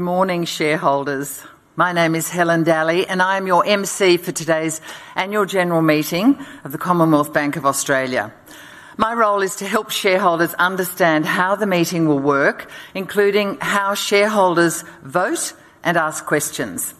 Morning, shareholders. My name is Helen Dalley and I am your MC for today's Annual General Meeting of the Commonwealth Bank of Australia. My role is to help shareholders understand how the meeting will work, including how shareholders vote and ask questions.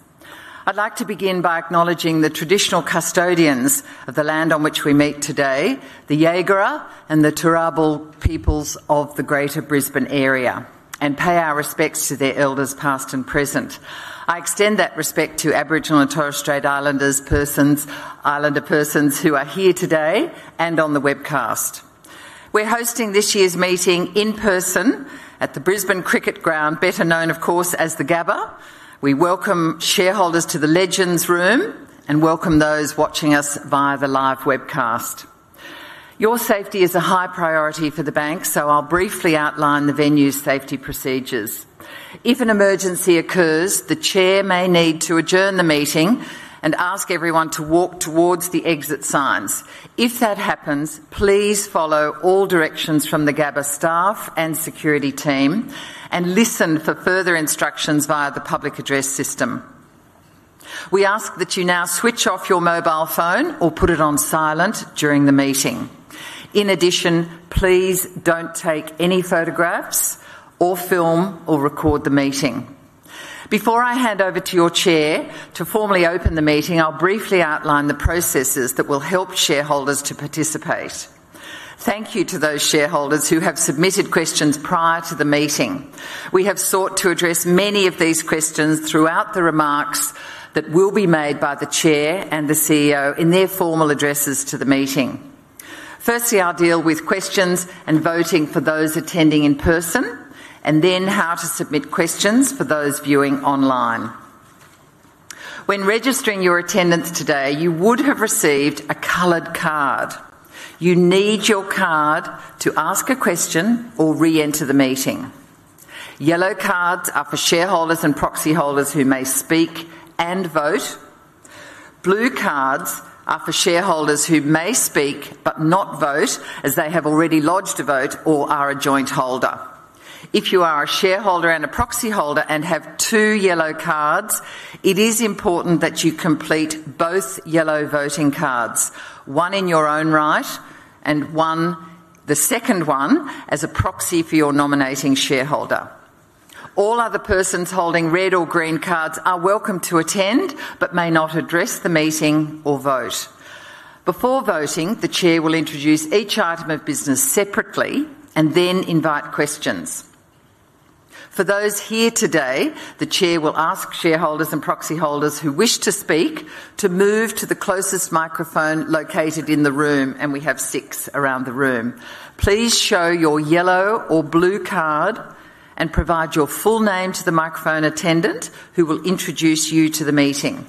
I'd like to begin by acknowledging the traditional custodians of the land on which we meet today, the Jagera and the Turrbal peoples of the Greater Brisbane area, and pay our respects to their elders, past and present. I extend that respect to Aboriginal and Torres Strait Islander persons who are here today and on the webcast. We're hosting this year's meeting in person at the Brisbane Cricket Ground, better known of course as the Gabba. We welcome shareholders to the Legends Room and welcome those watching us via the live webcast. Your safety is a high priority for the bank, so I'll briefly outline the venue's safety procedures. If an emergency occurs, the Chair may need to adjourn the meeting and ask everyone to walk towards the exit signs. If that happens, please follow all directions from the Gabba staff and security team and listen for further instructions via the public address system. We ask that you now switch off your mobile phone or put it on silent during the meeting. In addition, please don't take any photographs or film or record the meeting. Before I hand over to your Chair to formally open the meeting, I'll briefly outline the processes that will help shareholders to participate. Thank you to those shareholders who have submitted questions prior to the meeting. We have sought to address many of these questions throughout the remarks that will be made by the Chair and the CEO in their formal addresses to the meeting. Firstly, I'll deal with questions and voting for those attending in person and then how to submit questions for those viewing online. When registering your attendance today, you would have received a colored card. You need your card to ask a question or re-enter the meeting. Yellow cards are for shareholders and proxy holders who may speak and vote. Blue cards are for shareholders who may speak but not vote as they have already lodged a vote or are a joint holder. If you are a shareholder and a proxy holder and have two yellow cards, it is important that you complete both yellow voting cards, one in your own right and the second one as a proxy for your nominating shareholder. All other persons holding red or green cards are welcome to attend but may not address the meeting or vote. Before voting, the Chair will introduce each item of business separately and then invite questions for those here today. The Chair will ask shareholders and proxy holders who wish to speak to move to the closest microphone located in the room, and we have six around the room. Please show your yellow or blue card and provide your full name to the microphone attendant who will introduce you to the meeting.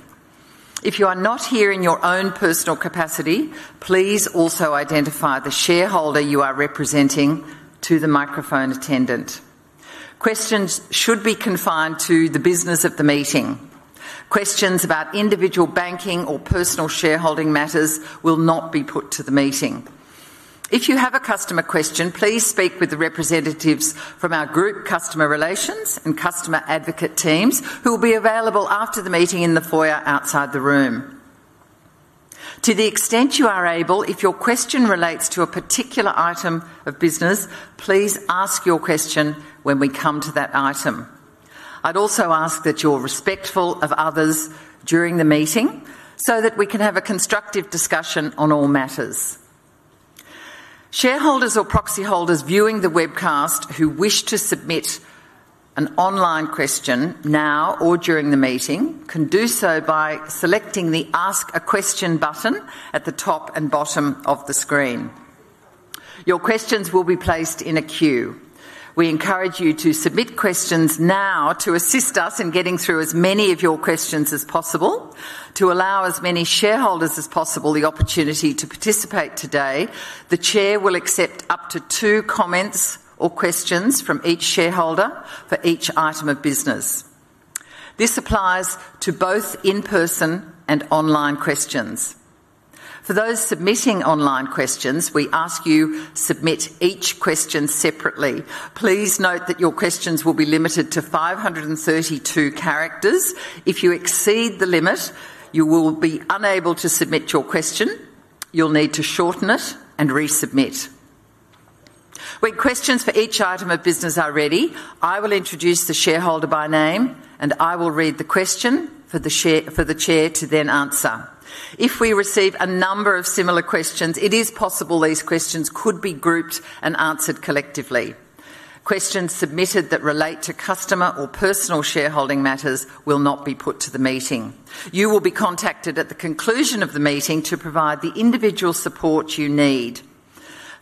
If you are not here in your own personal capacity, please also identify the shareholder you are representing to the microphone attendant. Questions should be confined to the business of the meeting. Questions about individual banking or personal shareholding matters will not be put to the meeting. If you have a customer question, please speak with the representatives from our group, customer relations, and customer advocate teams who will be available after the meeting in the foyer outside the room to the extent you are able. If your question relates to a particular item of business, please ask your question when we come to that item. I'd also ask that you're respectful of others during the meeting so that we can have a constructive discussion on all matters. Shareholders or proxy holders viewing the webcast who wish to submit an online question now or during the meeting can do so by selecting the Ask a Question button at the top and bottom of the screen. Your questions will be placed in a queue. We encourage you to submit questions now to assist us in getting through as many of your questions as possible to allow as many shareholders as possible the opportunity to participate. Today, the Chair will accept up to two comments or questions from each shareholder for each item of business. This applies to both in person and online questions. For those submitting online questions, we ask you submit each question separately. Please note that your questions will be limited to 532 characters. If you exceed the limit, you will be unable to submit your question. You'll need to shorten it and resubmit. When questions for each item of business are ready, I will introduce the shareholder by name and I will read the question for the Chair to then answer. If we receive a number of similar questions, it is possible these questions could be grouped and answered collectively. Questions submitted that relate to customer or personal shareholding matters will not be put to the meeting. You will be contacted at the conclusion of the meeting to provide the individual support you need.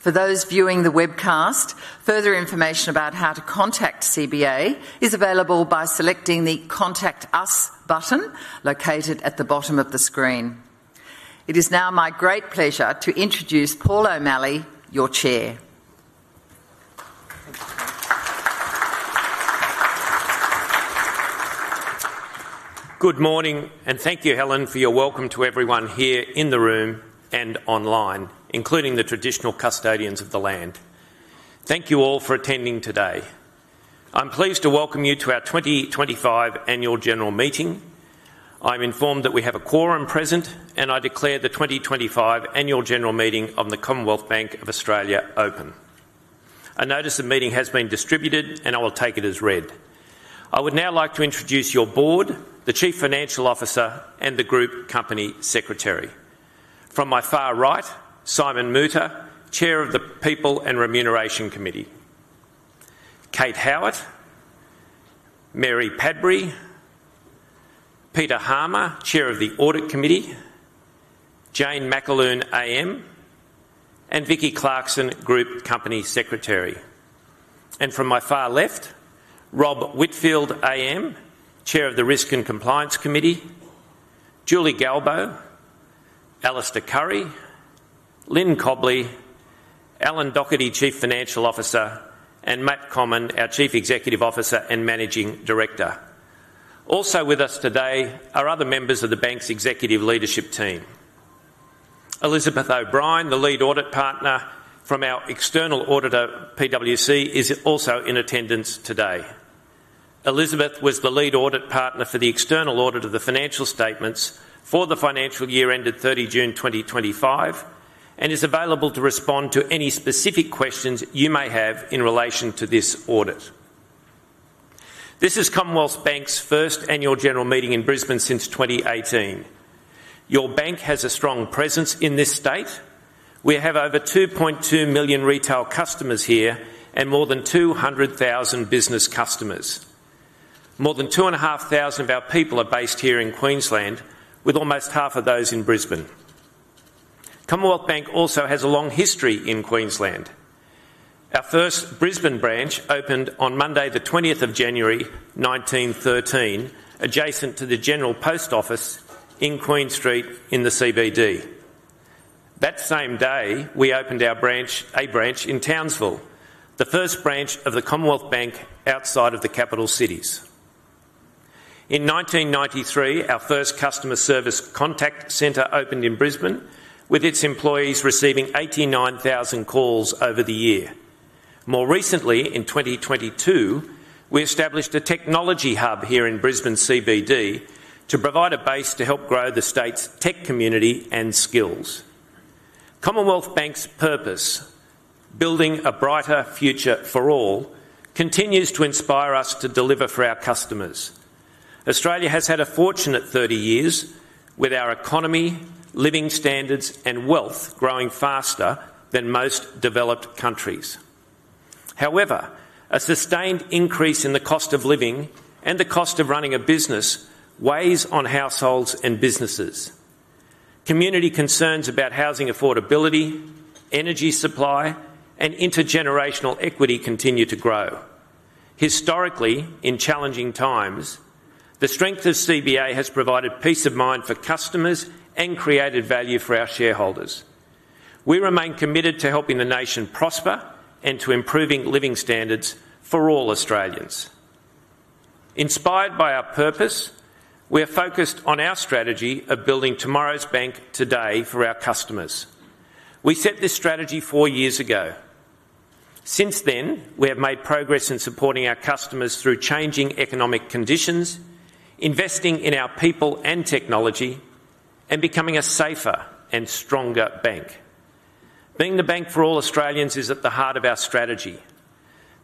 For those viewing the webcast, further information about how to contact CBA is available by selecting the Contact Us button located at the bottom of the screen. It is now my great pleasure to introduce Paul O'Malley, your Chair. Good morning and thank you, Helen, for your welcome to everyone here in the room and online, including the traditional custodians of the land. Thank you all for attending today. I'm pleased to welcome you to our 2025 Annual General Meeting. I am informed that we have a quorum present and I declare the 2025 Annual General Meeting of the Commonwealth Bank of Australia open. A notice of meeting has been distributed and I will take it as read. I would now like to introduce your Board, the Chief Financial Officer, and the Group Company Secretary. From my far right, Simon Moutter, Chair of the People and Remuneration Committee, Kate Howard, Mary Padbury, Peter Harmer, Chair of the Audit Committee, Jane McAloon AM, and Vicky Clarkson, Group Company Secretary, and from my far left, Robert Whitfield AM, Chair of the Risk and Compliance Committee, Julie Galbo, Alistair Currie, Lyn Cobley, Alan Docherty, Chief Financial Officer, and Matt Comyn, our Chief Executive Officer and Managing Director. Also with us today are other members of the Bank's Executive Leadership Team. Elizabeth O'Brien, the Lead Audit Partner from our external auditor PwC, is also in attendance today. Elizabeth was the Lead Audit Partner for the external audit of the financial statements for the financial year ended 30 June 2025 and is available to respond to any specific questions you may have in relation to this audit. This is Commonwealth Bank's first Annual General Meeting in Brisbane since 2018. Your bank has a strong presence in this state. We have over 2.2 million retail customers here and more than 200,000 business customers. More than 2,500 of our people are based here in Queensland, with almost half of those in Brisbane. Commonwealth Bank also has a long history in Queensland. Our first Brisbane branch opened on Monday, 20 January 1913, adjacent to the General Post Office in Queen Street in the CBD. That same day, we opened a branch in Townsville, the first branch of the Commonwealth Bank outside of the capital cities. In 1993, our first customer service contact center opened in Brisbane, with its employees receiving 89,000 calls over the year. More recently, in 2022, we established a technology hub here in Brisbane CBD to provide a base to help grow the state's tech community and skills. Commonwealth Bank's purpose, building a brighter future for all, continues to inspire us to deliver for our customers. Australia has had a fortunate 30 years with our economy, living standards, and wealth growing faster than most developed countries. However, a sustained increase in the cost of living and the cost of running a business weighs on households and businesses. Community concerns about housing affordability, energy supply, and intergenerational equity continue to grow. Historically, in challenging times, the strength of CBA has provided peace of mind for customers and created value for our shareholders. We remain committed to helping the nation prosper and to improving living standards for all Australians. Inspired by our purpose, we are focused on our strategy of building tomorrow's bank today for our customers. We set this strategy four years ago. Since then, we have made progress in supporting our customers through changing economic conditions, investing in our people and technology, and becoming a safer and stronger bank. Being the bank for all Australians is at the heart of our strategy.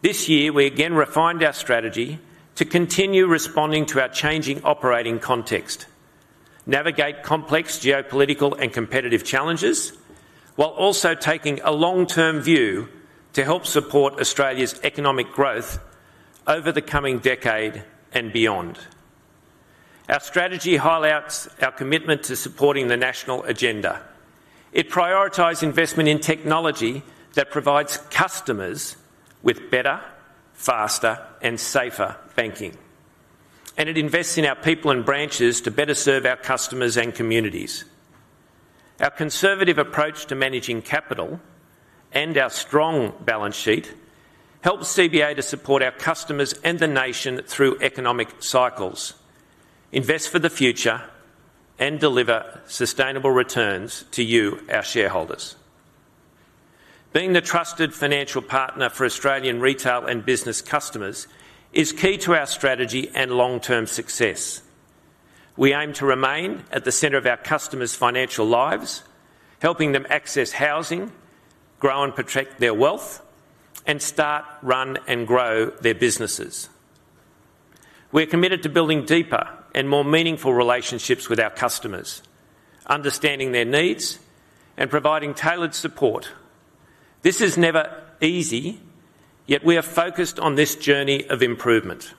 This year, we again refined our strategy to continue responding to our changing operating context and navigate complex geopolitical and competitive challenges while also taking a long-term view to help support Australia's economic growth over the coming decade and beyond. Our strategy highlights commitment to supporting the national agenda. It prioritizes investment in technology that provides customers with better, faster, and safer banking, and it invests in our people and branches to better serve our customers and communities. Our conservative approach to managing capital and our strong balance sheet help CBA to support our customers and the nation through economic cycles, invest for the future, and deliver sustainable returns to you, our shareholders. Being the trusted financial partner for Australian retail and business customers is key to our strategy and long-term success. We aim to remain at the center of our customers' financial lives, helping them access housing, grow and protect their wealth, and start, run, and grow their businesses. We are committed to building deeper and more meaningful relationships with our customers, understanding their needs, and providing tailored support. This is never easy, yet we are focused on this journey of improvement.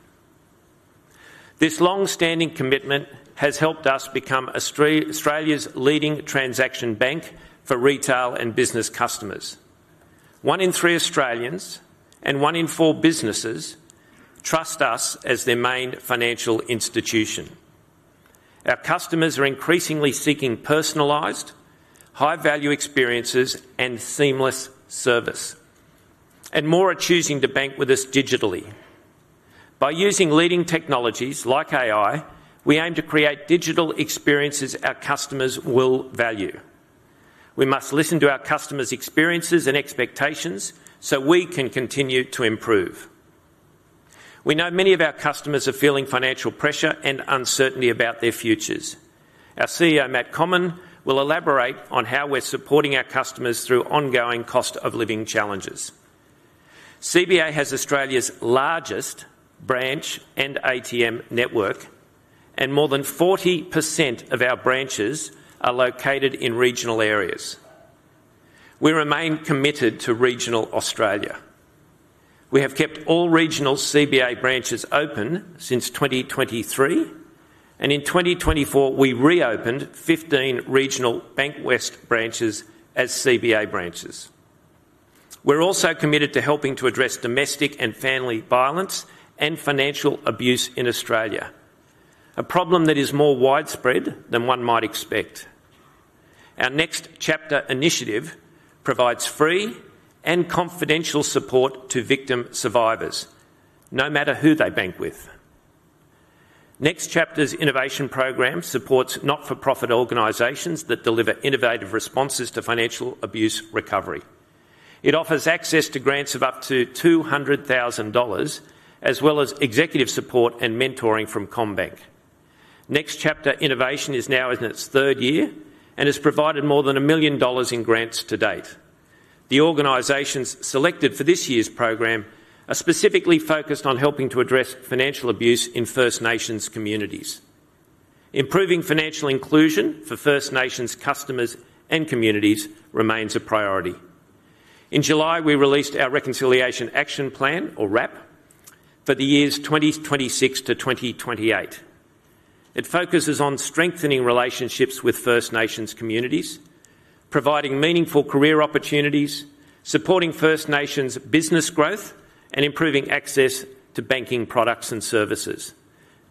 This longstanding commitment has helped us become Australia's leading transaction bank for retail and business customers. One in three Australians and one in four businesses trust us as their main financial institution. Our customers are increasingly seeking personalized high value experiences and seamless service, and more are choosing to bank with us digitally. By using leading technologies like AI, we aim to create digital experiences our customers will value. We must listen to our customers' experiences and expectations so we can continue to improve. We know many of our customers are feeling financial pressure and uncertainty about their futures. Our CEO Matt Comyn will elaborate on how we're supporting our customers through ongoing cost of living challenges. CBA has Australia's largest branch and ATM network, and more than 40% of our branches are located in regional areas. We remain committed to regional Australia. We have kept all regional CBA branches open since 2023, and in 2024 we reopened 15 regional Bankwest branches as CBA branches. We're also committed to helping to address domestic and family violence and financial abuse in Australia, a problem that is more widespread than one might expect. Our Next Chapter initiative provides free and confidential support to victim survivors no matter who they bank with. Next Chapter's innovation program supports not-for-profit organizations that deliver innovative responses to financial abuse recovery. It offers access to grants of up to $200,000 as well as executive support and mentoring from CommBank. Next Chapter Innovation is now in its third year and has provided more than $1 million in grants to date. The organizations selected for this year's program are specifically focused on helping to address financial abuse in First Nations communities. Improving financial inclusion for First Nations customers and communities remains a priority. In July we released our Reconciliation Action Plan, or RAP, for the years 2026-2028. It focuses on strengthening relationships with First Nations communities, providing meaningful career opportunities, supporting First Nations business growth, and improving access to banking products and services.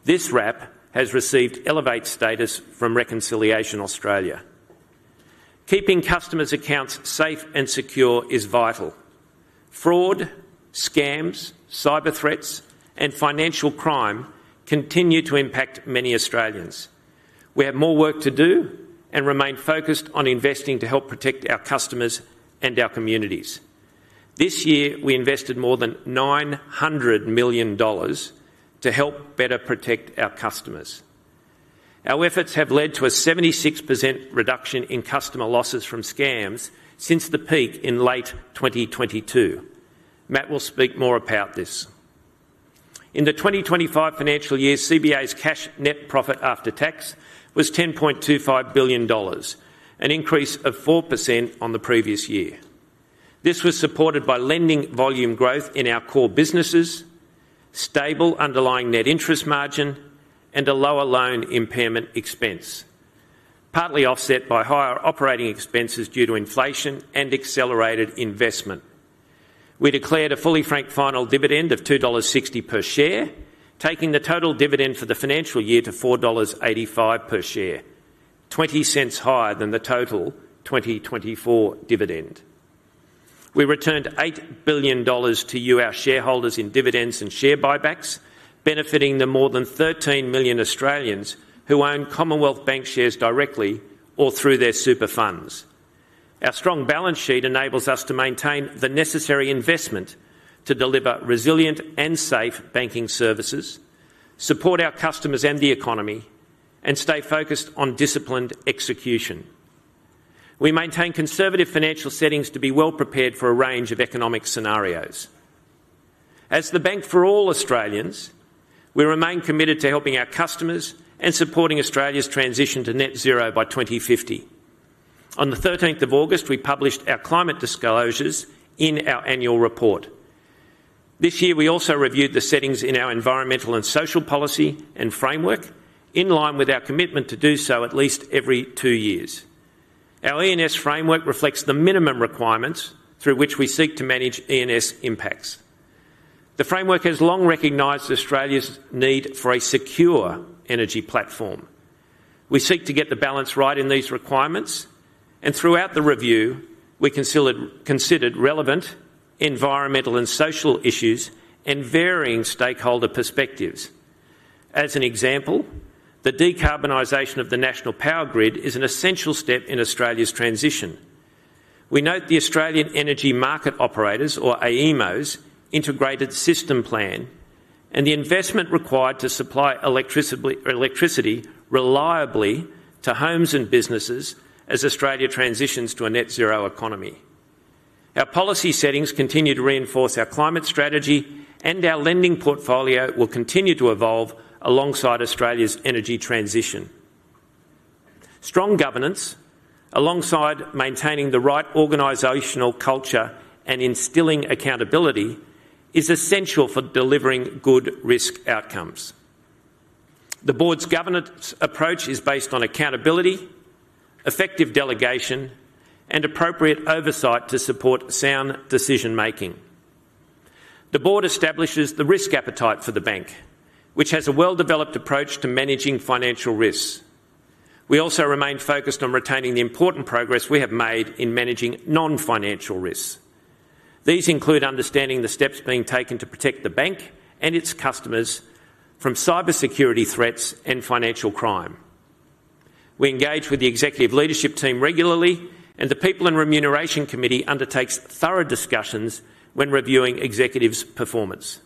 This RAP has received Elevate status from Reconciliation Australia. Keeping customers' accounts safe and secure is vital. Fraud, scams, cyber threats, and financial crime continue to impact many Australians. We have more work to do and remain focused on investing to help protect our customers and our communities. This year we invested more than $900 million to help better protect our customers. Our efforts have led to a 76% reduction in customer losses from scams since the peak in late 2022. Matt will speak more about this. In the 2025 financial year, CBA's cash net profit after tax was $10.25 billion, an increase of 4% on the previous year. This was supported by lending volume growth in our core businesses, stable underlying net interest margin, and a lower loan impairment expense, partly offset by higher operating expenses due to inflation and accelerated investment. We declared a fully franked final dividend of $2.60 per share, taking the total dividend for the financial year to $4.85 per share, $0.20 higher than the total 2024 dividend. We returned $8 billion to you, our shareholders, in dividends and share buybacks, benefiting the more than 13 million Australians who own Commonwealth Bank shares directly or through their super funds. Our strong balance sheet enables us to maintain the necessary investment to deliver resilient and safe banking services, support our customers and the economy, and stay focused on disciplined execution. We maintain conservative financial settings to be well prepared for a range of economic scenarios. As the bank for all Australians, we remain committed to helping our customers and supporting Australia's transition to net zero by 2050. On 13 August, we published our climate disclosures in our annual report. This year we also reviewed the settings in our environmental and social policy and framework, in line with our commitment to do so at least every two years. Our ENS framework reflects the minimum requirements through which we seek to manage ENS impacts. The framework has long recognized Australia's need for a secure energy platform. We seek to get the balance right. In these requirements and throughout the review, we considered relevant environmental and social issues and varying stakeholder perspectives. As an example, the decarbonization of the national power grid is an essential step in Australia's transition. We note the Australian Energy Market Operator's, or AEMO's, Integrated System Plan and the investment required to supply electricity reliably to homes and businesses. As Australia transitions to a net zero economy, our policy settings continue to reinforce our climate strategy, and our lending portfolio will continue to evolve alongside Australia's energy transition. Strong governance alongside maintaining the right organizational culture and instilling accountability is essential for delivering good risk outcomes. The Board's governance approach is based on accountability, effective delegation, and appropriate oversight to support sound decision making. The Board establishes the risk appetite for the bank, which has a well-developed approach to managing financial risks. We also remain focused on retaining the important progress we have made in managing non-financial risks. These include understanding the steps being taken to protect the bank and its customers from cybersecurity threats and financial crime. We engage with the Executive Leadership Team regularly, and the People and Remuneration Committee undertakes thorough discussions when reviewing executives' performance.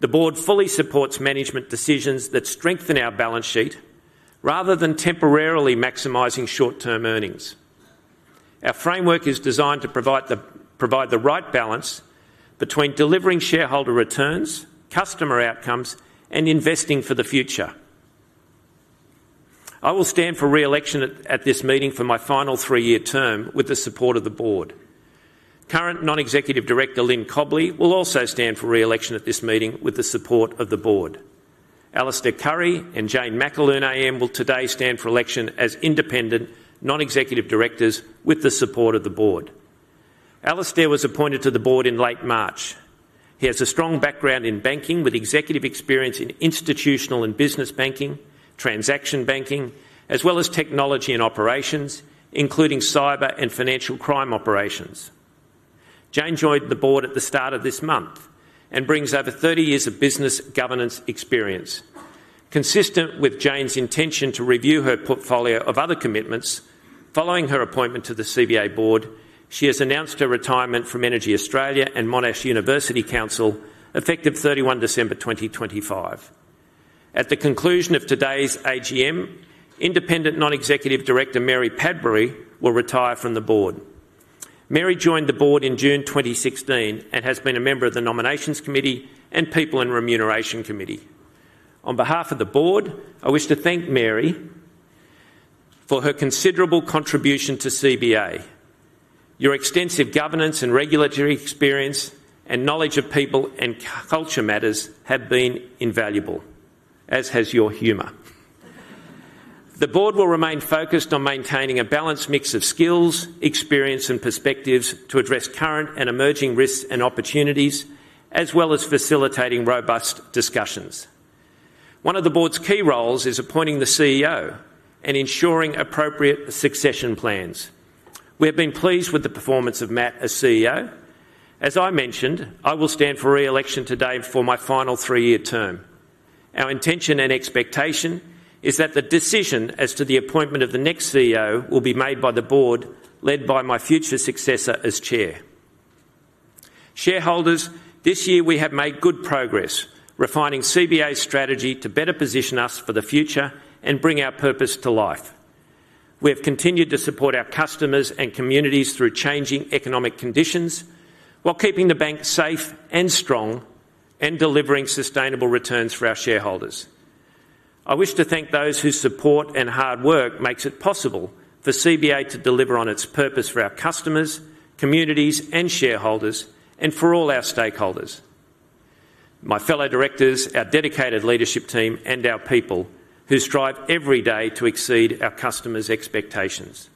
The Board fully supports management decisions that strengthen our balance sheet rather than temporarily maximizing short-term earnings. Our framework is designed to provide the right balance between delivering shareholder returns, customer outcomes, and investing for the future. I will stand for re-election at this meeting for my final three-year term with the support of the Board. Current Non-Executive Director Lyn Cobley will also stand for re-election at this meeting with the support of the Board. Alistair Currie and Jane McAlhoon AM will today stand for election as Independent Non-Executive Directors with the support of the Board. Alistair was appointed to the Board in late March. He has a strong background in banking with executive experience in institutional and business banking, transaction banking, as well as technology and operations including cyber and financial crime operations. Jane joined the Board at the start of this month and brings over 30 years of business governance experience. Consistent with Jane's intention to review her portfolio of other commitments following her appointment to the CBA Board, she has announced her retirement from Energy Australia and Monash University Council effective December 31, 2025. At the conclusion of today's AGM, Independent Non-Executive Director Mary Padbury will retire from the Board. Mary joined the Board in June 2016 and has been a member of the Nominations Committee and People and Remuneration Committee. On behalf of the Board, I wish to thank Mary for her considerable contribution to CBA. Your extensive governance and regulatory experience and knowledge of people and culture matters have been invaluable, as has your humor. The Board will remain focused on maintaining a balanced mix of skills, experience, and perspectives to address current and emerging risks and opportunities, as well as facilitating robust development discussions. One of the Board's key roles is appointing the CEO and ensuring appropriate succession plans. We have been pleased with the performance of Matt as CEO. As I mentioned, I will stand for re-election today for my final three-year term. Our intention and expectation is that the decision as to the appointment of the next CEO will be made by the Board led by my future successor as Chairman. Shareholders, this year we have made good progress refining CBA's strategy to better position us for the future and bring our purpose to life. We have continued to support our customers and communities through changing economic conditions while keeping the bank safe and strong and delivering sustainable returns for our shareholders. I wish to thank those whose support and hard work makes it possible for CBA to deliver on its purpose for our customers, communities, and shareholders and for all our stakeholders, my fellow directors, our dedicated leadership team, and our people who strive every day to exceed our customers' expectations.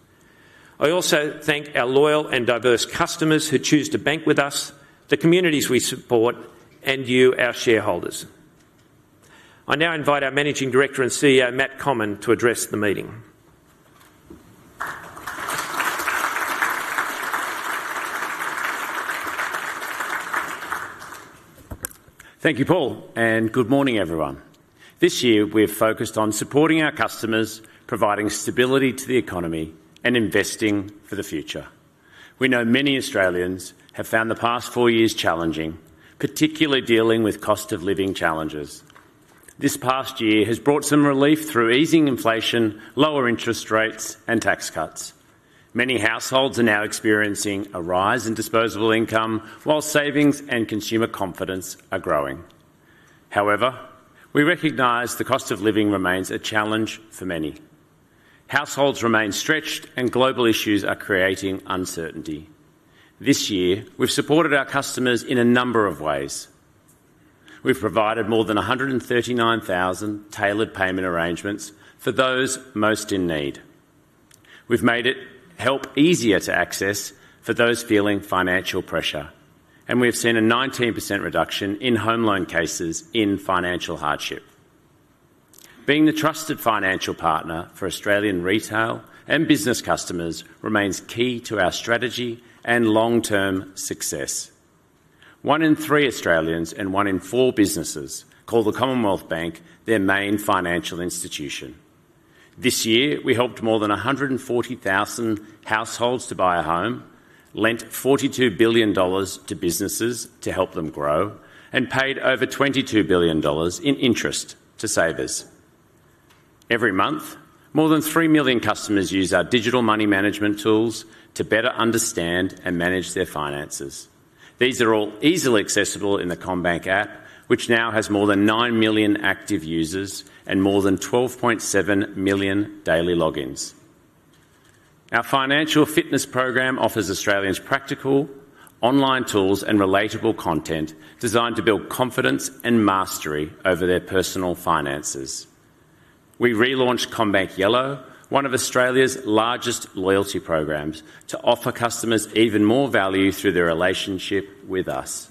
I also thank our loyal and diverse customers who choose to bank with us, the communities we support, and you, our shareholders. I now invite our Managing Director and CEO Matt Comyn to address the meeting. Thank you, Paul, and good morning, everyone. This year we're focused on supporting our customers, providing stability to the economy, and investing for the future. We know many Australians have found the past four years challenging, particularly dealing with cost of living challenges. This past year has brought some relief through easing inflation, lower interest rates, and tax cuts. Many households are now experiencing a rise in disposable income while savings and consumer confidence are growing. However, we recognize the cost of living remains a challenge for many. Households remain stretched, and global issues are creating uncertainty. This year we've supported our customers in a number of ways. We have provided more than 139,000 tailored payment arrangements for those most in need. We've made it easier to access help for those feeling financial pressure, and we have seen a 19% reduction in home loan cases in financial hardship. Being the trusted financial partner for Australian retail and business customers remains key to our strategy and long-term success. One in three Australians and one in four businesses call the Commonwealth Bank their main financial institution. This year we helped more than 140,000 households to buy a home, lent $42 billion to businesses to help them grow, and paid over $22 billion in interest to savers. Every month more than 3 million customers use our digital money management tools to better understand and manage their finances. These are all easily accessible in the CommBank app, which now has more than 9 million active users and more than 12.7 million daily logins. Our financial fitness program offers Australians practical online tools and relatable content designed to build confidence and mastery over their personal finances. We relaunched CommBank Yellow, one of Australia's largest loyalty programs, to offer customers even more value through their relationship with us.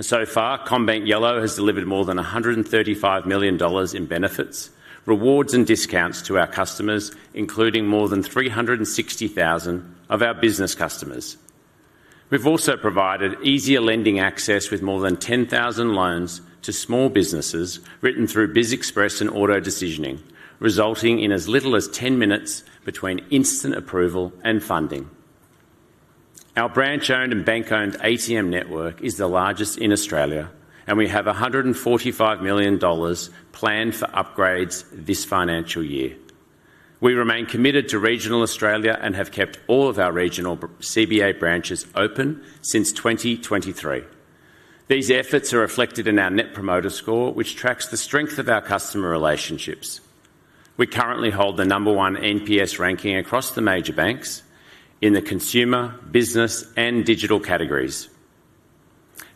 So far, CommBank Yellow has delivered more than $135 million in benefits, rewards, and discounts to our customers, including more than 360,000 of our business customers. We've also provided easier lending access with more than 10,000 loans to small businesses written through Biz Express and auto decisioning, resulting in as little as 10 minutes between instant approval and funding. Our branch-owned and bank-owned ATM network is the largest in Australia, and we have $145 million planned for upgrades this financial year. We remain committed to regional Australia and have kept all of our regional CBA branches open since 2023. These efforts are reflected in our Net Promoter Score, which tracks the strength of our customer relationships. We currently hold the number one NPS ranking across the major banks in the consumer, business, and digital categories.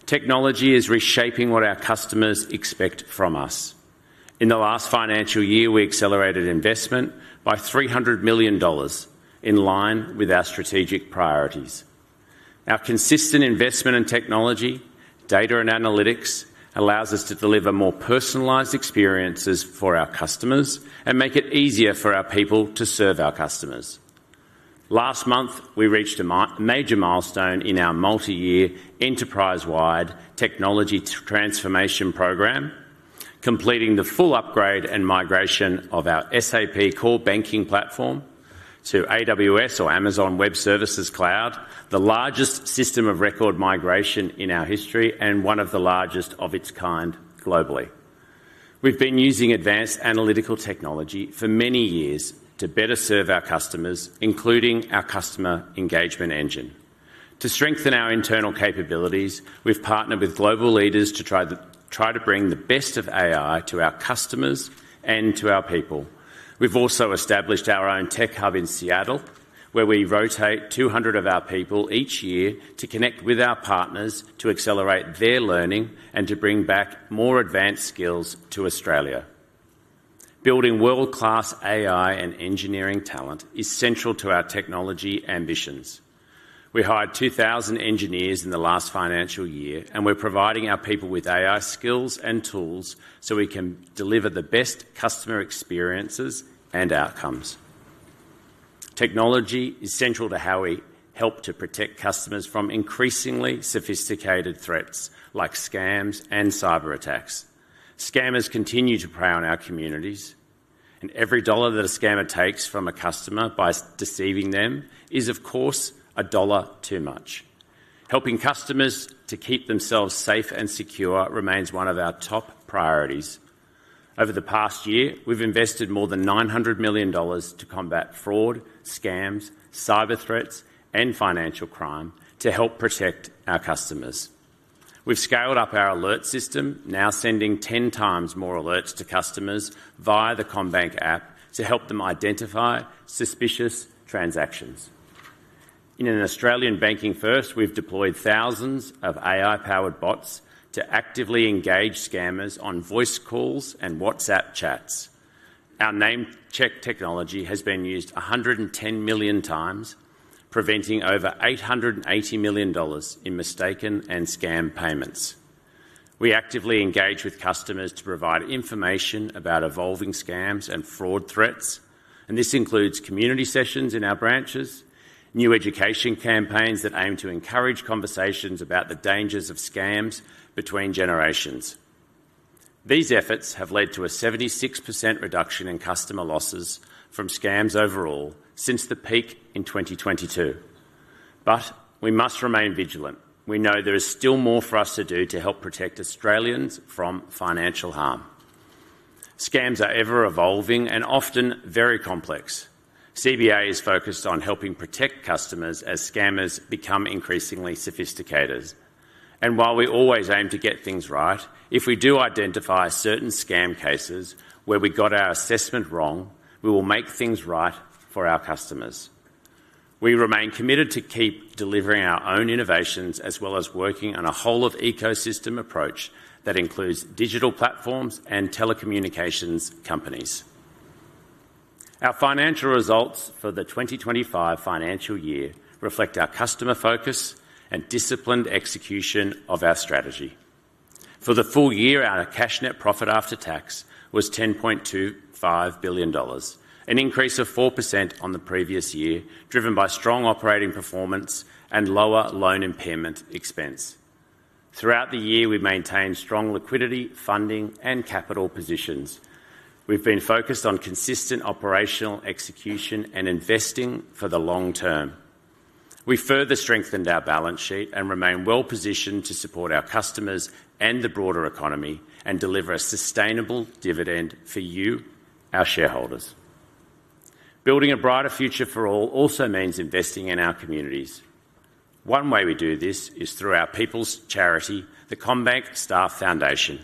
Technology is reshaping what our customers expect from us. In the last financial year, we accelerated investment by $300 million in line with our strategic priorities. Our consistent investment in technology, data, and analytics allows us to deliver more personalized experiences for our customers and make it easier for our people to serve our customers. Last month, we reached a major milestone in our multi-year Enterprise Wide Technology Transformation Program, completing the full upgrade and migration of our SAP core banking platform to Amazon Web Services Cloud, the largest system of record migration in our history and one of the largest of its kind globally. We've been using advanced analytical technology for many years to better serve our customers, including our customer engagement engine. To strengthen our internal capabilities, we've partnered with global leaders to bring the best of AI to our customers and to our people. We've also established our own tech hub in Seattle, where we rotate 200 of our people each year to connect with our partners to accelerate their learning and to bring back more advanced skills to Australia. Building world-class AI and engineering talent is central to our technology ambitions. We hired 2,000 engineers in the last financial year, and we're providing our people with AI skills and tools so we can deliver the best customer experiences and outcomes. Technology is central to how we help to protect customers from increasingly sophisticated threats like scams and cyber attacks. Scammers continue to prey on our communities, and every dollar that a scammer takes from a customer by deceiving them is, of course, a dollar too much. Helping customers keep themselves safe and secure remains one of our top priorities. Over the past year, we've invested more than $900 million to combat fraud, scams, cyber threats, and financial crime. To help protect our customers, we've scaled up our alert system, now sending 10 times more alerts to customers via the CommBank app to help them identify suspicious transactions in an Australian banking first. We've deployed thousands of AI-powered bots to actively engage scammers on voice calls and WhatsApp chats. Our name check technology has been used 110 million times, preventing over $880 million in mistaken and scam payments. We actively engage with customers to provide information about evolving scams and fraud threats, and this includes community sessions in our branches and new education campaigns that aim to encourage conversations about the dangers of scams between generations. These efforts have led to a 76% reduction in customer losses from scams overall since the peak in 2022. We must remain vigilant. We know there is still more for us to do to help protect Australians from financial harm. Scams are ever-evolving and often very complex. CBA is focused on helping protect customers as scammers become increasingly sophisticated. While we always aim to get things right, if we do identify certain scam cases where we got our assessment wrong, we will make things right for our customers. We remain committed to keep delivering our own innovations as well as working on a whole-of-ecosystem approach that includes digital platforms and telecommunications companies. Our financial results for the 2025 financial year reflect our customer focus and disciplined execution of our strategy. For the full year, our cash net profit after tax was $10.25 billion, an increase of 4% on the previous year, driven by strong operating performance and lower loan impairment expense. Throughout the year, we maintained strong liquidity, funding, and capital positions. We've been focused on consistent operational execution and investing for the long term. We further strengthened our balance sheet and remain well positioned to support our customers and the broader economy and deliver a sustainable dividend for you, our shareholders. Building a brighter future for all also means investing in our communities. One way we do this is through our people's charity, the CommBank Staff Foundation.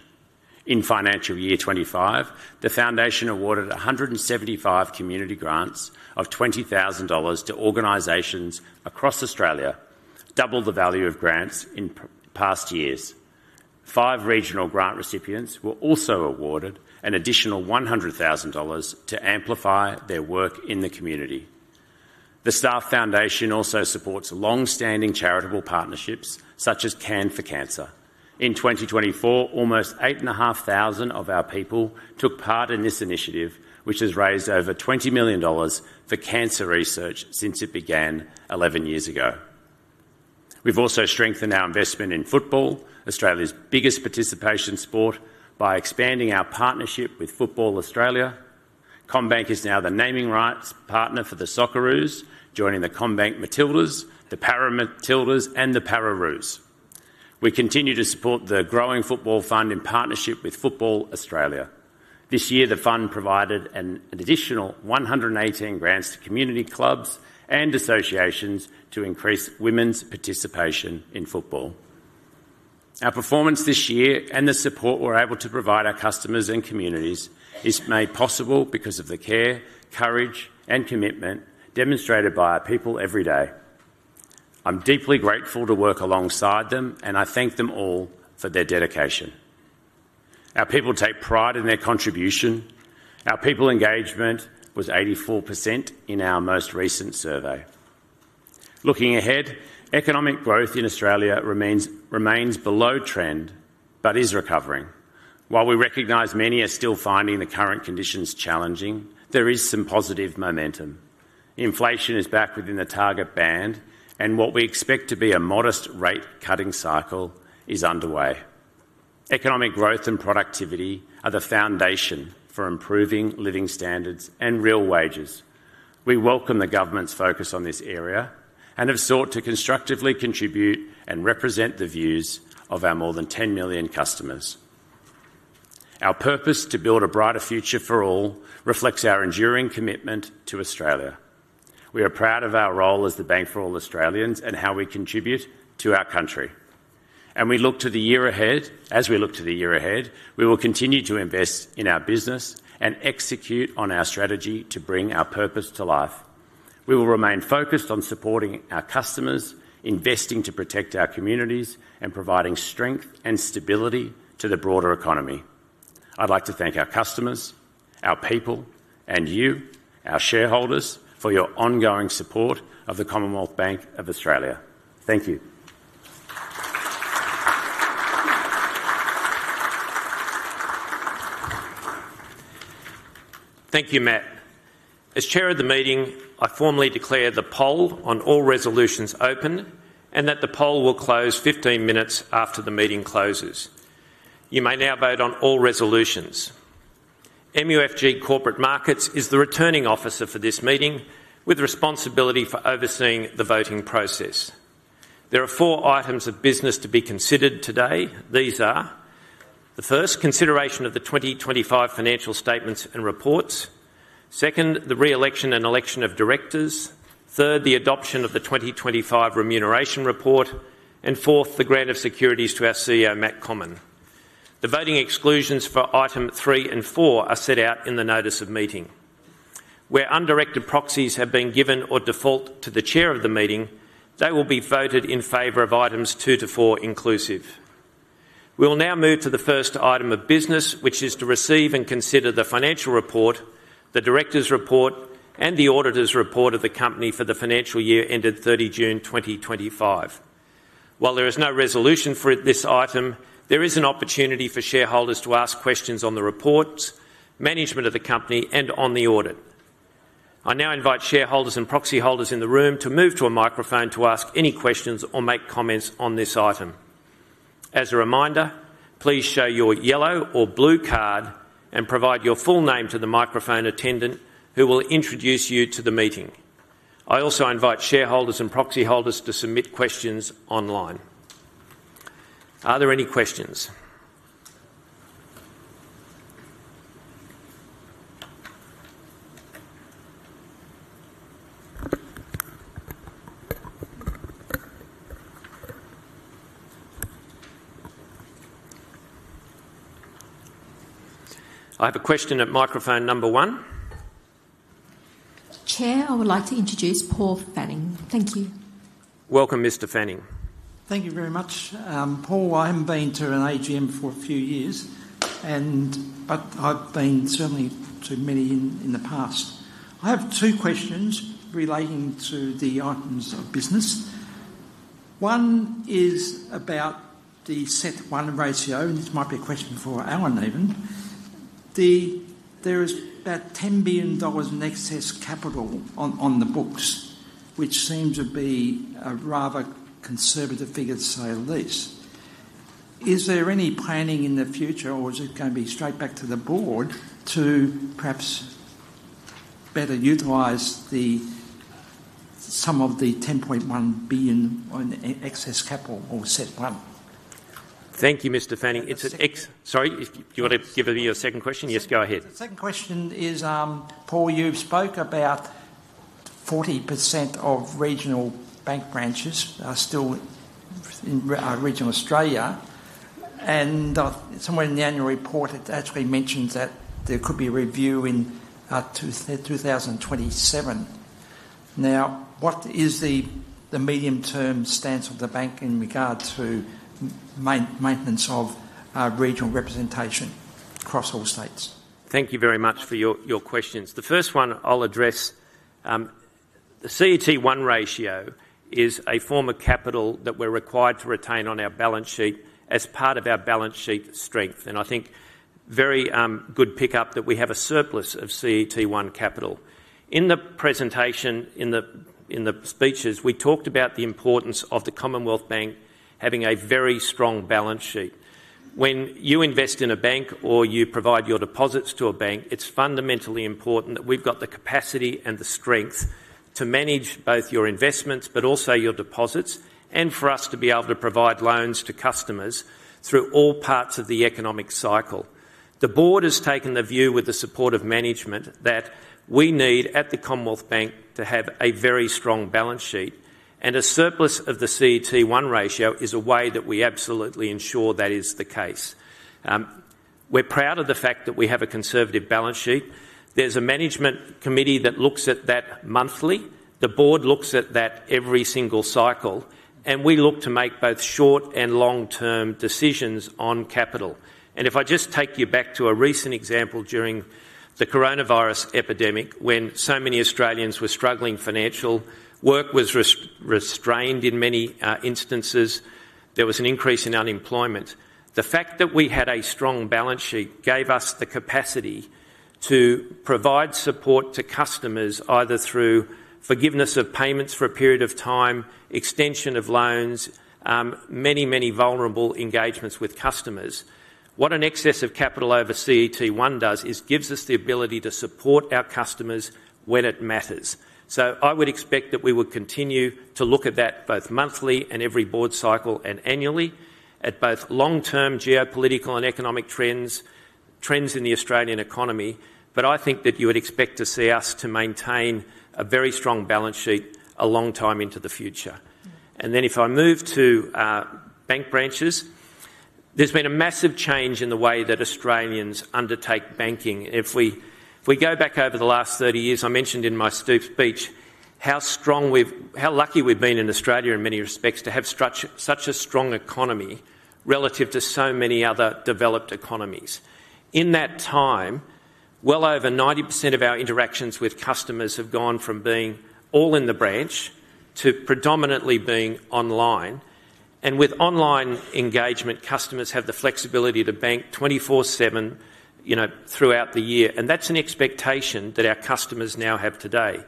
In financial year 2025, the foundation awarded 175 community grants of $20,000 to organizations across Australia, double the value of grants in past years. Five regional grant recipients were also awarded an additional $100,000 to amplify their work in the community. The Staff Foundation also supports long-standing charitable partnerships such as Can for Cancer. In 2024, almost 8,500 of our people took part in this initiative, which has raised over $20 million for cancer research since it began 11 years ago. We've also strengthened our investment in football, Australia's biggest participation sport, by expanding our partnership with Football Australia. CommBank is now the naming rights partner for the Socceroos, joining the CommBank Matildas, the ParaMatildas, and the ParaRoos. We continue to support the growing Football Fund in partnership with Football Australia. This year, the fund provided an additional 118 grants to community clubs and associations to increase women's participation in football. Our performance this year and the support we're able to provide our customers and communities is made possible because of the care, courage, and commitment demonstrated by our people every day. I'm deeply grateful to work alongside them, and I thank them all for their dedication. Our people take pride in their contribution. Our people engagement was 84% in our most recent survey. Looking ahead, economic growth in Australia remains below trend but is recovering. While we recognize many are still finding the current conditions challenging, there is some positive momentum. Inflation is back within the target band, and what we expect to be a modest rate cutting cycle is underway. Economic growth and productivity are the foundation for improving living standards and real wages. We welcome the government's focus on this area and have sought to constructively contribute and represent the views of our more than 10 million customers. Our purpose to build a brighter future for all reflects our enduring commitment to Australia. We are proud of our role as the bank for all Australians and how we contribute to our country. As we look to the year ahead, we will continue to invest in our business and execute on our strategy to bring our purpose to life. We will remain focused on supporting our customers, investing to protect our communities, and providing strength and stability to the broader economy. I'd like to thank our customers, our people, and you, our shareholders, for your ongoing support of the Commonwealth Bank of Australia. Thank you. Thank you, Matt. As chair of the meeting, I formally declare the poll on all resolutions open and that the poll will close 15 minutes after the meeting closes. You may now vote on all resolutions. MUFG Corporate Markets is the returning officer for this meeting with responsibility for overseeing the voting process. There are four items of business to be considered today. These are the first, consideration of the 2025 financial statements and reports. Second, the re-election and election of directors. Third, the adoption of the 2025 remuneration report and fourth, the grant of securities to our CEO Matt Comyn. The voting exclusions for item three and four are set out in the notice of meeting. Where undirected proxies have been given or default to the chair of the meeting, they will be voted in favor of items 2two to four inclusive. We will now move to the first item of business, which is to receive and consider the financial report, the Directors' report and the auditor's report of the company for the financial year ended 30 June 2025. While there is no resolution for this item, there is an opportunity for shareholders to ask questions on the reports, management of the company and on the audit. I now invite shareholders and proxy holders in the room to move to a microphone to ask any questions or make comments on this item. As a reminder, please show your yellow or blue card and provide your full name to the microphone attendant who will introduce you to the meeting. I also invite shareholders and proxy holders to submit questions online. Are there any questions? I have a question at microphone number one. Chair, I would like you to just call Fanning. Thank you. Welcome, Mr. Fanning. Thank you very much, Paul. I haven't been to an AGM for a few years, but I've been certainly to many in the past. I have two questions relating to the items of business. One is about the CET1 ratio and this might be a question for Alan even. There is about $10 billion in excess capital on the books, which seems to be a rather conservative figure to say at least. Is there any planning in the future or is it going to be straight back to the board to perhaps better utilize some of the $10.1 billion in excess capital or CET1? Thank you, Mr. Fanning. Sorry, do you want to give me your second question? Yes, go ahead. The second question is, Paul, you spoke about 40% of regional bank branches are still in regional Australia, and somewhere in the annual report it actually mentions that there could be a review in 2027. Now, what is the medium term stance of the bank in regard to maintenance of regional representation across all states? Thank you very much for your questions. The first one I'll address. The CET1 ratio is a form of capital that we're required to retain on our balance sheet as part of our balance sheet strength, and I think very good pickup that we have a surplus of CET1 capital. In the presentation and the speeches, we talked about the importance of the Commonwealth Bank having a very strong balance sheet. When you invest in a bank or you provide your deposits to a bank, it's fundamentally important that we've got the capacity and the strength to manage both your investments but also your deposits, and for us to be able to provide loans to customers through all parts of the economic cycle. The Board has taken the view, with the support of management, that we need at the Commonwealth Bank to have a very strong balance sheet, and a surplus of the CET1 ratio is a way that we absolutely ensure that is the case. We're proud of the fact that we have a conservative balance sheet. There's a management committee that looks at that monthly, the Board looks at that every single cycle, and we look to make both short and long term decisions on capital. If I just take you back to a recent example, during the coronavirus epidemic when so many Australians were struggling, financial work was restrained in many instances, there was an increase in unemployment. The fact that we had a strong balance sheet gave us the capacity to provide support to customers either through forgiveness of payments for a period of time, extension of loans, many, many vulnerable engagements with customers. What an excess of capital over CET1 does is gives us the ability to support our customers when it matters. I would expect that we would continue to look at that both monthly and every Board cycle and annually at both long term geopolitical and economic trends, trends in the Australian economy. I think that you would expect to see us maintain a very strong balance sheet a long time into the future. If I move to bank branches, there's been a massive change in the way that Australians undertake banking. If we go back over the last 30 years, I mentioned in my speech how lucky we've been in Australia in many respects to have such a strong economy relative to so many other developed economies in that time. Well over 90% of our interactions with customers have gone from being all in the branch to predominantly being online. With online engagement, customers have the flexibility to bank 24/7 throughout the year. That's an expectation that our customers now have today.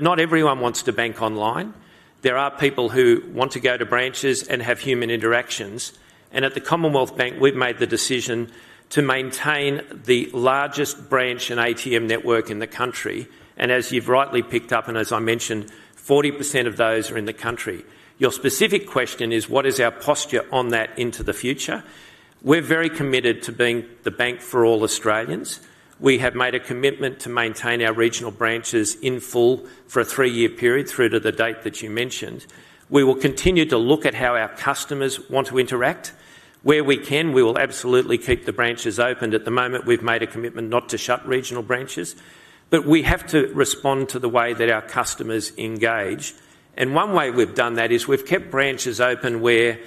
Not everyone wants to bank online. There are people who want to go to branches and have human interactions. At the Commonwealth Bank, we've made the decision to maintain the largest branch and ATM network in the country. As you've rightly picked up, and as I mentioned, 40% of those are in the country. Your specific question is what is our posture on that into the future? We're very committed to being the bank for all Australians. We have made a commitment to maintain our regional branches in full for a three-year period through to the date that you mentioned. We will continue to look at how our customers want to interact where we can. We will absolutely keep the branches open. At the moment, we've made a commitment not to shut regional branches, but we have to respond to the way that our customers engage. One way we've done that is we've kept branches open where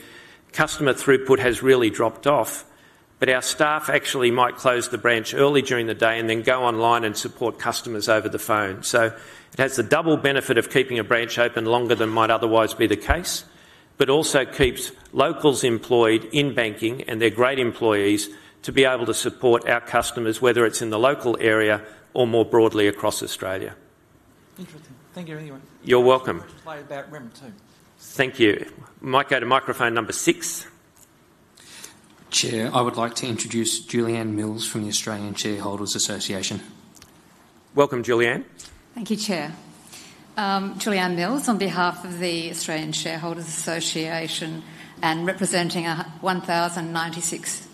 customer throughput has really dropped off, but our staff actually might close the branch early during the day and then go online and support customers over the phone. It has the double benefit of keeping a branch open longer than might otherwise be the case, but also keeps locals employed in banking and they're great employees to be able to support our customers, whether it's in the local area or more broadly across Australia. Interesting. Thank you anyway. You're welcome. Hi there too. Thank you. Might go to microphone number six. Chair, I would like to introduce Julieanne Mills from the Australian Shareholders Association. Welcome, Julieanne. Thank you. Chair Julieanne Mills, on behalf of the Australian Shareholders Association and representing 1,096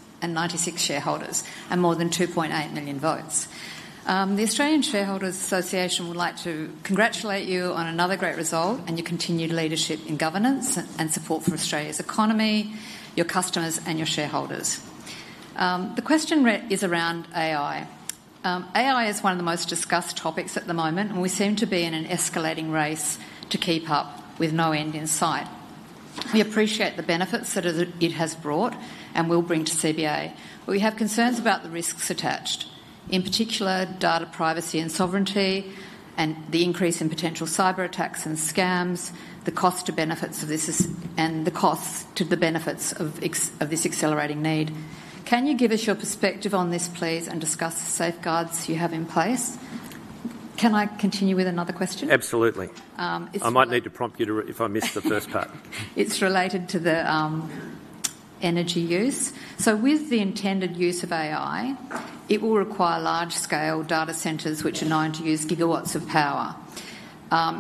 shareholders and more than 2.8 million votes, the Australian Shareholders Association would like to congratulate you on another great result and your continued leadership in governance and support for Australia's economy, your customers, and your shareholders. The question is around AI. AI is one of the most discussed topics at the moment and we seem to be in an escalating race to keep up with no end in sight. We appreciate the benefits that it has brought and will bring to CBA. We have concerns about the risks attached to, in particular, data privacy and sovereignty and the increase in potential cyber attacks and scams, the cost to benefits of this, and the costs to the benefits of this accelerating need. Can you give us your perspective on this, please, and discuss the safeguards you have in place. Can I continue with another question? Absolutely. I might need to prompt you if I miss the first part. It's related to the energy use. With the intended use of AI, it will require large-scale data centers, which are known to use gigawatts of power.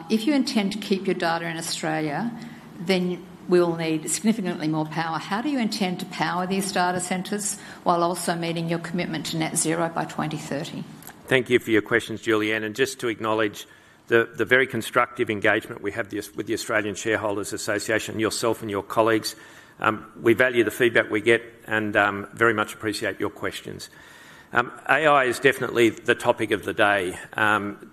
If you intend to keep your data in Australia, then we will need significantly more power. How do you intend to power these data centers while also meeting your commitment to net zero by 2030? Thank you for your questions, Julieanne, and just to acknowledge the very constructive engagement we have with the Australian Shareholders Association, yourself and your colleagues. We value the feedback we get and very much appreciate your questions. AI is definitely the topic of the day.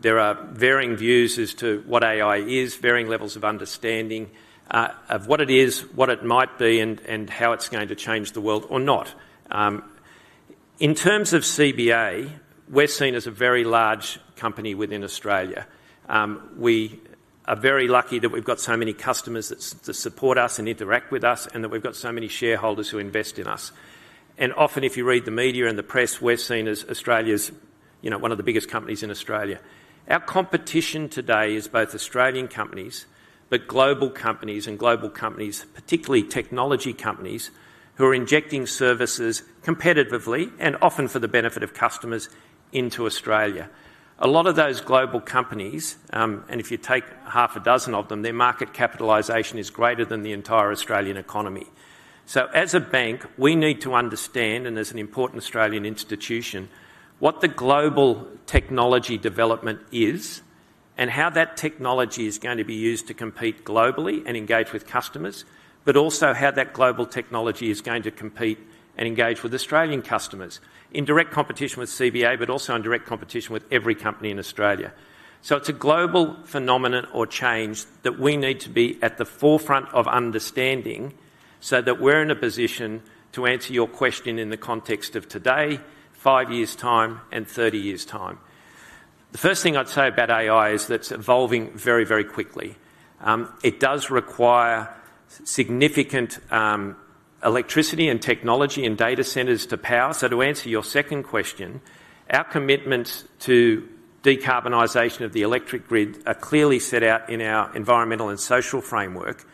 There are varying views as to what AI is, varying levels of understanding of what it is, what it might be and how it's going to change the world or not. In terms of CBA, we're seen as a very large company within Australia. We are very lucky that we've got so many customers that support us and interact with us and that we've got so many shareholders who invest in us. Often, if you read the media and the press, we're seen as one of the biggest companies in Australia. Our competition today is both Australian companies and global companies, particularly technology companies, who are injecting services competitively and often for the benefit of customers into Australia. A lot of those global companies, and if you take half a dozen of them, their market capitalization is greater than the entire Australian economy. As a bank, we need to understand, and as an important Australian institution, what the global technology development is and how that technology is going to be used to compete globally and engage with customers, but also how that global technology is going to compete and engage with Australian customers, in direct competition with CBA, but also in direct competition with every company in Australia. It's a global phenomenon or change that we need to be at the forefront of understanding so that we're in a position to answer your question in the context of today, 5 years' time and 30 years' time. The first thing I'd say about AI is that it's evolving very, very quickly. It does require significant electricity and technology and data centers to power. To answer your second question, our commitment to decarbonisation of the electric grid is clearly set out in our environmental and social framework.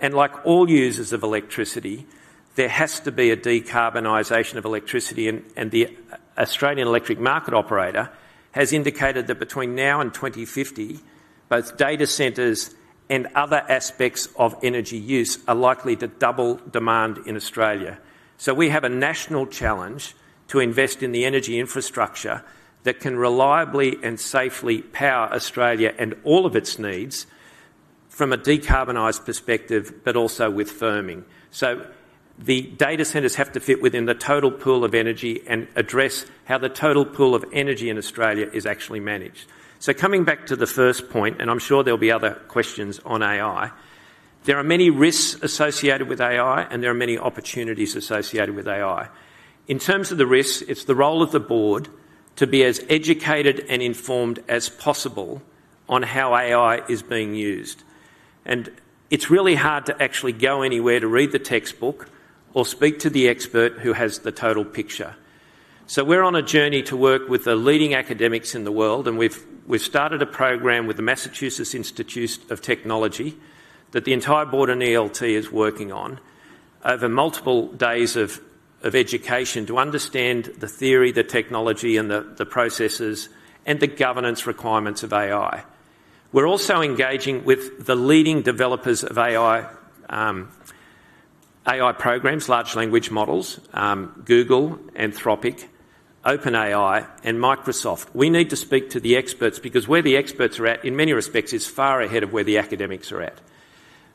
Like all users of electricity, there has to be a decarbonisation of electricity. The Australian Electric Market Operator has indicated that between now and 2050, both data centers and other aspects of energy use are likely to double demand in Australia. We have a national challenge to invest in the energy infrastructure that can reliably and safely power Australia and all of its needs from a decarbonized perspective, but also with firming. The data centers have to fit within the total pool of energy and address how the total pool of energy in Australia is actually managed. Coming back to the first point, and I'm sure there'll be other questions on AI, there are many risks associated with AI and there are many opportunities associated with AI. In terms of the risks, it's the role of the board to be as educated and informed as possible on how AI is being used. It's really hard to actually go anywhere to read the textbook or speak to the expert who has the total picture. We're on a journey to work with the leading academics in the world and we've started a program with the Massachusetts Institute of Technology that the entire board and ELT is working on over multiple days of education to understand the theory, the technology, the processes, and the governance requirements of AI. We're also engaging with the leading developers of AI, AI programs, large language models, Google, Anthropic, OpenAI, and Microsoft. We need to speak to the experts because where the experts are at, in many respects, is far ahead of where the academics are at.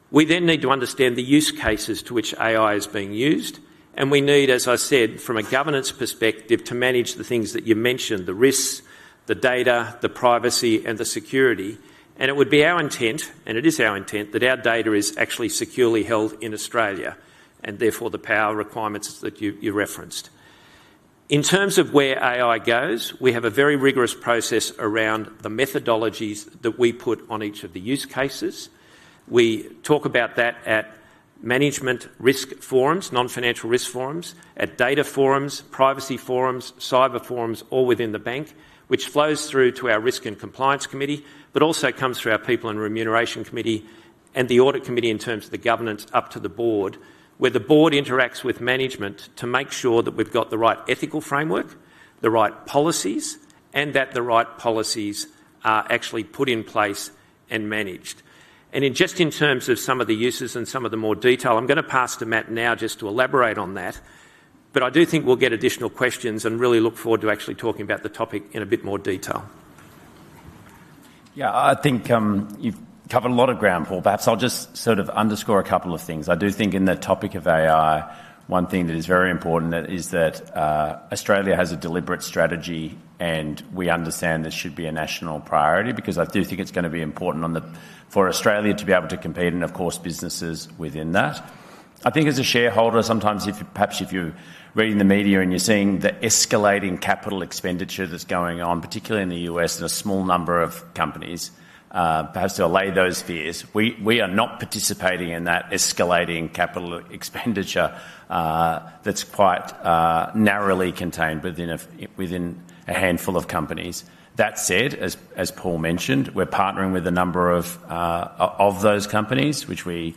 We then need to understand the use cases to which AI is being used and we need, as I said, from a governance perspective, to manage the things that you mentioned, the risks, the data, the privacy, and the security. It would be our intent, and it is our intent, that our data is actually securely held in Australia and therefore the power requirements that you referenced in terms of where AI goes, we have a very rigorous process around the methodologies that we put on each of the use cases. We talk about that at Management Risk forums, Non-Financial Risk forums, at data forums, privacy forums, cyber forums, all within the bank, which flows through to our Risk and Compliance Committee, but also comes through our People and Remuneration Committee and the Audit Committee. In terms of the governance, up to the board, where the board interacts with management to make sure that we've got the right ethical framework, the right policies, and that the right policies are actually put in place and managed. In terms of some of the uses and some of the more detail, I'm going to pass to Matt now just to elaborate on that. I do think we'll get additional questions and really look forward to actually talking about the topic in a bit more detail. Yeah, I think you've covered a lot of ground, Paul. Perhaps I'll just sort of underscore a couple of things. I do think in the topic of AI, one thing that is very important is that Australia has a deliberate strategy and we understand this should be a national priority, because I do think it's going to be important for Australia to be able to compete and of course, businesses within that. I think as a shareholder, sometimes if you, perhaps if you read in the media and you're seeing the escalating capital expenditure that's going on, particularly in the U.S. and a small number of companies, perhaps to allay those fears, we are not participating in that escalating capital expenditure that's quite narrowly contained within a handful of companies. That said, as Paul mentioned, we're partnering with a number of those companies which we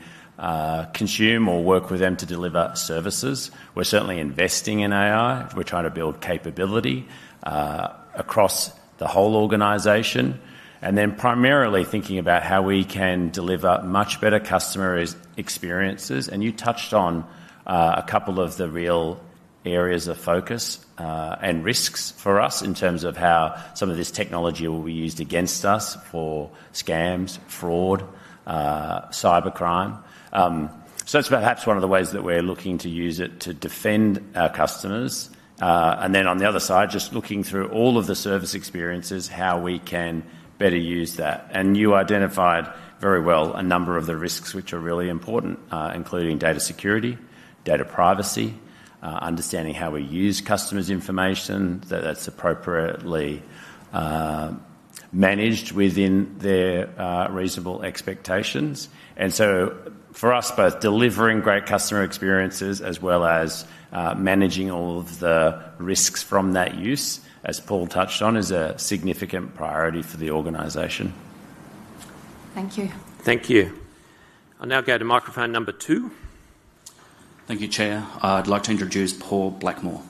consume or work with them to deliver services. We're certainly investing in AI, we're trying to build capability across the whole organization and then primarily thinking about how we can deliver much better customer experiences. You touched on a couple of the real areas of focus and risks for us in terms of how some of this technology will be used against us for scams, fraud, cybercrime. It's perhaps one of the ways that we're looking to use it to defend our customers. On the other side, just looking through all of the service experiences, how we can better use that. You identified very well a number of the risks which are really important, including data security, data privacy, understanding how we use customers' information that that's appropriately managed within their reasonable expectations. For us, both delivering great customer experiences as well as managing all of the risks from that use, as Paul touched on, is a significant priority for the organization. Thank you. Thank you. I'll now go to microphone number two. Thank you. Chair, I'd like to introduce Paul Blackmore.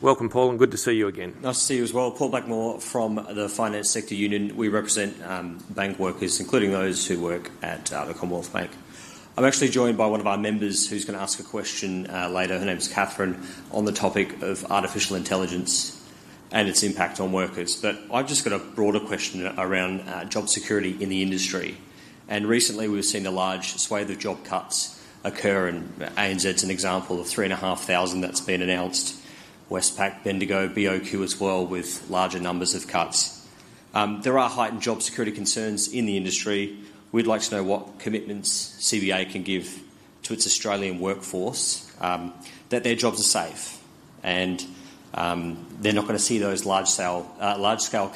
Welcome, Paul, and good to see you again. Nice to see you as well. Paul Blackmore from the Finance Sector Union. We represent bank workers, including those who work at the Commonwealth Bank. I'm actually joined by one of our members who's going to ask a question later. Her name is Catherine. On the topic of artificial intelligence and its impact on workers, I've just got a broader question around job security in the industry. Recently we've seen a large swathe of job cuts occur. ANZ is an example of 3,500 that's been announced. Westpac, Bendigo, BOQ as well. With larger numbers of cuts, there are heightened job security concerns in the industry. We'd like to know what commitments CBA can give to its Australian workforce that their jobs are safe and they're not going to see those large scale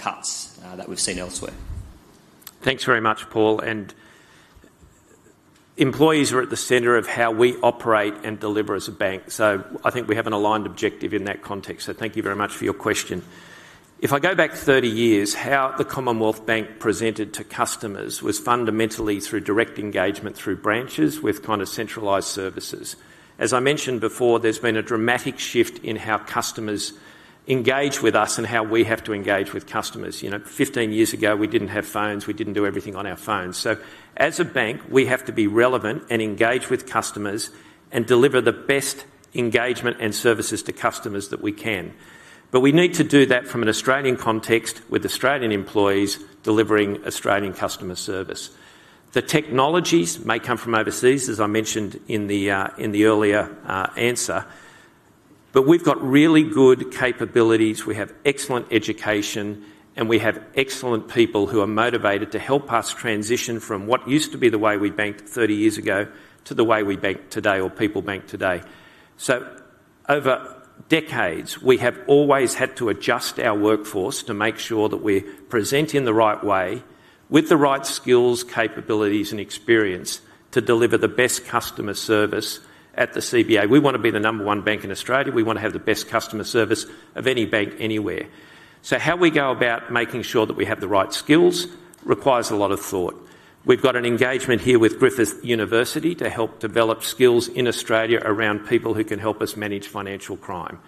cuts that we've seen elsewhere. Thanks very much, Paul. Employees are at the center of how we operate and deliver as a bank. I think we have an aligned objective in that context. Thank you very much for your question. If I go back 30 years, how the Commonwealth Bank presented to customers was fundamentally through direct engagement, through branches, with kind of centralized services. As I mentioned before, there's been a dramatic shift in how customers engage with us and how we have to engage with customers. Fifteen years ago we didn't have phones, we didn't do everything on our phones. As a bank, we have to be relevant and engage with customers and deliver the best engagement and services to customers that we can. But we need to do that from an Australian context, with Australian employees delivering Australian customer service. The technologies may come from overseas, as I mentioned in the earlier answer, but we've got really good capabilities, we have excellent education, and we have excellent people who are motivated to help us transition from what used to be the way we banked 30 years ago to the way we bank today or people bank today. So over decades, we have always had to adjust our workforce to make sure that we present in the right way with the right skills, capabilities, and experience to deliver the best customer service. At the CBA, we want to be the number one bank in Australia. We want to have the best customer service of any bank anywhere. So how we go about making sure that we have the right skills requires a lot of thought. We've got an engagement here with Griffith University to help develop skills in Australia around people who can help us manage financial crime.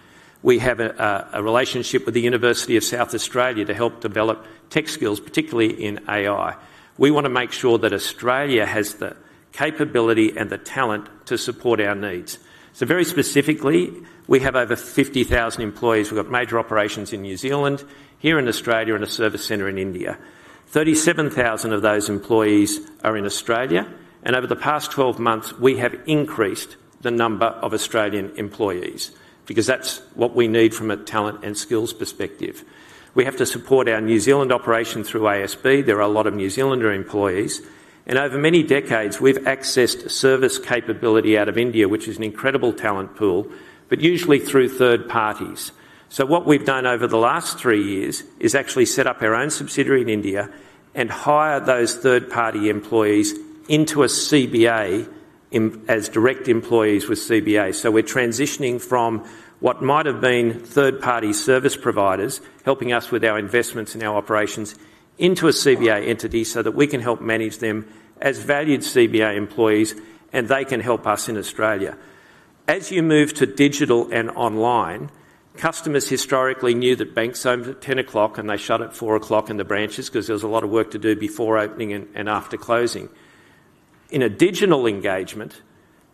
We have a relationship with the University of South Australia to help develop tech skills, particularly in AI. We want to make sure that Australia has the capability and the talent to support our needs. Very specifically, we have over 50,000 employees. We've got major operations in New Zealand, here in Australia, and a service center in India. 37,000 of those employees are in Australia. Over the past 12 months we have increased the number of Australian employees because that's what we need from a talent and skills perspective. We have to support our New Zealand operation through ASB Bank. There are a lot of New Zealander employees and over many decades we've accessed service capability out of India, which is an incredible talent pool, but usually through third parties. So what we've done over the last three years is actually set up our own subsidiary in India and hire those third party employees into CBA as direct employees with CBA. We're transitioning from what might have been third party service providers, helping us with our investments in our operations, into a CBA entity so that we can help manage them as valued CBA employees and they can help us in Australia as you move to digital and online. Customers historically knew that banks opened at 10:00 A.M. and they shut at 4:00 P.M. in the branches because there was a lot of work to do before opening and after closing. In a digital engagement,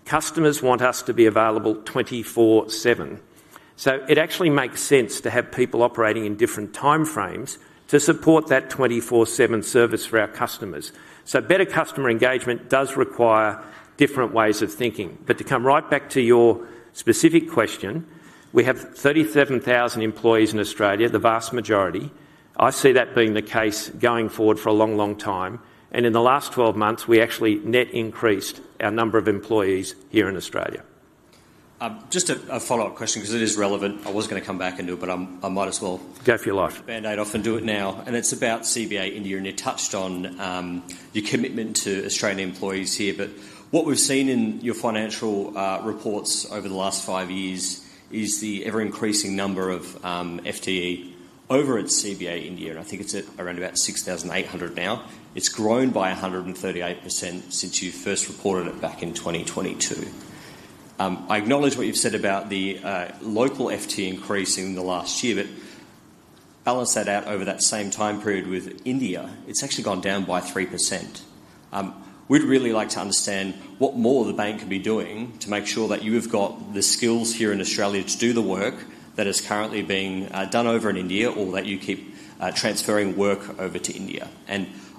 customers want us to be available 24/7. It actually makes sense to have people operating in different time frames to support that 24/7 service for our customers. Better customer engagement does require different ways of thinking. To come right back to your specific question, we have 37,000 employees in Australia, the vast majority. I see that being the case going forward for a long, long time. In the last 12 months we actually net increased our number of employees here in Australia. Just a follow up question because it is relevant. I was going to come back and do it, but I might as well. Go for your life band-aid off. Do it now. It's about CBA India, and you touched on your commitment to Australian employees here. What we've seen in your financial reports over the last five years is the ever-increasing number of FTEs over at CBA India. I think it's around 6,800 now. It's grown by 138% since you first reported it back in 2022. I acknowledge what you've said about the local FTE increase in the last year, but balance that out over that same time period with India. It's actually gone down by 3%. We'd really like to understand what more the bank could be doing to make sure that you have got the skills here in Australia to do the work that is currently being done over in India, or that you keep transferring work over to India.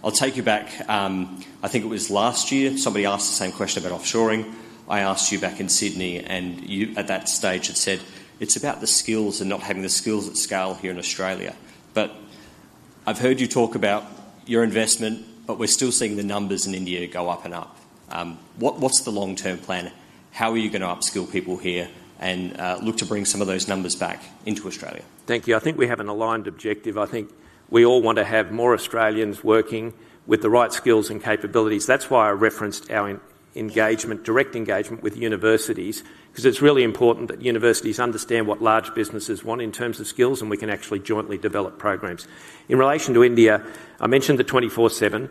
I'll take you back. I think it was last year somebody asked the same question about offshoring. I asked you back in Sydney, and you at that stage had said it's about the skills and not having the skills at scale here in Australia. I've heard you talk about your investment, but we're still seeing the numbers in India go up and up. What's the long-term plan? How are you going to upskill people here and look to bring some of those numbers back into Australia? Thank you. I think we have an aligned objective. I think we all want to have more Australians working with the right skills and capabilities. That's why I referenced our engagement, direct engagement with universities, because it's really important that universities understand what large businesses want in terms of skills, and we can actually jointly develop programs in relation to India. I mentioned the 24/7.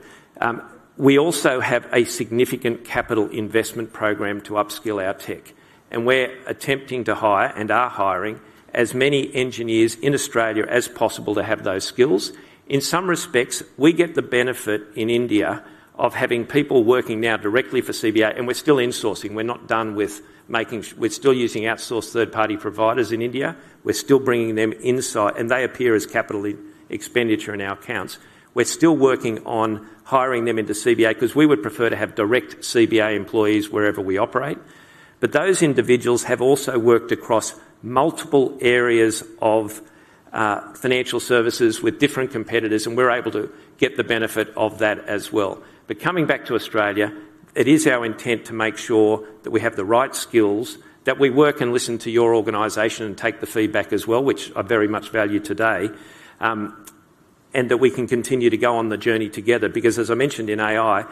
We also have a significant capital investment program to upskill our tech, and we're attempting to hire and are hiring as many engineers in Australia as possible to have those skills. In some respects, we get the benefit in India of having people working now directly for CBA. We're still insourcing. We're not done with making. We're still using outsourced third-party providers in India. We're still bringing them inside, and they appear as capital expenditure in our accounts. We're still working on hiring them into CBA because we would prefer to have direct CBA employees wherever we operate. Those individuals have also worked across multiple areas of financial services with different competitors, and we're able to get the benefit of that as well. Coming back to Australia, it is our intent to make sure that we have the right skills, that we work and listen to your organization and take the feedback as well, which I very much value today, and that we can continue to go on the journey together. As I mentioned in AI,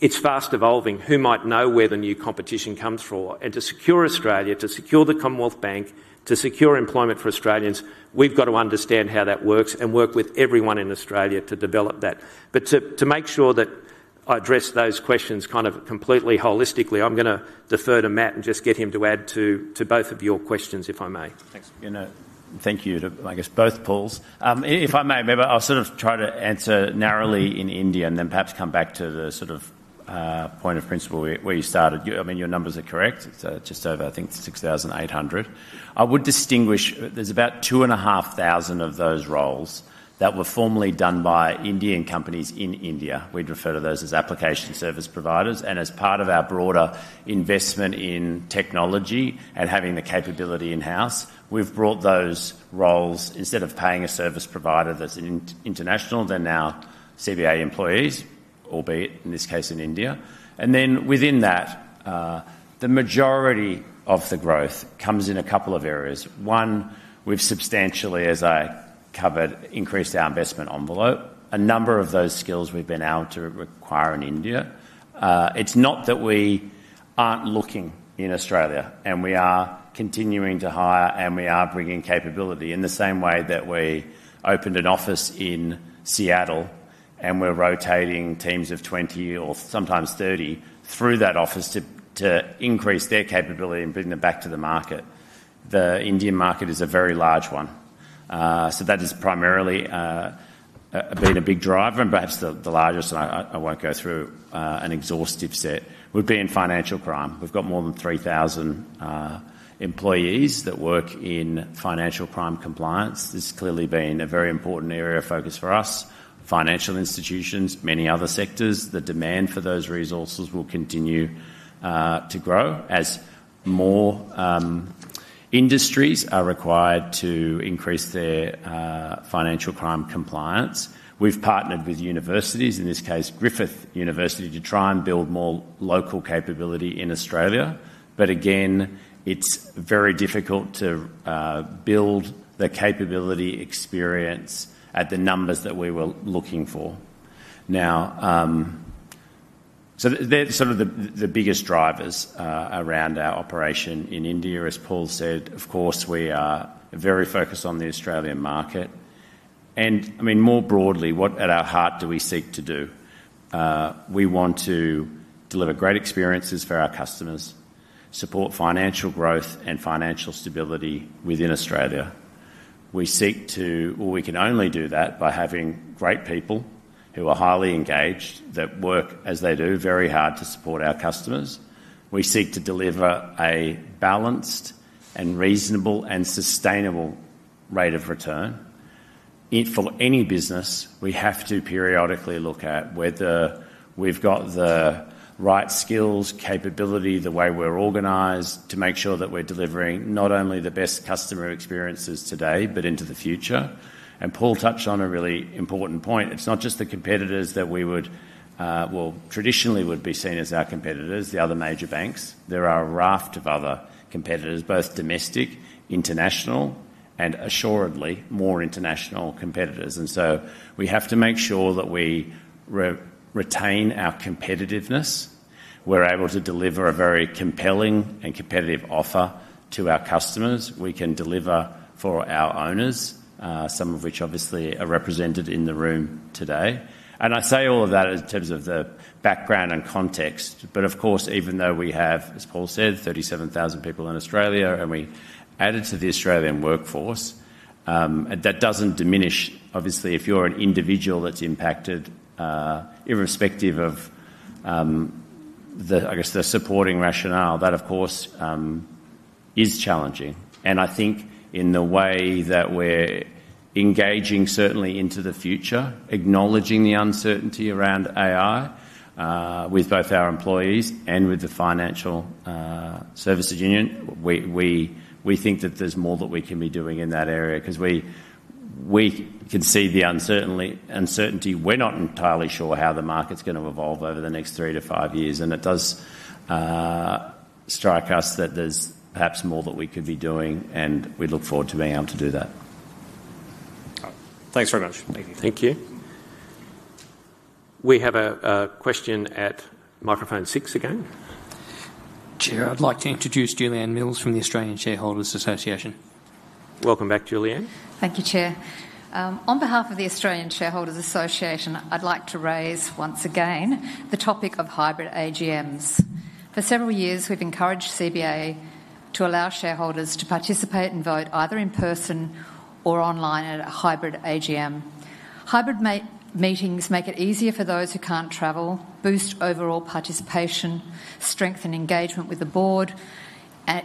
it's fast evolving. Who might know where the new competition comes for, and to secure Australia, to secure the Commonwealth Bank, to secure employment for Australians, we've got to understand how that works and work with everyone in Australia to develop that. To make sure that I address those questions kind of completely holistically, I'm going to defer to Matt and just get him to add to both of your questions, if I may. Thanks. Thank you. To, I guess, both Pauls, if I may, I'll sort of try to answer narrowly in India and then perhaps come back to the sort of point of principle where you started. I mean, your numbers are correct, it's just over, I think, 6,800. I would distinguish. There's about 2,500 of those roles that were formerly done by Indian companies in India. We'd refer to those as application service providers. As part of our broader investment in technology and having the capability in house, we've brought those roles. Instead of paying a service provider that's international, they're now CBA employees, albeit in this case in India. And then within that, the majority of the growth comes in a couple of areas. One, we've substantially, as I covered, increased our investment envelope. A number of those skills we've been able to require in India. It's not that we aren't looking in Australia and we are continuing to hire and we are bringing capability in the same way that we opened an office in Seattle and we're rotating teams of 20 or sometimes 30 through that office to increase their capability and bring them back to the market. The Indian market is a very large one, so that has primarily been a big driver. Perhaps the largest, and I won't go through an exhaustive set, would be in financial crime. We've got more than 3,000 employees that work in financial crime compliance. This has clearly been a very important area of focus. For US financial institutions, many other sectors, the demand for those resources will continue to grow as more industries are required to increase their financial crime compliance. We've partnered with universities, in this case Griffith University, to try and build more local capability in Australia. Again, it's very difficult to build the capability, experience at the numbers that we were looking for now. They're sort of the biggest drivers around our operation in India. As Paul said, of course, we are very focused on the Australian market and I mean more broadly, what at our heart do we seek to do? We want to deliver great experiences for our customers, support financial growth and financial stability within Australia. We seek to, or we can only do that by having great people who are highly engaged that work as they do very hard to support our customers. We seek to deliver a balanced and reasonable and sustainable rate of return for any business. We have to periodically look at whether we've got the right skills, capability, the way we're organized to make sure that we're delivering not only the best customer experiences today, but into the future. Paul touched on a really important point. It's not just the competitors that we would, traditionally would be seen as our competitors. The other major banks, there are a raft of other competitors, both domestic, international and assuredly more international competitors. And so we have to make sure that we retain our competitiveness. We're able to deliver a very compelling and competitive offer to our customers. We can deliver for our owners, some of which obviously are represented in the room today. I say all of that in terms of the background and context. But of course, even though we have, as Paul said, 37,000 people in Australia and we added to the Australian workforce, that doesn't diminish. Obviously, if you're an individual that's impacted, irrespective of, I guess, the supporting rationale, that of course is challenging and I think in the way that we're engaging certainly into the future, acknowledging the uncertainty around AI with both our employees and with the Finance Sector Union, we think that there's more that we can be doing in that area because we could see the uncertainty. We're not entirely sure how the market's going to evolve over the next three to five years. It does strike us that there's perhaps more that we could be doing and we look forward to being able to do that. Thanks very much. Thank you. We have a question at microphone six. Chair, I'd like to introduce Julieanne Mills from the Australian Shareholders Association. Welcome back, Julieanne. Thank you chair. On behalf of the Australian Shareholders Association, I'd like to raise once again the topic of hybrid AGMs. For several years we've encouraged CBA to allow shareholders to participate and vote either in person or online at a hybrid AGM. Hybrid meetings make it easier for those who can't travel, boost overall participation, strengthen engagement with the Board,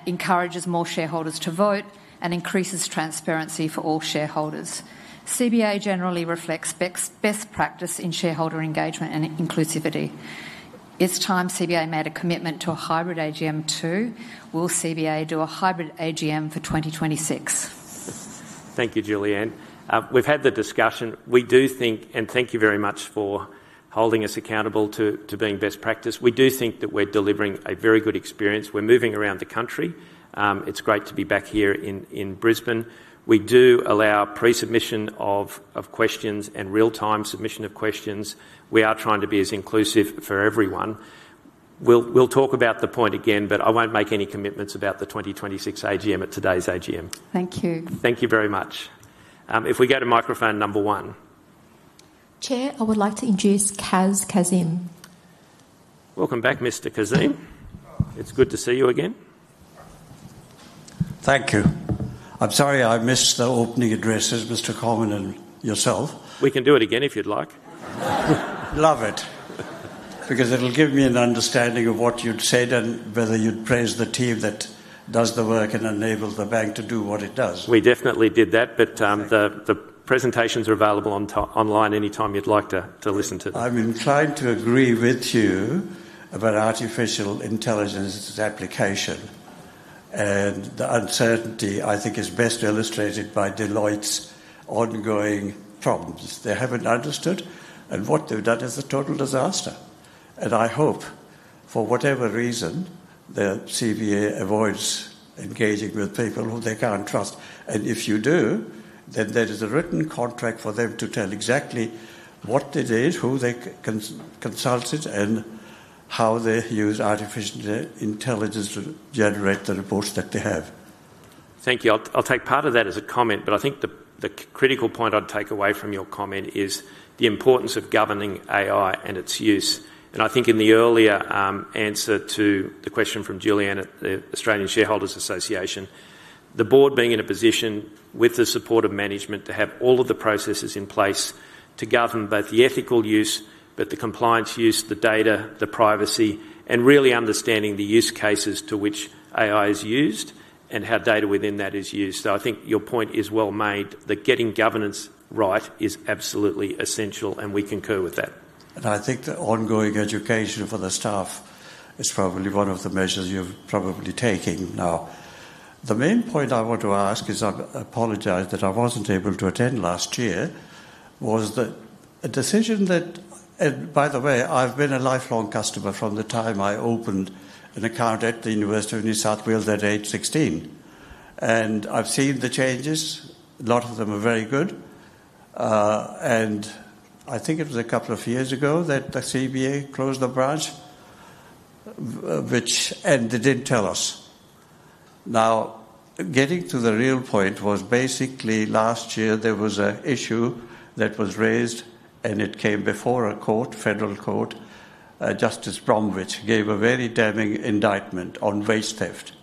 encourage more shareholders to vote, and increase transparency for all shareholders. CBA generally reflects best practice in shareholder engagement and inclusivity. It's time CBA made a commitment to a hybrid AGM too. Will CBA do a hybrid AGM for 2026? Thank you, Julieanne. We've had the discussion. We do think, and thank you very much for holding us accountable to being best practice. We do think that we're delivering a very good experience. We're moving around the country. It's great to be back here in Brisbane. We do allow pre-submission of questions and real-time submission of questions. We are trying to be as inclusive for everyone. We'll talk about the point again, but I won't make any commitments about the 2026 AGM at today's AGM. Thank you. Thank you very much. If we go to microphone number one. Chair, I would like to introduce Kaz Kazim. Welcome back, Mr. Kazim. It's good to see you again. Thank you. I'm sorry I missed the opening addresses, Mr. Comyn and yourself. We can do it again if you'd like. Love it, because it'll give me an understanding of what you'd say then, whether you'd praise the team that does the work and enable the bank to do what it does. We definitely did that. The presentations are available online anytime you'd like to listen to them. I'm inclined to agree with you about artificial intelligence application. The uncertainty, I think, is best illustrated by Deloitte's ongoing problems. They haven't understood, and what they've done is a total disaster. I hope, for whatever reason, the CBA avoids engaging with people who they can't trust. If you do, then there is a written contract for them to tell exactly what it is, who they consulted, and how they use artificial intelligence to generate the reports that they have. Thank you. I'll take part of that as a comment, but I think the critical point I'd take away from your comment is the importance of governing AI and its use. I think in the earlier answer to the question from Julieanne at the Australian Shareholders Association, the Board being in a position with the support of management to have all of the processes in place to govern both the ethical use, the compliance use, the data, the privacy, and really understanding the use cases to which AI is used and how data within that is used. I think your point is well made, that getting governance right is absolutely essential and we concur with that. I think the ongoing education for the staff is probably one of the measures you're probably taking. The main point I want to ask is I apologize that I wasn't able to attend last year. Was that a decision that—by the way, I've been a lifelong customer from the time I opened an account at the University of New South Wales at age 16. I've seen the changes, a lot of them are very good. And I think it was a couple of years ago that the CBA closed the branch and they didn't tell us. Getting to the real point, basically last year there was an issue that was raised and it came before a court, Federal Court. Justice Bromwich gave a very damning indictment on wage theft.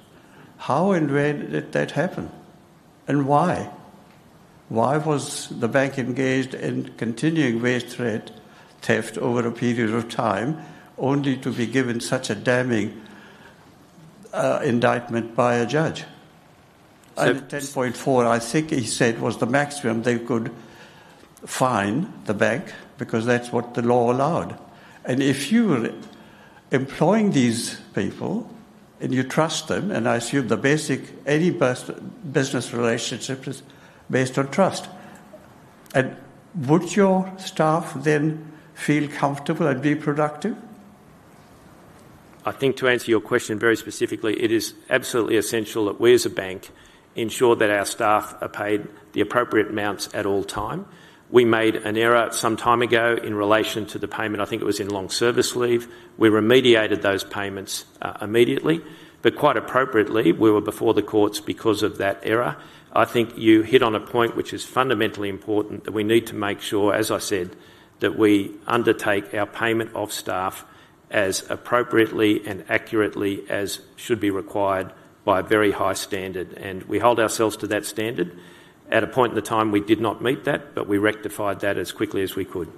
How and when did that happen? Why was the bank engaged in continuing wage theft over a period of time only to be given such a damning indictment by a judge? $10.4 million, I think he said, was the maximum they could fine the bank because that's what the law allowed. If you are employing these people and you trust them, and I assume the basic—any business relationship is based on trust, would your staff then feel comfortable and be productive? I think to answer your question very specifically, it is absolutely essential that we as a bank ensure that our staff are paid the appropriate amounts at all times. We made an error some time ago in relation to the payment. I think it was in long service leave. We remediated those payments immediately, but quite appropriately we were before the courts because of that error. I think you hit on a point which is fundamentally important, that we need to make sure, as I said, that we undertake our payment of staff as appropriately and accurately as should be required by a very high standard. We hold ourselves to that standard. At a point in time we did not meet that, but we rectified that as quickly as we could.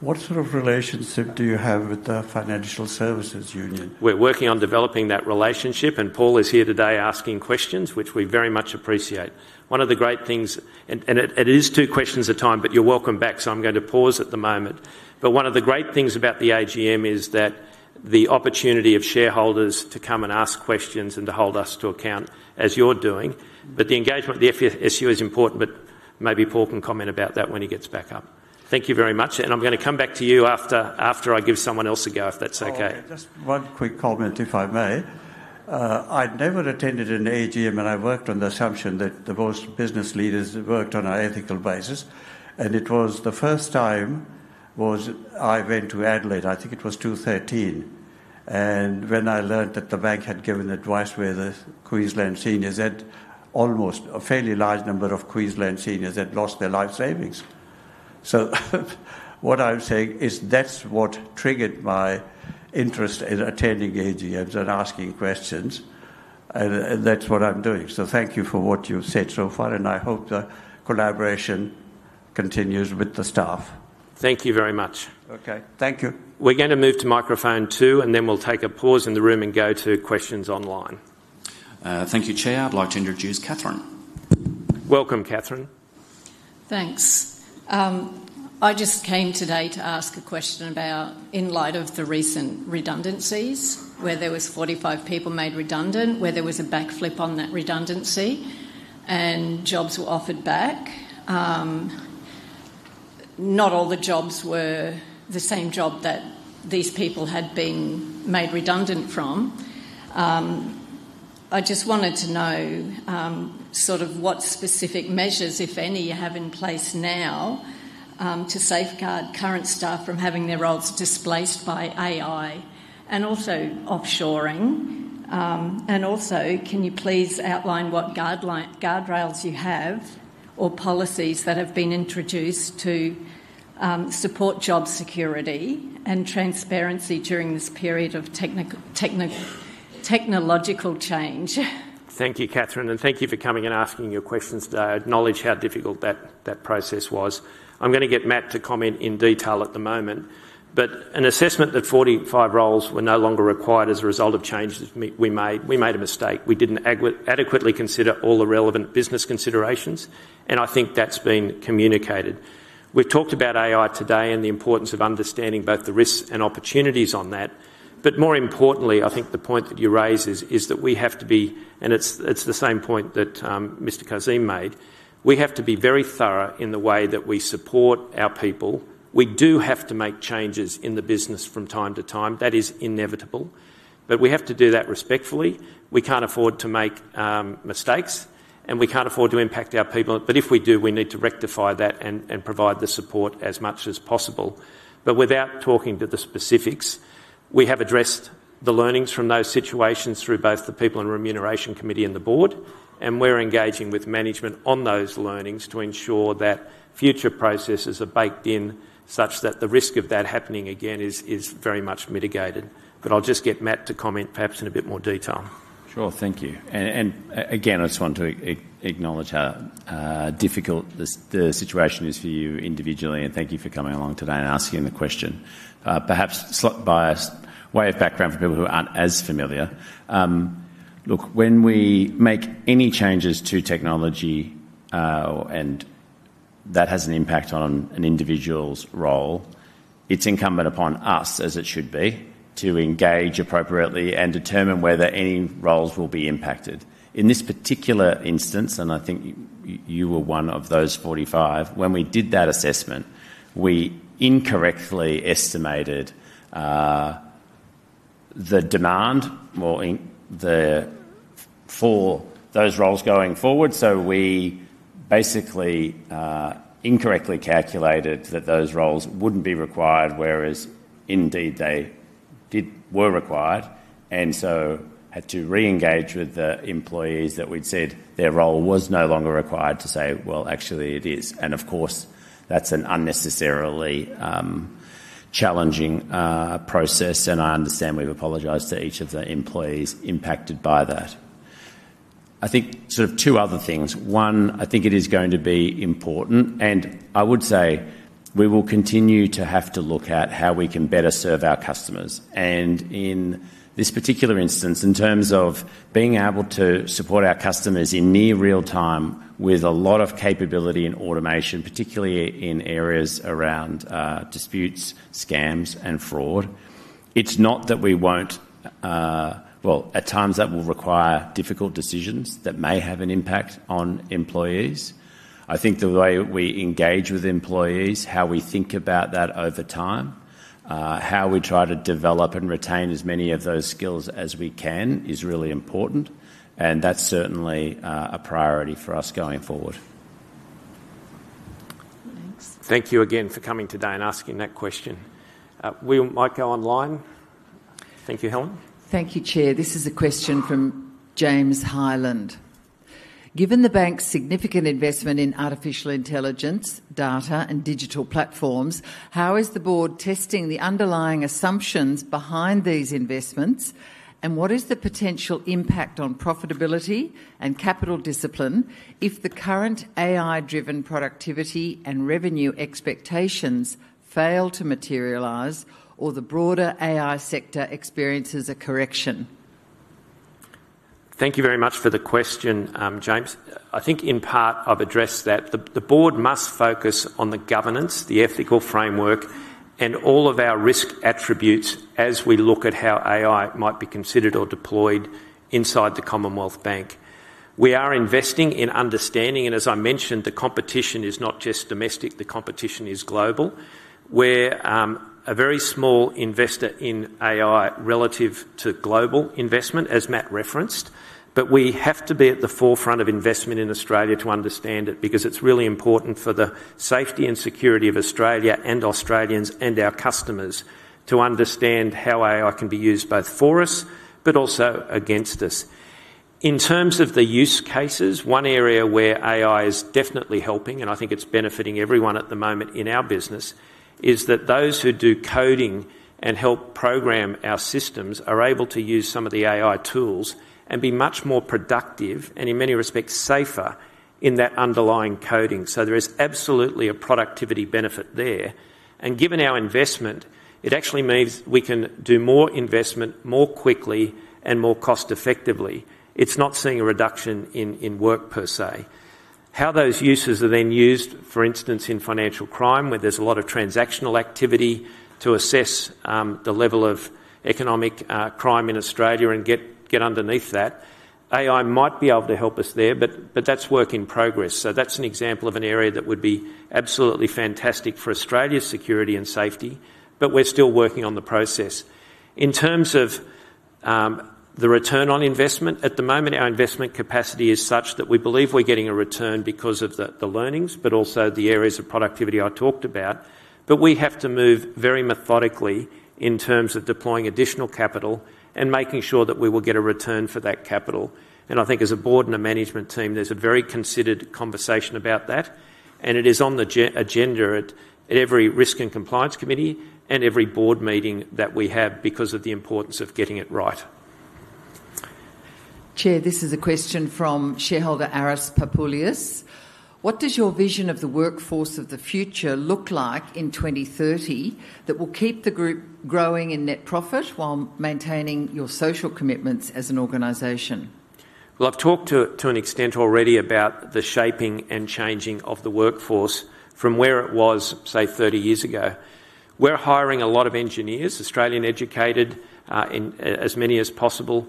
What sort of relationship do you have with the Finance Sector Union? We're working on developing that relationship, and Paul is here today asking questions, which we very much appreciate. One of the great things, and it is two questions at a time, but you're welcome back. I'm going to pause at the moment. One of the great things about the AGM is the opportunity for shareholders to come and ask questions and to hold us to account as you're doing. The engagement, the Finance Sector Union is important, but maybe Paul can comment about that when he gets back up. Thank you very much. I'm going to come back to you after I give someone else a go, if that's okay. Just one quick comment, if I may. I'd never attended an AGM and I worked on the assumption that most business leaders worked on an ethical basis. It was the first time I went to Adelaide, I think it was 2013, and when I learned that the bank had given advice where the Queensland seniors had, almost a fairly large number of Queensland seniors had lost their life savings. What I'm saying is that's what triggered my interest in attending AGMs and asking questions, and that's what I'm doing. Thank you for what you've said so far and I hope the collaboration continues with the staff. Thank you very much. Okay, thank you. We're going to move to microphone two, and then we'll take a pause in the room and go to questions online. Thank you. Chair, I'd like to introduce Catherine. Welcome, Catherine. Thanks. I just came today to ask a question about in light of the recent redundancies where there were 45 people made redundant, where there was a backflip on that redundancy and jobs were offered back. Not all the jobs were the same job that these people had been made redundant from. I just wanted to know what specific measures, if any, you have in place now to safeguard current staff from having their roles displaced by AI and also offshoring. Also, can you please outline what guardrails you have or policies that have been introduced to support job security and transparency during this period of technological change. Thank you, Catherine, and thank you for coming and asking your questions today. I acknowledge how difficult that process was. I'm going to get Matt to comment in detail at the moment, but an assessment that 45 roles were no longer required as a result of changes we made. We made a mistake. We didn't adequately consider all the relevant business considerations, and I think that's been communicated. We've talked about AI today and the importance of understanding both the risks and opportunities on that. More importantly, I think the point that you raise is that we have to be, and it's the same point that Mr. Kazim made. We have to be very thorough in the way that we support. We do have to make changes in the business from time to time. That is inevitable, but we have to do that respectfully. We can't afford to make mistakes, and we can't afford to impact our people. If we do, we need to rectify that and provide the support as much as possible. Without talking to the specifics, we have addressed the learnings from those situations through both the People and Remuneration Committee and the board. We're engaging with management on those learnings to ensure that future processes are baked in such that the risk of that happening again is very much mitigated. I'll just get Matt to comment, perhaps in a bit more detail. Sure. Thank you. I just want to acknowledge how difficult the situation is for you individually and thank you for coming along today and asking the question. Perhaps by way of background for people who aren't as familiar, when we make any changes to technology and that has an impact on an individual's role, it's incumbent upon us, as it should be, to engage appropriately and determine whether any roles will be impacted. In this particular instance, and I think you were one of those 45, when we did that assessment, we incorrectly estimated the demand for those roles going forward. We basically incorrectly calculated that those roles wouldn't be required, whereas indeed they were required and had to re-engage with the employees that we'd said their role was no longer required to say it is. Of course, that's an unnecessarily challenging process. I understand we've apologised to each of the employees impacted by that. I think two other things. One, I think it is going to be important and I would say we will continue to have to look at how we can better serve our customers. In this particular instance, in terms of being able to support our customers in near real time with a lot of capability and audience automation, particularly in areas around disputes, scams, and fraud, it's not that we won't. At times that will require difficult decisions that may have an impact on employees. I think the way we engage with employees, how we think about that over time, how we try to develop and retain as many of those skills as we can, is really important and that's certainly a priority for us going forward. Thank you again for coming today and asking that question. We might go online. Thank you, Helen. Thank you, Chair. This is a question from James Hyland. Given the bank's significant investment in artificial intelligence, data, and digital platforms, how is the Board testing the underlying assumptions behind these investments? What is the potential impact on profitability and capital discipline if the current AI-driven productivity and revenue expectations fail to materialize or the broader AI sector experiences a correction? Thank you very much for the question, James. I think, in part, I've addressed that the Board must focus on the governance, the ethical framework, and all of our risk attributes as we look at how AI might be controlled, considered, or deployed inside the Commonwealth Bank. We are investing in understanding, and as I mentioned, the competition is not just domestic, the competition is global. We're a very small investor in AI relative to global investment, as Matt referenced, but we have to be at the forefront of investment in Australia to understand it, because it's really important for the safety and security of Australia and Australians and our customers. Customers need to understand how AI can be used, both for us, but also against us in terms of the use cases. One area where AI is definitely helping, and I think it's benefiting everyone at the moment in our business, is that those who do coding and help program our systems are able to use some of the AI tools and be much more productive and, in many respects, safer in that underlying coding. There is absolutely a productivity benefit there. Given our investment, it actually means we can do more investment more quickly and more cost effectively. It's not seeing a reduction in work per se, how those uses are then used, for instance, in financial crime, where there's a lot of transactional activity to assess the level of economic crime in Australia and get underneath that. AI might be able to help us there, but that's work in progress. That is an example of an area that would be absolutely fantastic for Australia's security and safety. But we're still working on the process in terms of the return on investment. At the moment, our investment capacity is such that we believe we're getting a return because of the learnings, but also the areas of productivity I talked about. We have to move very methodically in terms of deploying additional capital and making sure that we will get a return for that capital. I think as a Board and a management team, there's a very considered conversation about that, and it is on the agenda at every Risk and Compliance Committee and every Board meeting that we have, because of the importance of getting it right. Chair, this is a question from shareholder Aris Papulius. What does your vision of the workforce of the future look like in 2030 that will keep the group growing in net profit while maintaining your social commitments as an organization? I've talked to an extent already about the shaping and changing of the workforce from where it was, say, 30 years ago. We're hiring a lot of engineers, Australian educated, as many as possible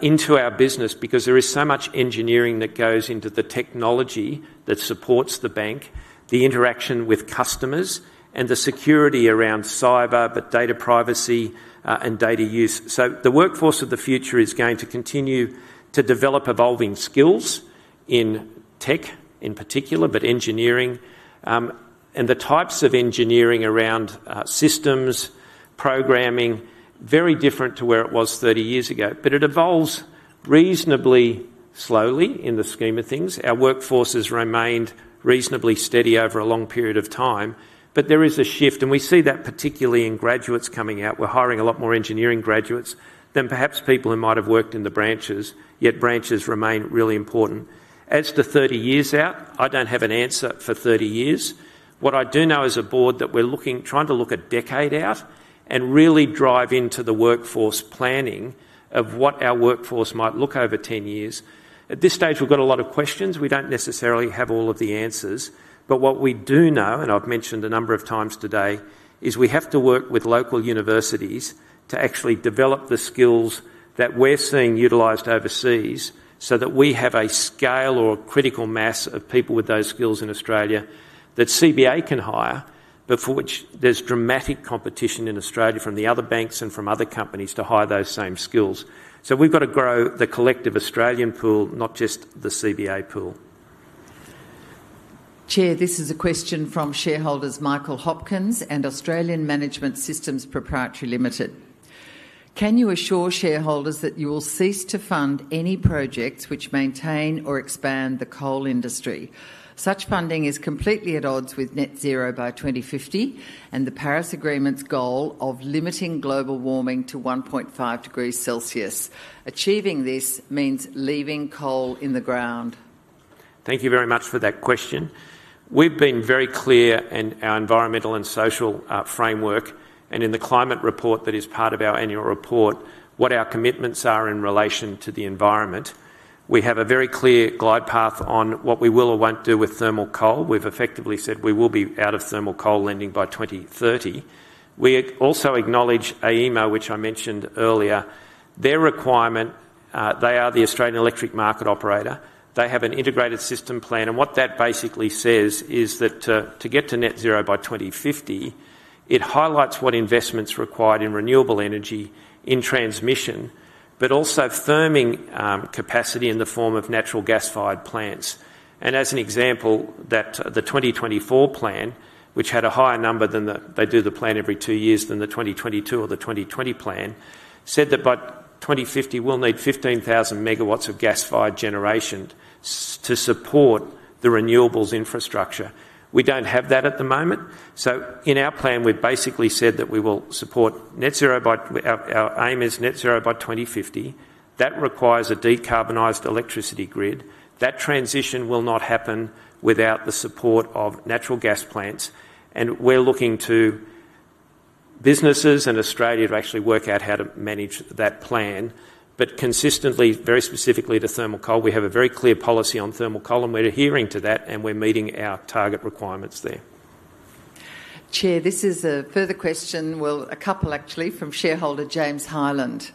into our business because there is so much engineering that goes into the technology that supports the bank, the interaction with customers, and the security around cyber, data privacy, and data use. The workforce of the future is going to continue to develop evolving skills in tech in particular. Engineering and the types of engineering around systems programming are very different to where it was 30 years ago, but it evolves reasonably slowly in the scheme of things. Our workforce has remained reasonably steady over a long period of time, but there is a shift and we see that particularly in graduates coming out. We're hiring a lot more engineering graduates than perhaps people who might have worked in the branches, yet branches remain really important. As to 30 years out, I don't have an answer for 30 years. What I do know as a Board is that we're looking, trying to look a decade out and really drive into the workforce planning of what our workforce might look over 10 years. At this stage we've got a lot of questions. We don't necessarily have all of the answers. What we do know, and I've mentioned a number of times today, is we have to work with local universities to actually develop the skills that we're seeing utilized overseas so that we have a scale or critical mass of people with those skills in Australia that CBA can hire, but for which there's dramatic competition in Australia from the other banks and from other companies to hire those same skills. We've got to grow the collective Australian pool, not just the CBA pool. This is a question from shareholders Michael Hopkins and Australian Management Systems Proprietary Ltd. Can you assure shareholders that you will cease to fund any projects which maintain or expand the coal industry? Such funding is completely at odds with net zero by 2050 and the Paris Agreement's goal of limiting global warming to 1.5 degrees Celsius. Achieving this means leaving coal in the ground. Thank you very much for that question. We've been very clear in our environmental and social framework and in the climate report that is part of our annual report, what our commitments are in relation to the environment. We have a very clear glide path on what we will or won't do with thermal coal. We've effectively said we will be out of thermal coal lending by 2030. We also acknowledge AEMO, which I mentioned earlier, their requirement. They are the Australian Energy Market Operator. They have an integrated system plan, and what that basically says is that to get to net zero by 2050, it highlights what investment is required in renewable energy, in transmission, but also firming capacity in the form of natural gas-fired plants. As an example, the 2024 plan, which had a higher number than they do the plan every two years, than the 2022 or the 2020 plan, said that by 2050 we'll need 15,000 MW of gas-fired generation to support the renewables infrastructure. We don't have that at the moment. In our plan, we basically said that we will support net zero. Our aim is net zero by 2050. That requires a decarbonized electricity grid. That transition will not happen without the support of natural gas plants. We're looking to businesses and Australia to actually work out how to manage that plan, but consistently, very specifically to thermal coal. We have a very clear policy on thermal coal, and we're adhering to that, and we're meeting our target requirements there. Chair, this is a further question, actually from shareholder James Hyland.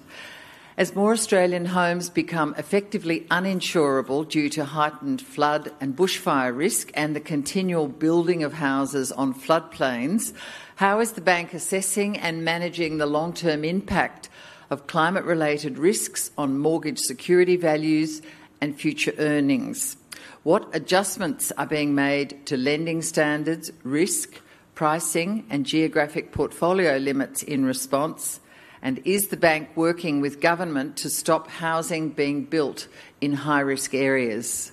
As more Australian homes become effectively uninsurable due to heightened flood and bushfire risk and the continual building of houses on floodplains, how is the bank assessing and managing the long-term impact of climate-related risks on mortgage security values and future earnings? What adjustments are being made to lending standards, risk pricing, and geographic portfolio limits in response? Is the bank working with government to stop housing being built in high-risk areas?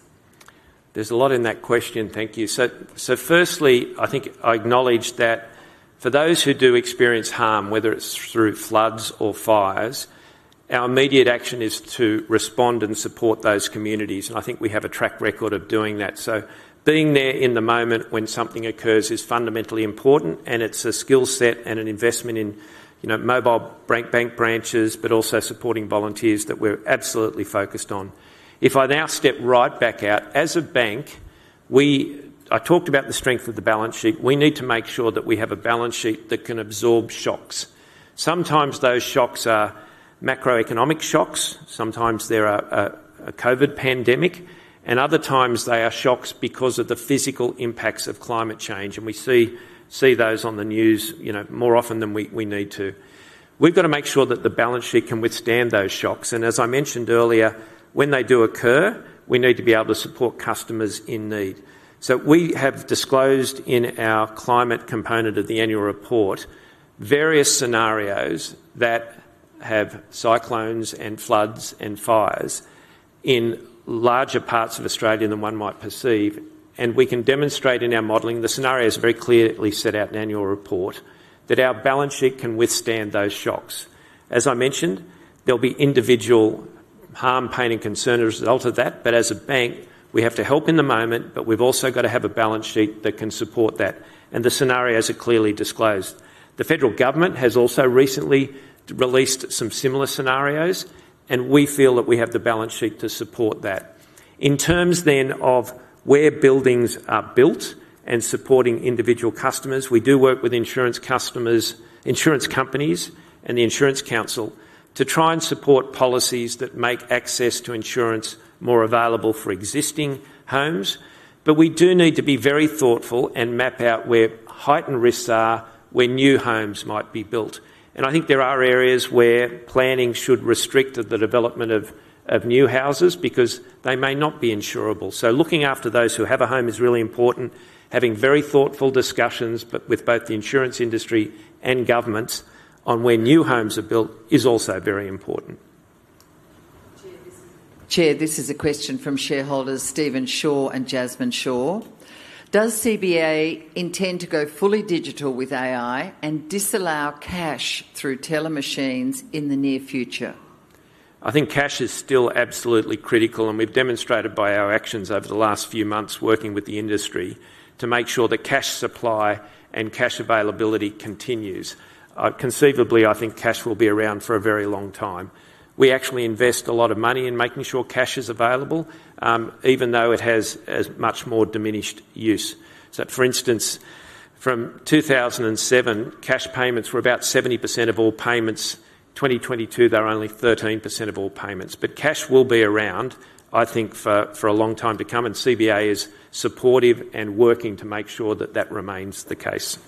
There's a lot in that question. Thank you. Firstly, I think I acknowledge that for those who do experience harm, whether it's through floods or fires, our immediate action is to respond and support those communities. I think we have a track record of doing that. Being there in the moment when something occurs is fundamentally important. It's a skill set and an investment in mobile bank branches, but also supporting volunteers that we're absolutely focused on. If I now step right back out, as a bank, I talked about the strength of the balance sheet. We need to make sure that we have a balance sheet that can absorb shocks. Sometimes those shocks are macroeconomic shocks, sometimes there are a COVID pandemic and other times they are shocks because of the physical impacts of climate change. We see those on the news, you know, more often than we need to. We've got to make sure that the balance sheet can withstand those shocks. As I mentioned earlier, when they do occur, we need to be able to support customers in need. We have disclosed in our climate component of the annual report various scenarios that have cyclones and floods and fires in larger parts of Australia than one might perceive. We can demonstrate in our modeling the scenario is very clearly set out in the annual report that our balance sheet can withstand those shocks. As I mentioned, there'll be individual harm, pain and concern as a result of that. As a bank, we have to help in the moment. We've also got to have a balance sheet that can support that and the scenarios are clearly disclosed. The federal government has also recently released some similar scenarios, and we feel that we have the balance sheet to support that in terms then of where buildings are built and supporting individual customers. We do work with insurance customers, insurance companies and the Insurance Council to try and support policies that make access to insurance more available for existing homes. We do need to be very thoughtful and map out where heightened risks are, where new homes might be built. I think there are areas where planning should restrict the development of new houses because they may not be insurable. Looking after those who have a home is really important. Having very thoughtful discussions with both the insurance industry and governments on where new homes are built is also very important. Chair, this is a question from shareholders Stephen Shaw and Jasmine Shaw. Does CBA intend to go fully digital with AI and disallow cash through telemachines in the near future? I think cash is still absolutely critical, and we've demonstrated by our actions over the last few months working with the industry to make sure the cash supply and cash availability continues. Conceivably, I think cash will be around for a very long time. We actually invest a lot of money in making sure cash is available, even though it has much more diminished use. For instance, from 2007, cash payments were about 70% of all payments. In 2022, they were only 13% of all payments. Cash will be around, I think, for a long time to come, and CBA is supportive and working to make sure that that remains the case.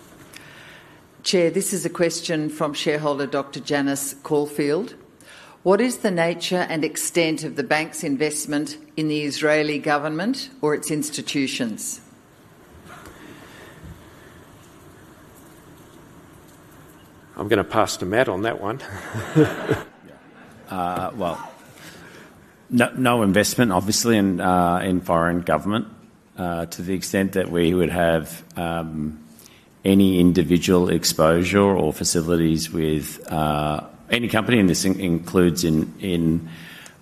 Chair, this is a question from shareholder Dr. Janice Caulfield. What is the nature and extent of the bank's investment in the Israeli government or its institutions? I'm going to pass to Matt on that one. No investment, obviously, in foreign government to the extent that we would have any individual exposure or facilities with any company, and this includes in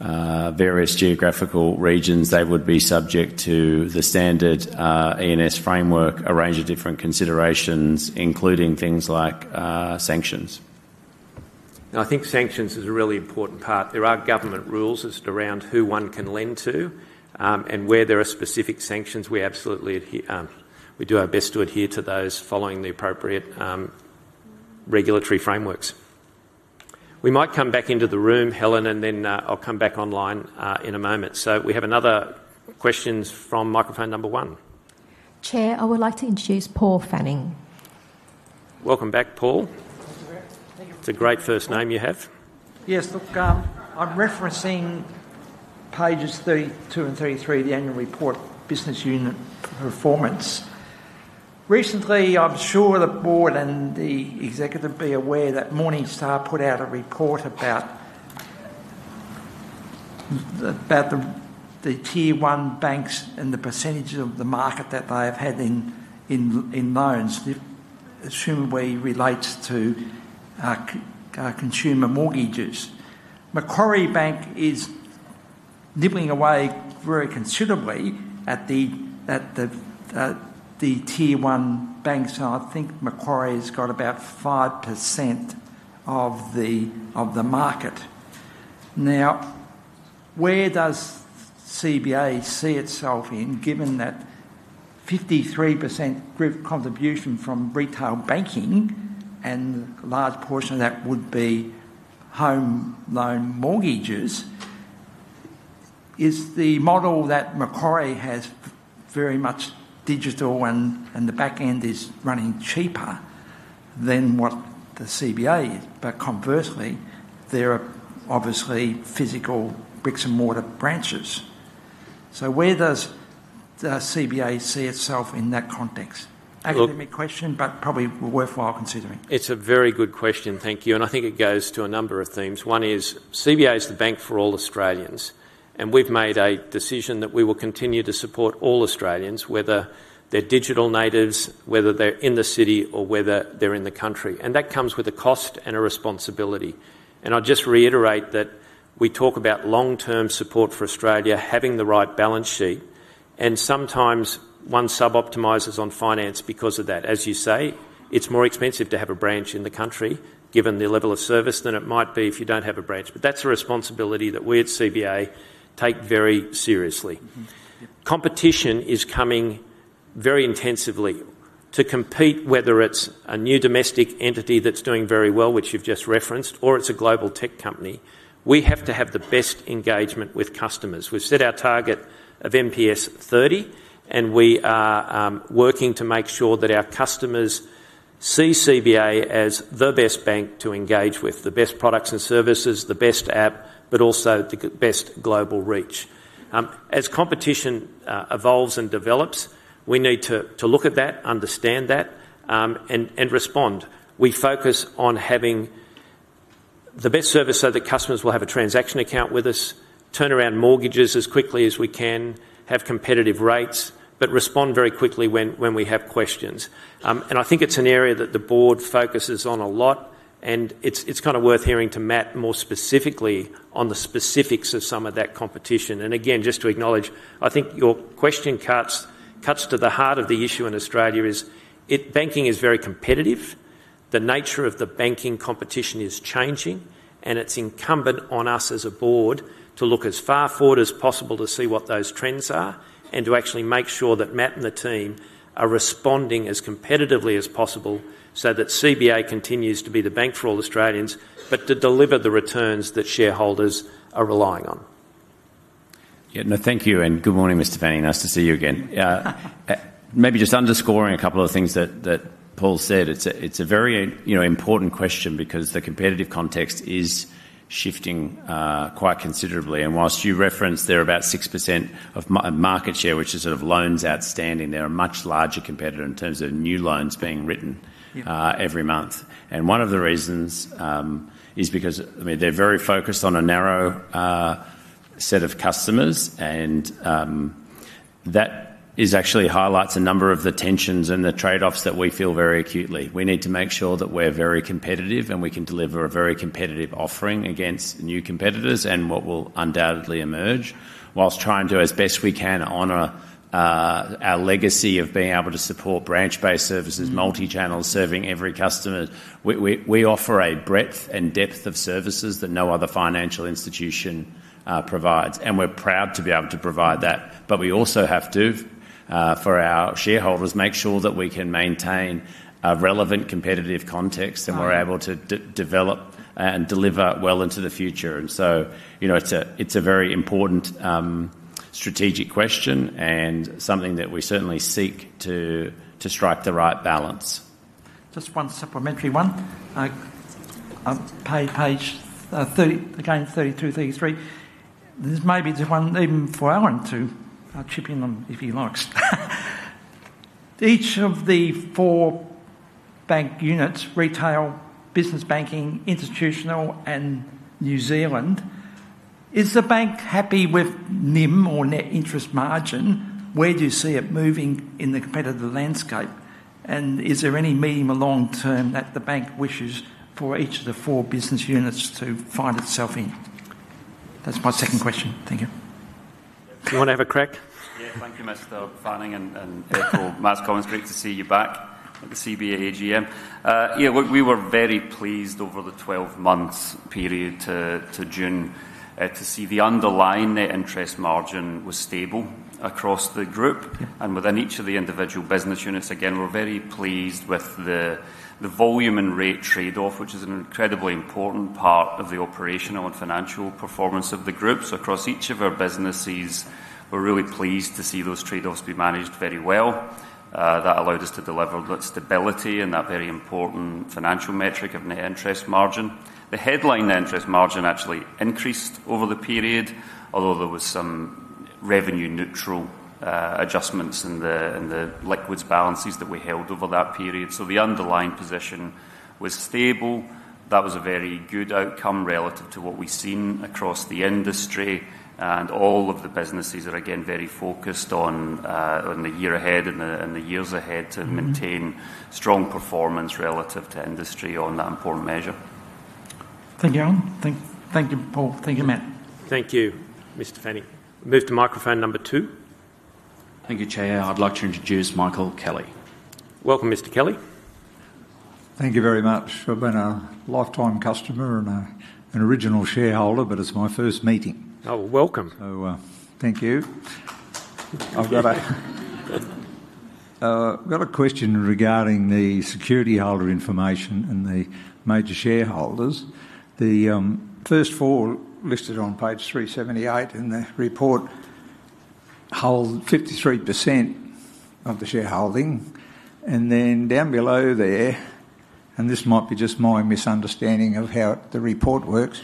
various geographical regions, they would be subject to the standard ENS framework. A range of different considerations, including things like sanctions. I think sanctions is a really important part. There are government rules around who one can lend to and where there are specific sanctions. We do our best to adhere to those, following the appropriate regulatory frameworks. We might come back into the room, Helen, and then I'll come back online in a moment. We have another question from microphone number one. Chair, I would like to introduce Paul Fanning. Welcome back, Paul. It's a great first name you have. Yes, lok, I'm referencing pages 32 and 33, the annual report, business unit performance recently. I'm sure the Board and the executive be aware that Morningstar put out a. Report about. The tier one banks and the percent of the market that they have had in loans assumably relates to consumer mortgages. Macquarie Bank is nibbling away very considerably at the tier one banks. I think Macquarie has got about 5% of the market now. Where does CBA see itself in, given that 53% group contribution from retail banking and a large portion of that would be home loan mortgages? Is the model that Macquarie has very much digital and the back end is running cheaper than what the CBA. Conversely, there are obviously physical bricks and mortar branches. So where does the CBA see itself in that context? Academic question, but probably worthwhile considering. It's a very good question. Thank you. I think it goes to a number of themes. One is CBA is the bank for all Australians and we've made a decision that we will continue to support all Australians, whether they're digital natives, whether they're in the city or whether they're in the country. That comes with a cost and a responsibility. I'll just reiterate that we talk about long-term support for Australia having the right balance sheet and sometimes one sub-optimizes on finance because of that. As you say, it's more expensive to have a branch in the country given the level of service than it might be if you don't have a branch. That's a responsibility that we at CBA take very seriously. Competition is coming very intensively to compete, whether it's a new domestic entity that's doing very well, which you've just referenced, or it's a global tech company. We have to have the best engagement with customers. We've set our target of MPS 30 and we are working to make sure that our customers see CBA as the best bank to engage with, the best products and services, the best app, but also the best global reach. As competition evolves and develops, we need to look at that, understand that, and respond. We focus on having the best service so that customers will have a transaction account with us, turn around mortgages as quickly as we can, have competitive rates, but respond very quickly when we have questions. I think it's an area that the Board focuses on a lot and it's kind of worth hearing to Matt more specifically on the specifics of some of that competition. Again, just to acknowledge, I think your question cuts to the heart of the issue in Australia. Banking is very competitive. The nature of the banking competition is changing and it's incumbent on us as a Board to look as far forward as possible to see what those trends are and to actually make sure that Matt and the team are responding as competitively as possible so that CBA continues to be the bank for all Australians, but to deliver the returns that shareholders are relying on. Thank you and good morning Mr. Fanning, nice to see you again. Maybe just underscoring a couple of things that Paul said. It's a very important question because the competitive context is shifting quite considerably, and whilst you referenced there about 6% of market share, which is sort of loans outstanding, they're a much larger competitor in terms of new loans being written every month. One of the reasons is because they're very focused on a narrow set of customers, and that actually highlights a number of the tensions and the trade offs that we feel very acutely. We need to make sure that we're very competitive and we can deliver a very competitive offering against new competitors and what will undoubtedly emerge whilst trying to, as best we can, honor our legacy of being able to support branch based services, multi channel, serving every customer. We offer a breadth and depth of services that no other financial institution provides, and we're proud to be able to provide that. We also have to, for our shareholders, make sure that we can maintain relevant competitive context and we're able to develop and deliver well into the future. It's a very important strategic question and something that we certainly seek to strike the right balance. Just one supplementary one, page 30 again, 32, 33. This may be one even for our own two chipping them if he likes. Each of the four bank units, Retail, Business, Banking, Institutional, and New Zealand. Is the bank happy with NIM or net interest margin? Where do you see it moving in the competitive landscape, and is there any medium or long term that the bank wishes for each of the four business units to find itself in? That's my second question. Thank you. You want to have a crack? Yeah. Thank you, Mr. Fanning and Echo. Mads, great to see you back at the CBA AGM. Yeah, we were very pleased over the. Twelve months period to June to see the underlying net interest margin was stable. Across the group and within each of. The individual business units. Again, we're very pleased with the volume and rate trade off, which is an incredibly important part of the operational and financial performance of the groups across each of our businesses. We're really pleased to see those trade offs be managed very well. That allowed us to deliver that stability and that very important financial metric of net interest margin, the headline interest margin actually increased over the period, although there was some revenue neutral adjustments in the liquids balances that we held over that period. The underlying position was stable. That was a very good outcome relative to what we've seen across the industry. All of the businesses are again very focused on the year ahead and the years ahead to maintain strong performance relative to industry on that important measure. Thank you, All. Thank you, Paul. Thank you, Matt. Thank you, Mr. Fanning. Move to microphone number two. Thank you. Chair, I'd like to introduce Michael Kelly. Welcome, Mr. Kelly. Thank you very much. I've been a lifetime customer and an original shareholder, but it's my first meeting. Oh, welcome. Thank you. I've got a question regarding the security holder information and the major shareholders. The first four listed on page 378. In the report hold 53% of the shareholding. Down below there, this might be just my misunderstanding of how. The report works.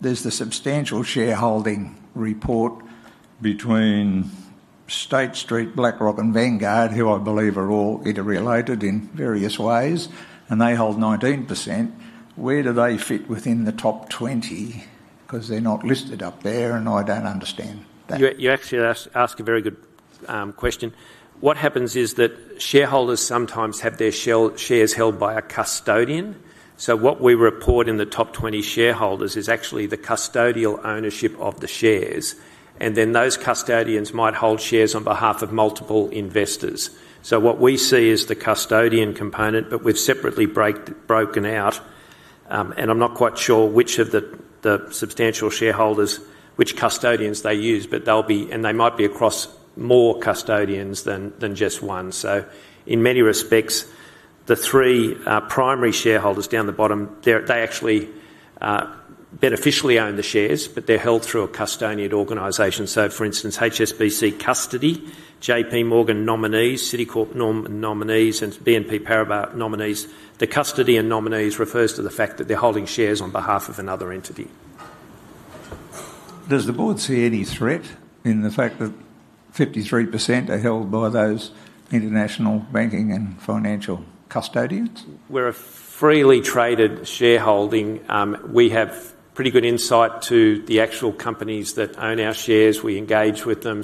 There's the substantial shareholding. Report between State Street, BlackRock, and Vanguard. Who I believe are all interrelated. Very various ways, and they hold 19%. Where do they fit within the top 20? Because they're not listed up there, and I don't understand that. You actually ask a very good question. What happens is that shareholders sometimes have their shares held by a custodian. What we report in the top 20 shareholders is actually the custodial ownership of the shares, and then those custodians might hold shares on behalf of multiple investors. What we see is the custodian component, but we've separately broken out, and I'm not quite sure which of the substantial shareholders, which custodians they use. They might be across more custodians than just one. In many respects, the three primary shareholders down the bottom actually beneficially own the shares, but they're held through a custodian organization. For instance, HSBC Custody, JP Morgan Nominees, Citicorp Nominees, and BNP Paribas Nominees. The custody and nominees refers to the fact that they're holding shares on behalf of another entity. Does the board see any threat in? The fact that 53% are held by those international banking and financial custodians? We're a freely traded shareholding. We have pretty good insight to the actual companies that own our shares. We engage with them.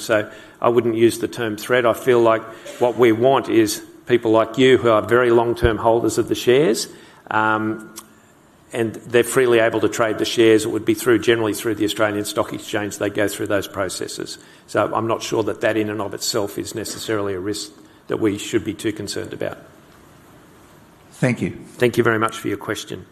I wouldn't use the term threat. I feel like what we want is people like you who are very long term holders of the shares and they're freely able to trade the shares. It would be generally through the Australian Stock Exchange. They go through those processes. I'm not sure that that in and of itself is necessarily a risk that we should be too concerned about. Thank you. Thank you very much for your question.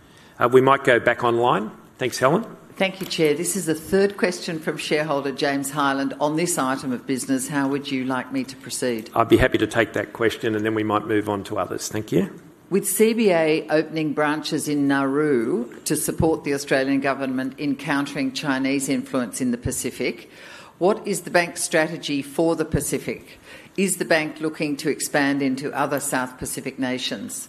We might go back online. Thanks, Helen. Thank you, Chair. This is the third question from shareholder James Hyland on this item of business. How would you like me to proceed? I'd be happy to take that question, and then we might move on to others. Thank you. With CBA opening branches in Nauru to support the Australian government in countering Chinese influence in the Pacific, what is the bank strategy for the Pacific? Is the bank looking to expand into other South Pacific nations?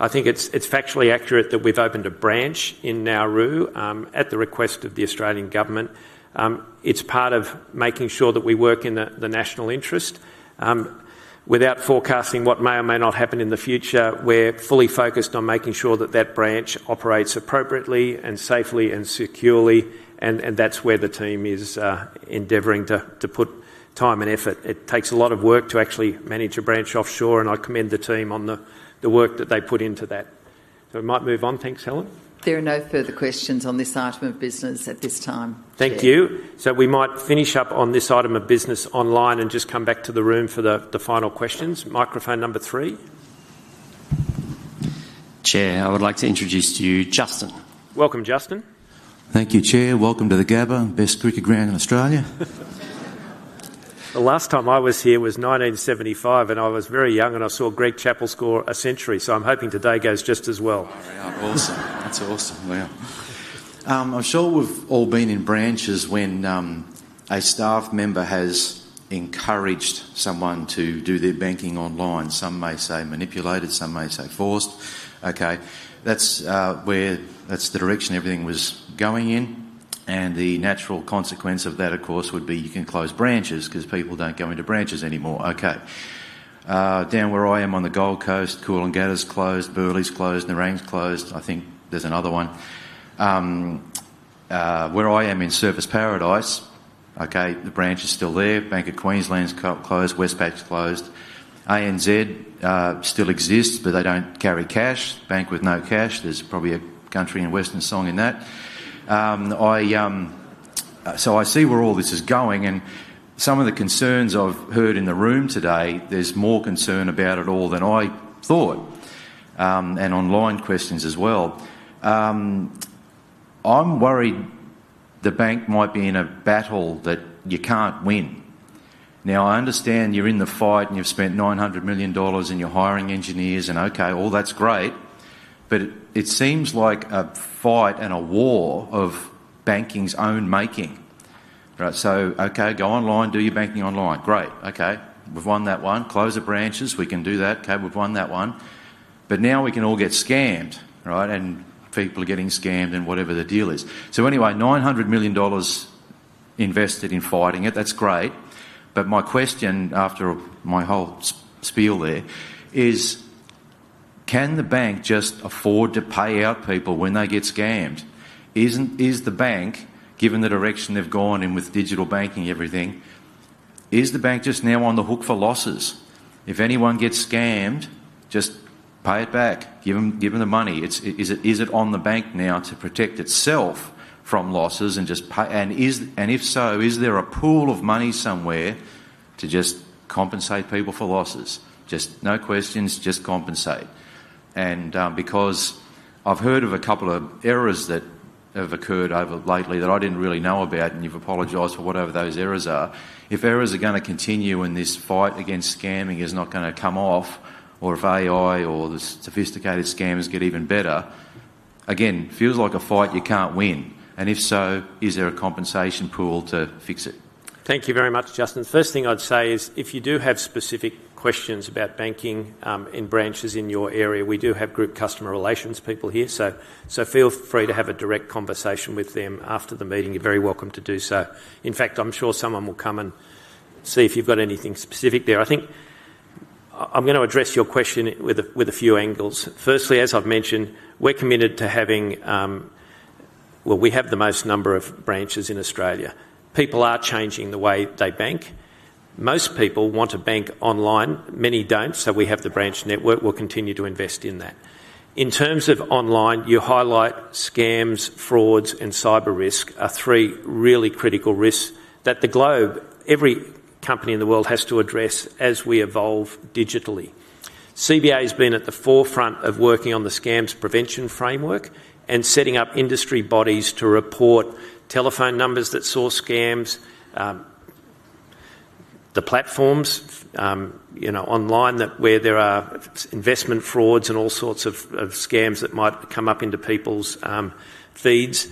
I think it's factually accurate that we've opened a branch in Nauru at the request of the Australian government. It's part of making sure that we work in the national interest without forecasting what may or may not happen in the future. We're fully focused on making sure that that branch operates appropriately, safely, and securely. That's where the team is endeavoring to put time and effort. It takes a lot of work to actually manage a branch offshore, and I commend the team on the work that they put into that. We might move on. Thanks, Helen. There are no further questions on this item of business at this time. Thank you. We might finish up on this item of business online and just come back to the room for the final questions. Microphone number three. Chair, I would like to introduce you, Justin. Welcome, Justin. Thank you, Chair. Welcome to the Brisbane Ground, the best cricket ground in Australia. The last time I was here was 1975, and I was very young, and I saw Greg Chappell score a century. I'm hoping today goes just as well. That's awesome. I'm sure we've all been in branches when a staff member has encouraged someone to do their banking online. Some may say manipulated, some may say forced. That's the direction everything was going in. The natural consequence of that, of course, would be you can close branches because people don't go into branches anymore. Down where I am on the Gold Coast, Coolangatta's closed, Burley's closed, Nerang's closed. I think there's another one where I am in Surfers Paradise. The branch is still there. Bank of Queensland's closed. Westpac closed. ANZ still exists, but they don't carry cash. Bank with no cash. There's probably a country and western song in that. I see where all this is going and some of the concerns I've heard in the room today. There's more concern about it all than I thought and online questions as well. I'm worried the bank might be in a battle that you can't win. I understand you're in the fight and you've spent $900 million and you're hiring engineers and all that's great, but it seems like a fight and a war of banking's own making. Go online, do your banking online. Great. We've won that one. Close the branches. We can do that. We've won that one. Now we can all get scared. Scammed, right? People are getting scammed and whatever the deal is. $900 million invested in fighting it. That's great. My question after my whole spiel there is, can the bank just afford to pay out people when they get scammed? Is the bank, given the direction they've gone in with digital banking, everything, just now on the hook for losses? If anyone gets scammed, just pay it back, give them the money. Is it on the bank now to protect itself from losses? If so, is there a pool of money somewhere to just compensate people for losses? No questions, just compensate. And because I've heard of a couple of errors that have occurred lately that I didn't really know about. You've apologized for whatever those errors are. If errors are going to continue and this fight against scamming is not going to come off, or if AI or the sophisticated scammers get even better, again, feels like a fight you can't win. If so, is there a compensation pool to fix it? Thank you very much, Justin. First thing I'd say is if you do have specific questions about banking in branches in your area, we do have Group Customer Relations people here, so feel free to have a direct conversation with them after the meeting. You're very welcome to do so. In fact, I'm sure someone will come and see if you've got anything specific there. I think I'm going to address your question with a few angles. Firstly, as I've mentioned, we're committed to having the most number of branches in Australia. People are changing the way they bank. Most people want to bank online, many don't. We have the branch network. We'll continue to invest in that. In terms of online, you highlight scams, frauds, and cyber risk are three really critical risks that the globe, every company in the world, has to address as we evolve digitally. CBA has been at the forefront of working on the scams prevention framework and setting up industry bodies to report telephone numbers that saw scams. The platforms online, where there are investment frauds and all sorts of scams that might come up into people's feeds.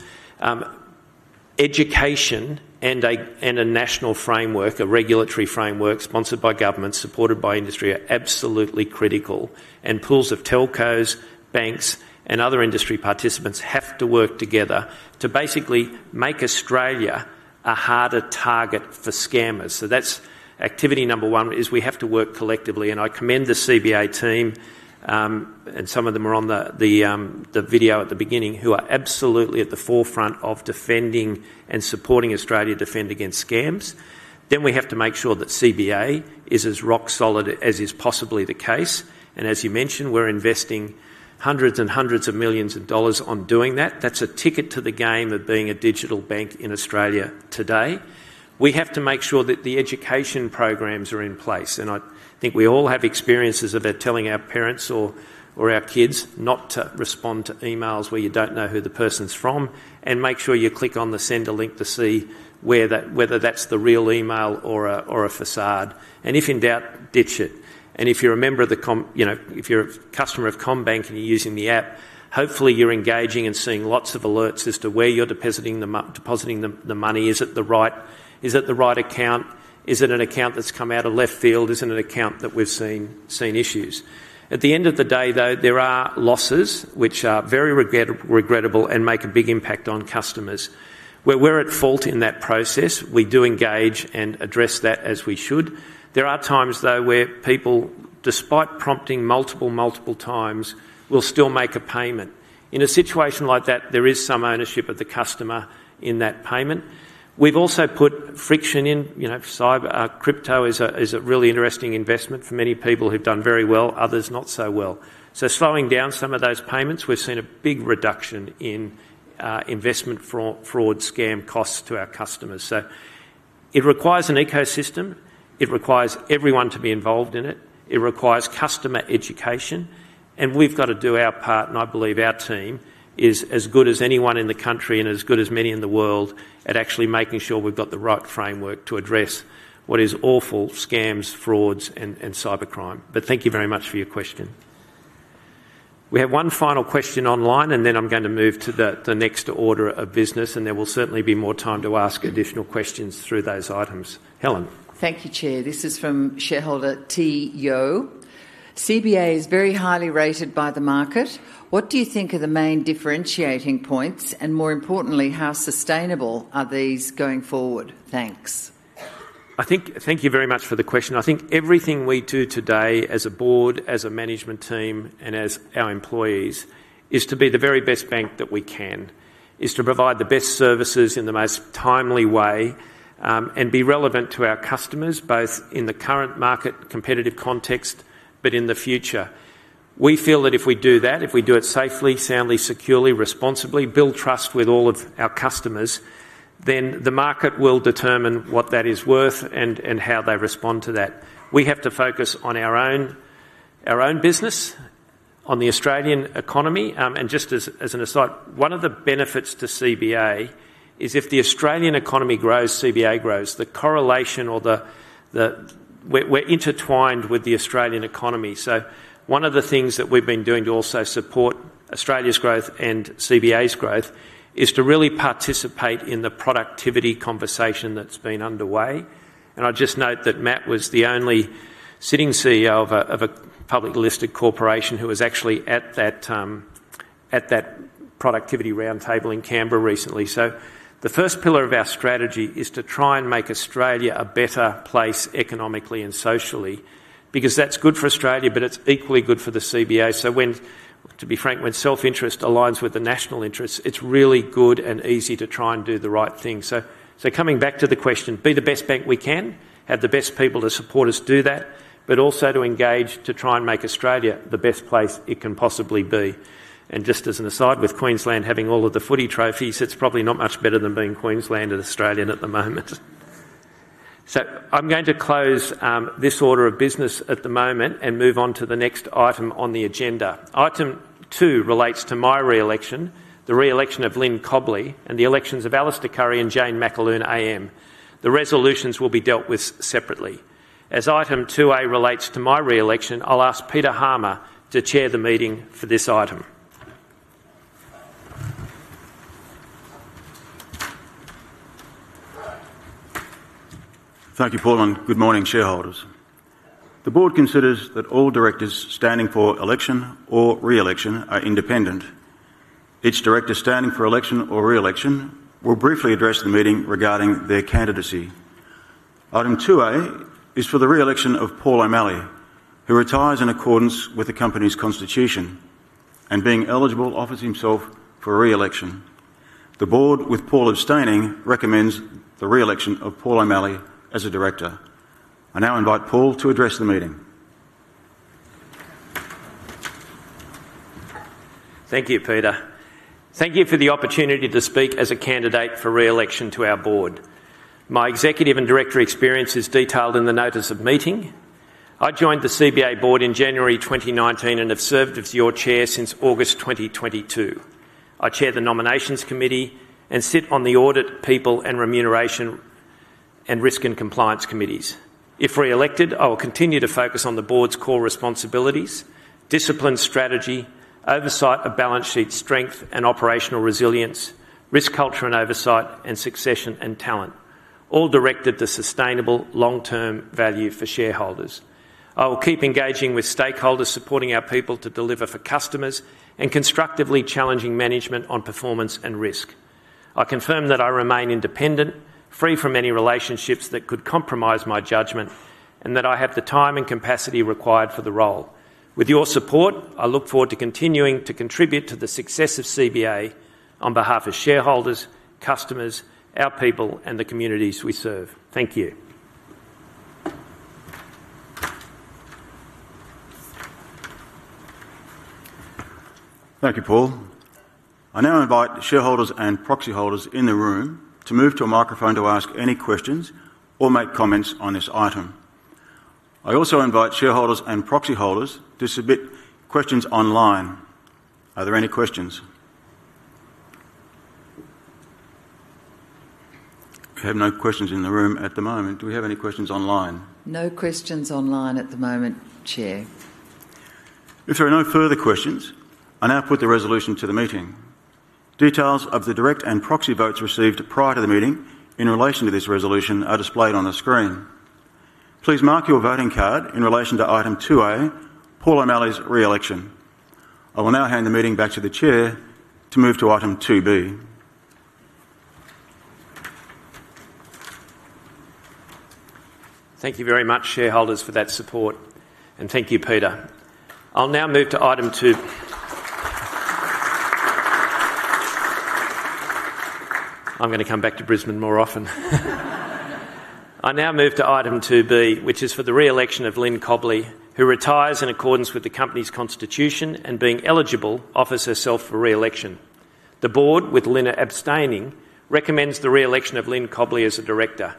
Education and a national framework, a regulatory framework sponsored by government, supported by industry, are absolutely critical. And pools of telcos, banks, and other industry participants have to work together to basically make Australia a harder target for scammers. That's activity number one: we have to work collectively, and I commend the CBA team and some of them are on the video at the beginning who are absolutely at the forefront of defending and supporting Australia defend against scams. We have to make sure that CBA is as rock solid as is possibly the case. As you mentioned, we're investing hundreds and hundreds of millions of dollars on doing that. That's a ticket to the game of being a digital bank in Australia today. We have to make sure that the education programs are in place, and I think we all have experiences about telling our parents or our kids not to respond to emails where you don't know who the person's from and make sure you click on the, send a link to see whether that's the real email or a facade. If in doubt, ditch it. If you're a customer of CommBank and you're using the app, hopefully you're engaging and seeing lots of alerts as to where you're depositing the money. Is it the right account? Is it an account that's come out of left field? Is it an account that we've seen issues? At the end of the day, though, there are losses which are very regrettable and make a big impact on customers. Where we're at fault in that process, we do engage and address that as we should. There are times, though, where people, despite prompting multiple, multiple times, will still make a payment. In a situation like that, there is some ownership of the customer in that payment. We've also put friction in. You know, crypto is a really interesting investment for many people who've done very well, others not so well. Slowing down some of those payments, we've seen a big reduction in investment fraud skills costs to our customers. It requires an ecosystem, it requires everyone to be involved in it, it requires customer education, and we've got to do our part. I believe our team is as good as anyone in the country and as good as many in the world at actually making sure we've got the right framework to address what is awful: scams, frauds, and cybercrime. Thank you very much for your question. We have one final question online, and then I'm going to move to the next all of business, and there will certainly be more time to ask additional questions through those items. Helen, thank you, Chair. This is from shareholder T Yeo. CBA is very highly rated by the market. What do you think are the main differentiating points, and more importantly, how sustainable are these going forward? Thank you very much for the question. I think everything we do today as a Board, as a management team, and as our employees is to be the very best bank that we can, to provide the best services in the most timely way and be relevant to our customers, both in the current market competitive context. If we do that, if we do it safely, soundly, securely, responsibly, and build trust with all of our customers, then the market will determine what that is worth and how they respond to that. We have to focus on our own business, on the Australian economy. Just as an aside, one of the benefits to CBA is if the Australian economy grows, CBA grows. The correlation is that we're intertwined with the Australian economy. One of the things that we've been doing to also support Australia's growth and CBA's growth is to really participate in the productivity conversation that's been underway. I'll just note that Matt Comyn was the only sitting CEO of a public listed corporation who was actually at that productivity roundtable in Canberra recently. The first pillar of our strategy is to try and make Australia a better place economically and socially because that's good for Australia, but it's equally good for the CBA. To be frank, when self-interest aligns with the national interest, it's really good and easy to try and do the right thing. Coming back to the question, be the best bank we can, have the best people to support us do that, but also to engage to try and make Australia the best place it can possibly be. Just as an aside, with Queensland having all of the footy trophies, it's probably not much better than being Queensland and Australian at the moment. I'm going to close this order of business at the moment and move on to the next item on the agenda. Item two relates to my re-election, the re-election of Lyn Cobley, and the elections of Alistair Currie and Jane McAlhoon AM. The resolutions will be dealt with separately as Item 2A relates to my re-election. I'll ask Peter Harmer to chair the meeting for this item. Thank you, Paul. Good afternoon. Good morning, shareholders. The Board considers that all directors standing for election or re-election are independent. Each director standing for election or re-election will briefly address the meeting regarding their candidacy. Item 2A is for the re-election of Paul O'Malley, who retires in accordance with the company's constitution and, being eligible, offers himself for re-election. The Board, with Paul abstaining, recommends the re-election of Paul O'Malley as a Director. I now invite Paul to address the meeting. Thank you, Peter. Thank you for the opportunity to speak as a candidate for re-election to our Board. My executive and director experience is detailed in the Notice of Meeting. I joined the CBA Board in January 2019 and have served as your Chair since August 2022. I chair the Nominations Committee and sit on the Audit, People and Remuneration, and Risk and Compliance Committees. If re-elected, I will continue to focus on the Board's core responsibilities: disciplined strategy, oversight of balance sheet strength and operational resilience, risk culture and oversight, and succession and talent, all directed to sustainable long-term value for shareholders. I will keep engaging with stakeholders, supporting our people to deliver for customers, and constructively challenging management on performance and risk. I confirm that I remain independent, free from any relationships that could compromise my judgment, and that I have the time and capacity required for the role. With your support, I look forward to continuing to contribute to the success of CBA on behalf of shareholders, customers, our people, and the communities we serve. Thank you. Thank you, Paul. I now invite shareholders and proxy holders in the room to move to a microphone to ask any questions or make comments on this item. I also invite shareholders and proxy holders to submit questions online. Are there any questions? We have no questions in the room at the moment. Do we have any questions online? No questions online at the moment, Chair. If there are no further questions, I now put the resolution to the meeting. Details of the direct and proxy votes received prior to the meeting in relation to this resolution are displayed on the screen. Please mark your voting card in relation to item 2A, Paul O'Malley's re-election. I will now hand the meeting back to the Chair to move to item 2B. Thank you very much shareholders for that support, and thank you, Peter. I'll now move to item two. I'm going to come back to Brisbane more often. I now move to item 2B, which is for the re-election of Lyn Cobley, who retires in accordance with the company's constitution and, being eligible, offers herself for re-election. The Board, with Lyn abstaining, recommends the re-election of Lyn Cobley as a Director.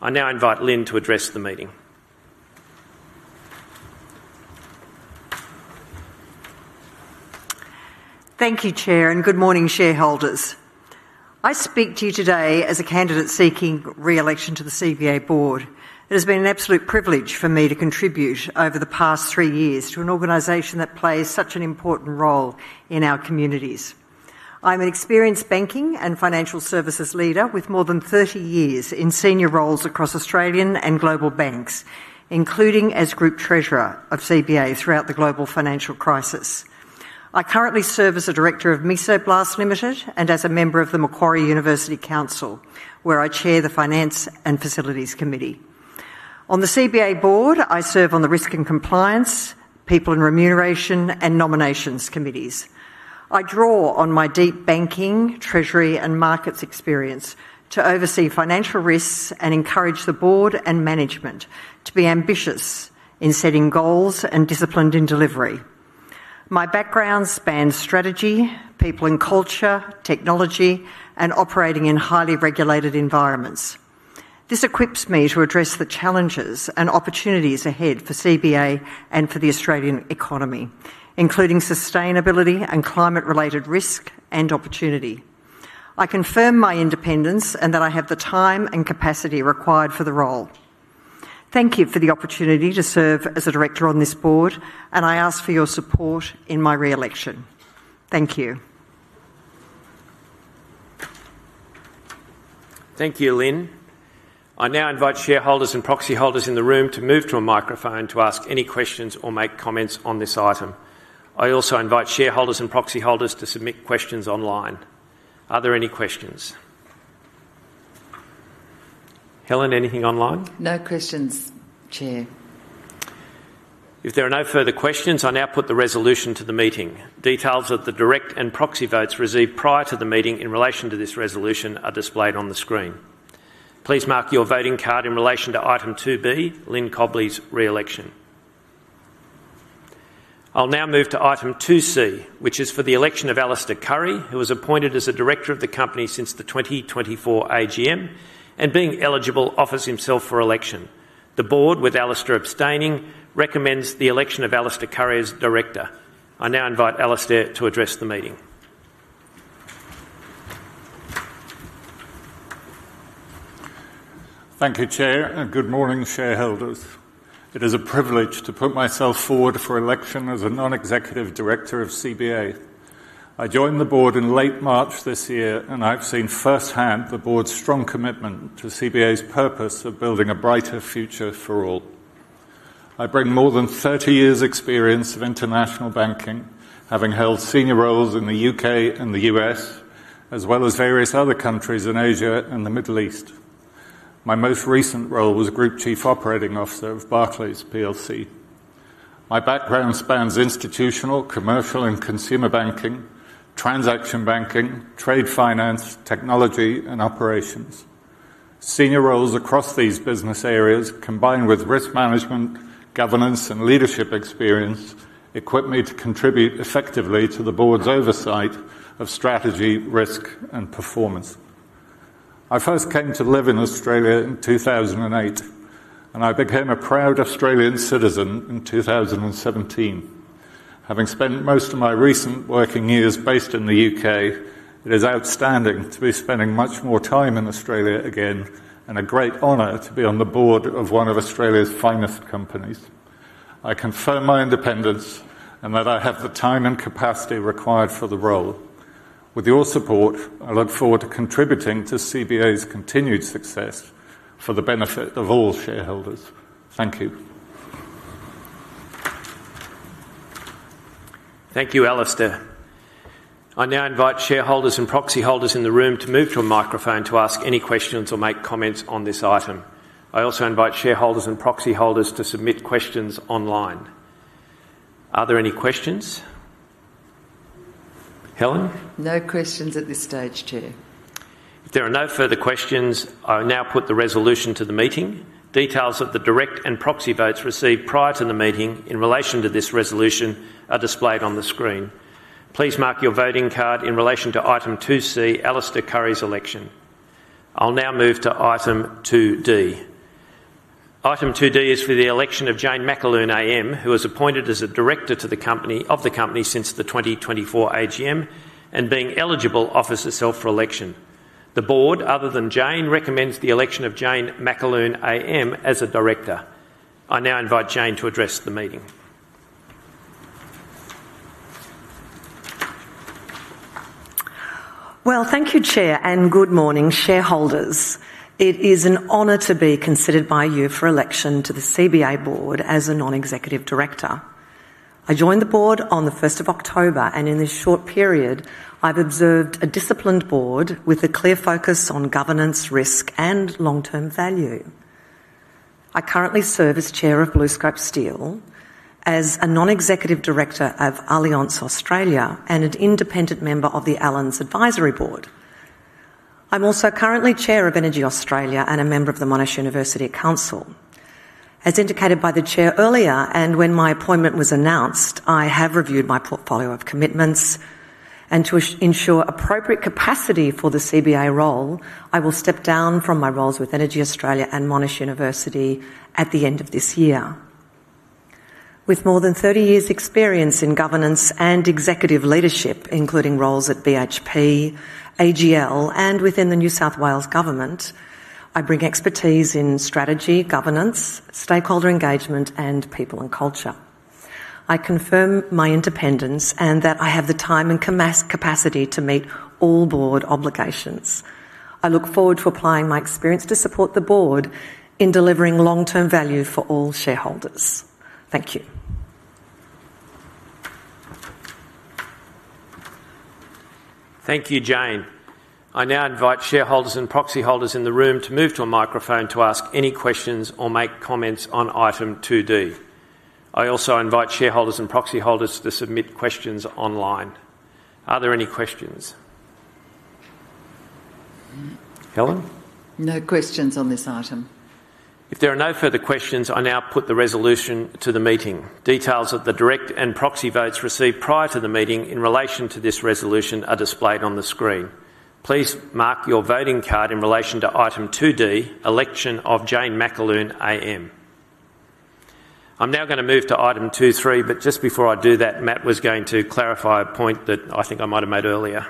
I now invite Lyn to address the meeting. Thank you, Chair, and good morning, shareholders. I speak to you today as a candidate seeking re-election to the CBA Board. It has been an absolute privilege for me to contribute over the past three years to an organization that plays such an important role in our communities. I'm an experienced banking and financial services leader with more than 30 years in senior roles across Australian and global banks, including as Group Treasurer of CBA throughout the global financial crisis. I currently serve as a Director of Miso Blast Ltd. and as a member of the Macquarie University Council, where I chair the Finance and Facilities Committee. On the CBA Board, I serve on the Risk and Compliance, People and Remuneration, and Nominations Committees. I draw on my deep banking, treasury, and markets experience to oversee financial risks and encourage the Board and management to be ambitious in setting goals and disciplined in delivery. My background spans strategy, people and culture, technology, and operating in highly regulated environments. This equips me to address the challenges and opportunities ahead for CBA and for the Australian economy, including sustainability and climate-related risk and opportunity. I confirm my independence and that I have the time and capacity required for the role. Thank you for the opportunity to serve as a Director on this Board, and I ask for your support in my re-election. Thank you. Thank you, Lyn. I now invite shareholders and proxy holders in the room to move to a microphone to ask any questions or make comments on this item. I also invite shareholders and proxy holders to submit questions online. Are there any questions? Helen, anything online? No questions, Chair. If there are no further questions, I now put the resolution to the meeting. Details of the direct and proxy votes received prior to the meeting in relation to this resolution are displayed on the screen. Please mark your voting card. In relation to item 2B, Lyn Cobley's re-election. I'll now move to item 2C, which is for the election of Alistair Currie, who was appointed as a Director of the company since the 2024 AGM and, being eligible, offers himself for election. The Board, with Alistair abstaining, recommends the election of Alistair Currie as Director. I now invite Alistair to address the meeting. Thank you, chair, and good morning, shareholders. It is a privilege to put myself forward for election as a Non-Executive Director of CBA. I joined the Board in late March this year, and I've seen firsthand the Board's strong commitment to CBA's purpose of building a brighter future for all. I bring more than 30 years of experience in international banking, having held senior roles in the UK and the U.S. as well as various other countries in Asia and the Middle East. My most recent role was Group Chief Operating Officer of Barclays plc. My background spans institutional, commercial, and consumer banking, transaction banking, trade, finance, technology, and operations. Senior roles across these business areas come combined with risk management, governance, and leadership. Experience equipped me to contribute effectively to the Board's oversight of strategy, risk, and performance. I first came to live in Australia in 2008, and I became a proud Australian citizen in 2017. Having spent most of my recent working years based in the UK, it is outstanding to be spending much more time in Australia again and a great honor to be on the Board of one of Australia's finest companies. I confirm my independence and that I have the time and capacity required for the role. With your support, I look forward to contributing to CBA's continued success for the benefit of all shareholders. Thank you. Thank you, Alistair. I now invite shareholders and proxy holders in the room to move to a microphone to ask any questions or make comments on this item. I also invite shareholders and proxy holders to submit questions online. Are there any questions, Helen? No questions at this stage, chair. If there are no further questions, I now put the resolution to the meeting. Details of the direct and proxy votes received prior to the meeting in relation to this resolution are displayed on the screen. Please mark your voting card. In relation to item 2C, Alister Currie's election, I'll now move to item 2D. Item 2D is for the election of Jane McAloon AM, who was appointed as a Director of the company since the 2024 AGM and, being eligible, offers herself for election. The Board, other than Jane, recommends the election of Jane McAloon AM as a Director. I now invite Jane to address the meeting. Thank you Chair and good morning shareholders. It is an honor to be considered by you for election to the CBA Board. As a Non-Executive Director I joined the Board on the 1st of October and in this short period I've observed a disciplined Board with a clear focus on governance, risk, and long-term value. I currently serve as Chair of BlueScope Steel, as a Non-Executive Director of Alliance Australia, and an independent member of the Allans Advisory Board. I'm also currently Chair of EnergyAustralia and a member of the Monash University Council. As indicated by the Chair earlier and when my appointment was announced, I have reviewed my portfolio of commitments to ensure appropriate capacity for the CBA role. I will step down from my roles with EnergyAustralia and Monash University at the end of this year. With more than 30 years' experience in governance and executive leadership, including roles at BHP, AGL, and within the New South Wales Government, I bring expertise in strategy, governance, stakeholder engagement, and people and culture. I confirm my independence and that I have the time and capacity to meet all Board obligations. I look forward to applying my experience to support the Board in delivering long-term value for all shareholders. Thank you. Thank you, Jane. I now invite shareholders and proxy holders in the room to move to a microphone to ask any questions or make comments on item 2D. I also invite shareholders and proxy holders to submit questions online. Are there any questions, Helen? No questions on this item. If there are no further questions, I now put the resolution to the meeting. Details of the direct and proxy votes received prior to the meeting in relation to this resolution are displayed on the screen. Please mark your voting card. In relation to item 2D, election of Anne Templeman-Jones, I'm now going to move to item 23. Just before I do that, Matt was going to clarify a point that I think I. Might have made earlier,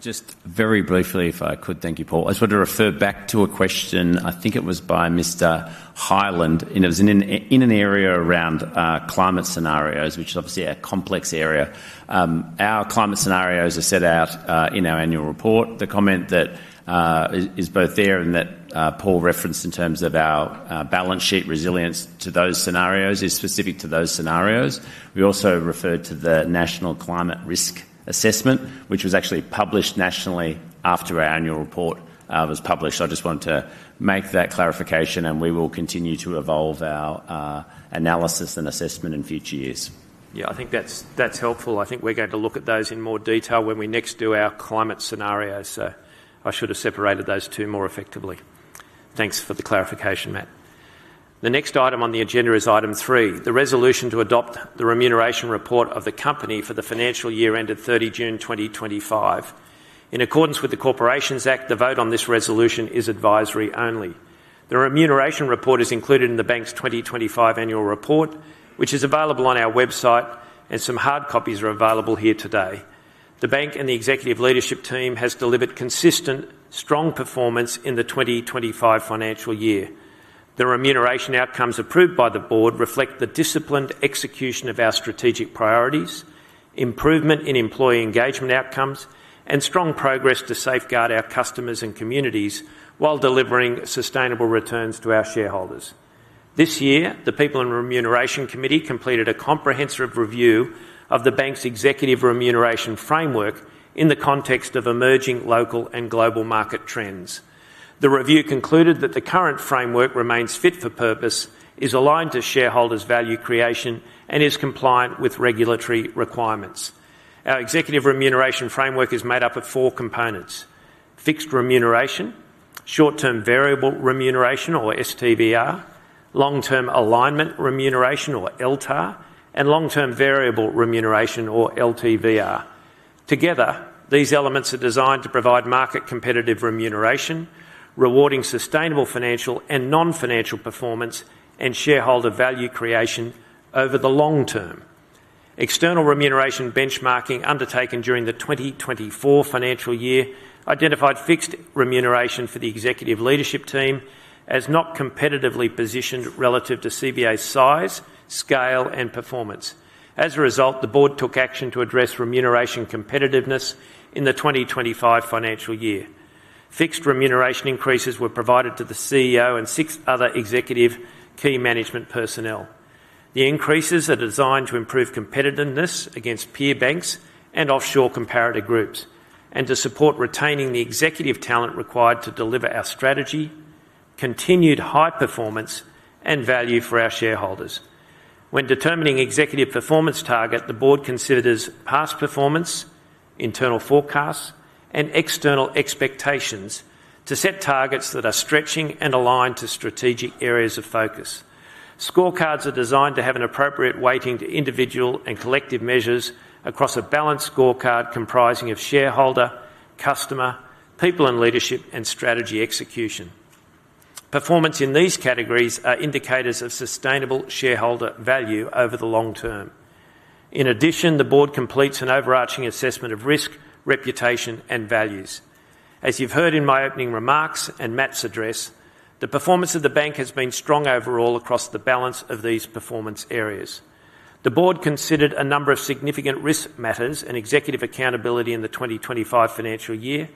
just very briefly if I could. Thank you, Paul. I just want to refer back to a question, I think it was by Mr. Hyland, and it was in an area around climate scenarios, which is obviously a complex area. Our climate scenarios are set out in our annual report. The comment that is both there and that Paul referenced in terms of our balance sheet resilience to those scenarios is specific to those scenarios. We also referred to the National Climate Risk Assessment, which was actually published nationally after our annual report was published. I just want to make that clarification, and we will continue to evolve our analysis and assessment in future years. Yeah, I think that's helpful. I think we're going to look at those in more detail when we next do our climate scenario. I should have separated those two more effectively. Thanks for the clarification, Matt. The next item on the agenda is item three, the resolution to adopt the remuneration report of the Company for the financial year ended 30 June 2025 in accordance with the Corporations Act. The vote on this resolution is advisory only. The remuneration report is included in the bank's 2025 annual report, which is available on our website and some hard copies are available here. Today, the bank and the Executive Leadership Team has delivered consistent, strong performance in the 2025 financial year. The remuneration outcomes approved by the Board reflect the disciplined execution of our strategic priorities, improvement in employee engagement outcomes, and strong progress to safeguard our customers and communities while delivering some sustainable returns to our shareholders. This year, the People and Remuneration Committee completed a comprehensive review of the bank's executive remuneration framework in the context of emerging local and global market trends. The review concluded that the current framework remains fit for purpose, is aligned to shareholder value creation, and is compliant with regulatory requirements. Our executive remuneration framework is made up of four: fixed remuneration, short term variable remuneration or STVR, long term alignment remuneration or LTAR, and long term variable remuneration or LTVR. Together these elements are designed to provide market competitive remuneration, rewarding sustainable financial and non-financial performance and shareholder value creation over the long term. External remuneration benchmarking undertaken during the 2024 financial year identified fixed remuneration for the Executive Leadership Team as not competitively positioned relative to CBA's size, scale, and performance. As a result, the Board took action to address remuneration competitiveness in the 2025 financial year. Fixed remuneration increases were provided to the CEO and six other executives, key management personnel. The increases are designed to improve competitiveness against peer banks and offshore comparator groups and to support retaining the executive talent required to deliver our strategy, continued high performance, and value for our shareholders. When determining executive performance target, the Board considers past performance, internal forecasts, and external expectations to set targets that are stretching and aligned to strategic areas of focus. Scorecards are designed to have an appropriate weighting to individual and collective measures across a balanced scorecard comprising shareholder, customer, people, leadership, and strategy execution. Performance in these categories are indicators of sustainable shareholder value over the long term. In addition, the Board completes an overarching assessment of revenue risk, reputation, and values. As you've heard in my opening remarks and Matt's address, the performance of the bank has been strong overall across the balance of these performance areas. The Board considered a number of significant risk matters and executive accountability in the 2025 financial year,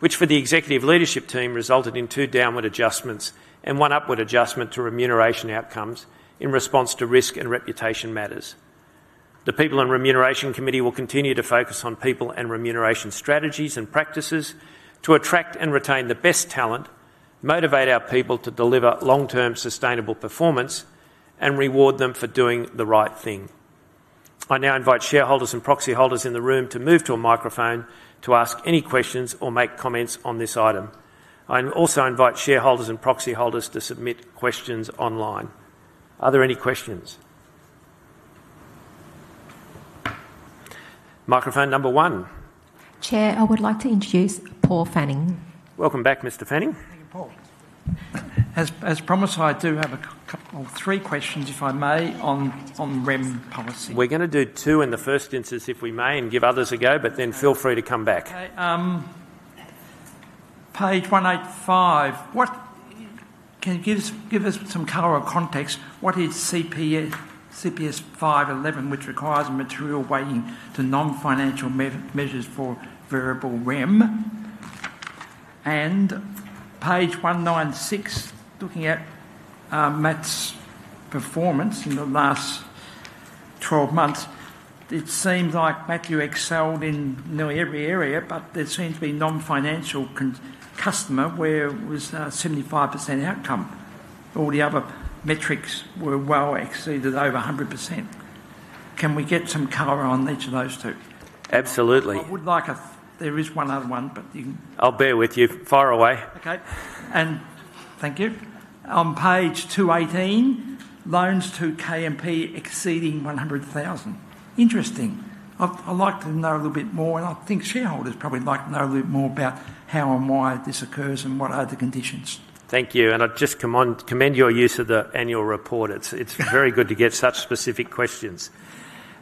which for the Executive Leadership Team resulted in two downward adjustments and one upward adjustment to remuneration outcomes in response to risk and reputation matters. The People and Remuneration Committee will continue to focus on people and remuneration strategies and practices to attract and retain the best talent, motivate our people to deliver long term sustainable performance, and reward them for doing the right thing. I now invite shareholders and proxy holders in the room to move to a microphone to ask any questions or make comments on this item. I also invite shareholders and proxy holders to submit questions online. Are there any questions? Microphone number one Chair I would like. To introduce Paul Fanning.. Welcome back, Mr. Fanning. As promised, I do have three questions if I may on REM policy. We're going to do two in the first instance, if we may, and give others a go, but then feel free to come back. Page 185, can you give us some color or context? What is CPS511, which requires material weighting to non-financial measures for variable rem? On page 196, looking at Matt's performance in the last 12 months, it seems like Matthew excelled in nearly every area, but there seems to be non-financial customer where it was 75% outcome. All the other metrics were well exceeded, over 100%. Can we get some color on each of those two? Absolutely. I would like there is one other. I'll bear with you. Far away. Okay, thank you. On page 218, loans to KMP exceeding $100,000. Interesting. I'd like to know a little bit more, and I think shareholders probably like to know a little more about how and why this occurs and what are the conditions. Thank you. I just commend your use of the annual report. It's very good to get such specific questions.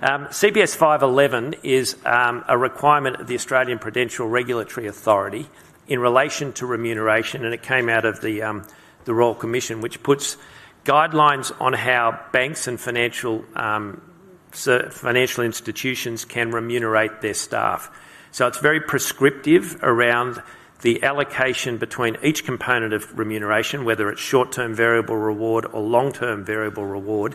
CPS 511 is a requirement of the Australian Prudential Regulatory Authority in relation to remuneration and it came out of the Royal Commission, which puts guidelines on how banks and financial institutions can remunerate their staff. It is very prescriptive around the allocation between each component of remuneration, whether it's short term variable reward or long term variable reward,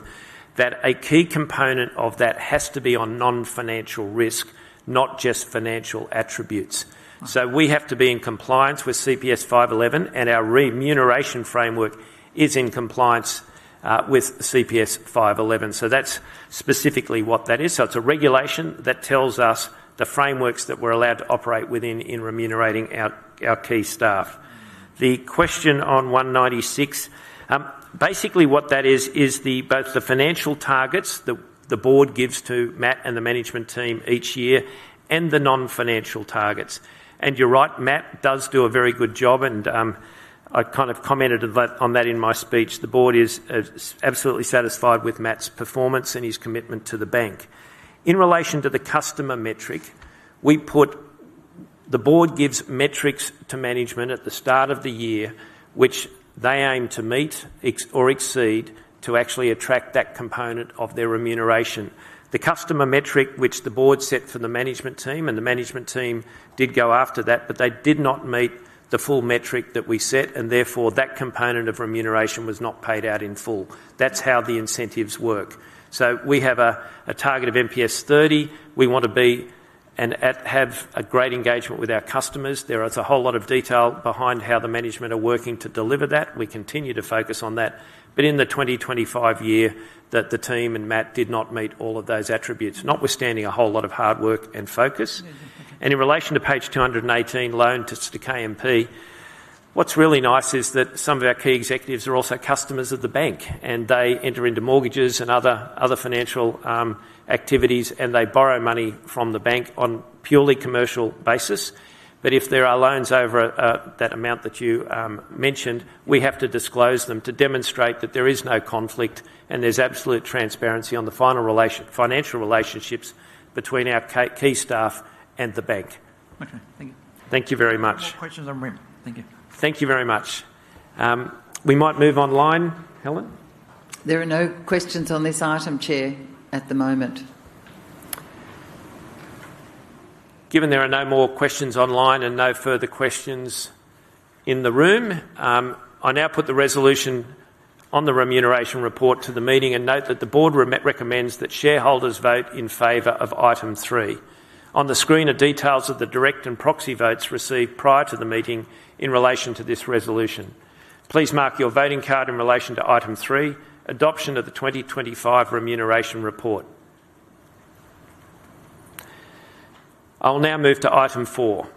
that a key component of that has to be on non-financial risk, not just financial attributes. We have to be in compliance with CPS 511 and our remuneration framework is in compliance with CPS 511. That is specifically what that is. It is a regulation that tells us the frameworks that we're allowed to operate within in remunerating our key staff. The question on 196, basically what that is is both the financial targets that the Board gives to management, Matt and the management team each year, and the non-financial targets. You're right, Matt does do a very good job and I commented on that in my speech. The Board is absolutely satisfied with Matt's performance and his commitment to the bank. In relation to the customer metric, the Board gives metrics to management at the start of the year which they aim to meet or exceed to actually attract that component of their remuneration, the customer metric which the Board set for the management team, and the management team did go after that, but they did not meet the full metric that we set and therefore that component of remuneration was not paid out in full. That's how the incentives work. We have a target of MPS 30. We want to be and have a great engagement with our customers. There is a whole lot of detail behind how the management are working to deliver that. We continue to focus on that. In the 2025 year, the team and Matt did not meet all of those attributes, notwithstanding a whole lot of hard work and focus. In relation to page 218 loan to KMP, what's really nice is that some of our key executives are also customers of the bank and they enter into mortgages and other financial activities and they borrow money from the bank on a purely commercial basis. If there are loans over that amount that you mentioned, we have to disclose them to demonstrate that there is no conflict and there's absolute transparency on the financial relationships between our key staff and the bank. Thank you. Thank you very much. Questions on rim. Thank you. Thank you very much. We might move online. Helen, there are no questions on this item, chair, at the moment. Given there are no more questions online and no further questions in the room, I now put the resolution on the remuneration report to the meeting. I note that the Board recommends that shareholders vote in favor of item 3. On the screen are details of the direct and proxy votes received prior to the meeting in relation to this resolution. Please mark your voting card in relation to item three: adoption of the 2025 remuneration report. I will now move to item four.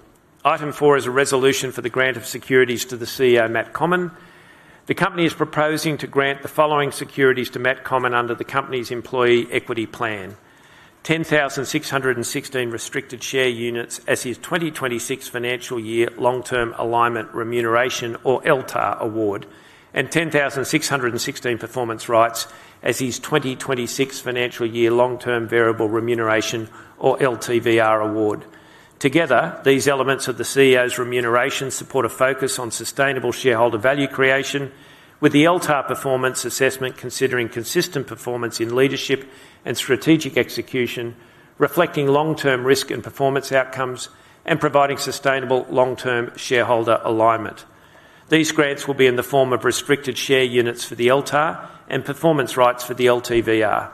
Item four is a resolution for the grant of securities to the CEO Matt Comyn. The Company is proposing to grant the following securities to Matt Comyn under the Company's employee equity plan: 10,616 restricted share units as his 2026 financial year Long Term Alignment Remuneration or LTAR award, and 10,616 performance rights as his 2026 financial year Long Term Variable Remuneration or LTVR award. Together, these elements of the CEO's remuneration support a focus on sustainable shareholder value creation, with the LTAR performance assessment considering consistent performance in leadership and strategic execution, reflecting long term risk and performance outcomes, and providing sustainable long term shareholder alignment. These grants will be in the form of restricted share units for the LTAR and performance rights for the LTVR.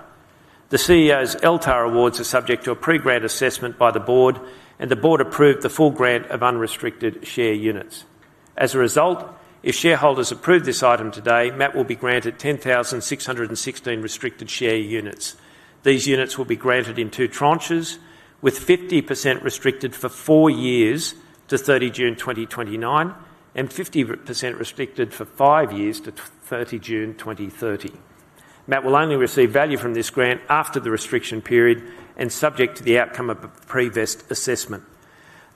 The CEO's LTAR awards are subject to a pre-grant assessment by the Board, and the Board approved the full grant of restricted share units as a result. If shareholders approve this item today, Matt will be granted 10,616 restricted share units. These units will be granted in two tranches, with 50% restricted for four years to 30 June 2029, and 50% restricted for five years to 30 June 2030. Matt will only receive value from this grant after the restriction period and subject to the outcome of a pre-vest assessment.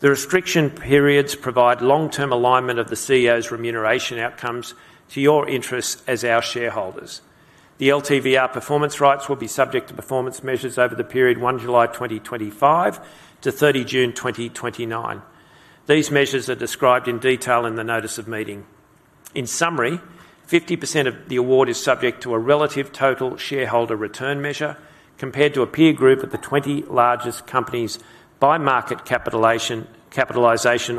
The restriction periods provide long term alignment of the CEO's remuneration outcomes to your interests as our shareholders. The LTVR performance rights will be subject to performance measures over the period 1 July 2025 to 30 June 2029. These measures are described in detail in the Notice of Meeting. In summary, 50% of the award is subject to a relative total shareholder return measure compared to a peer group of the 20 largest companies by market capitalization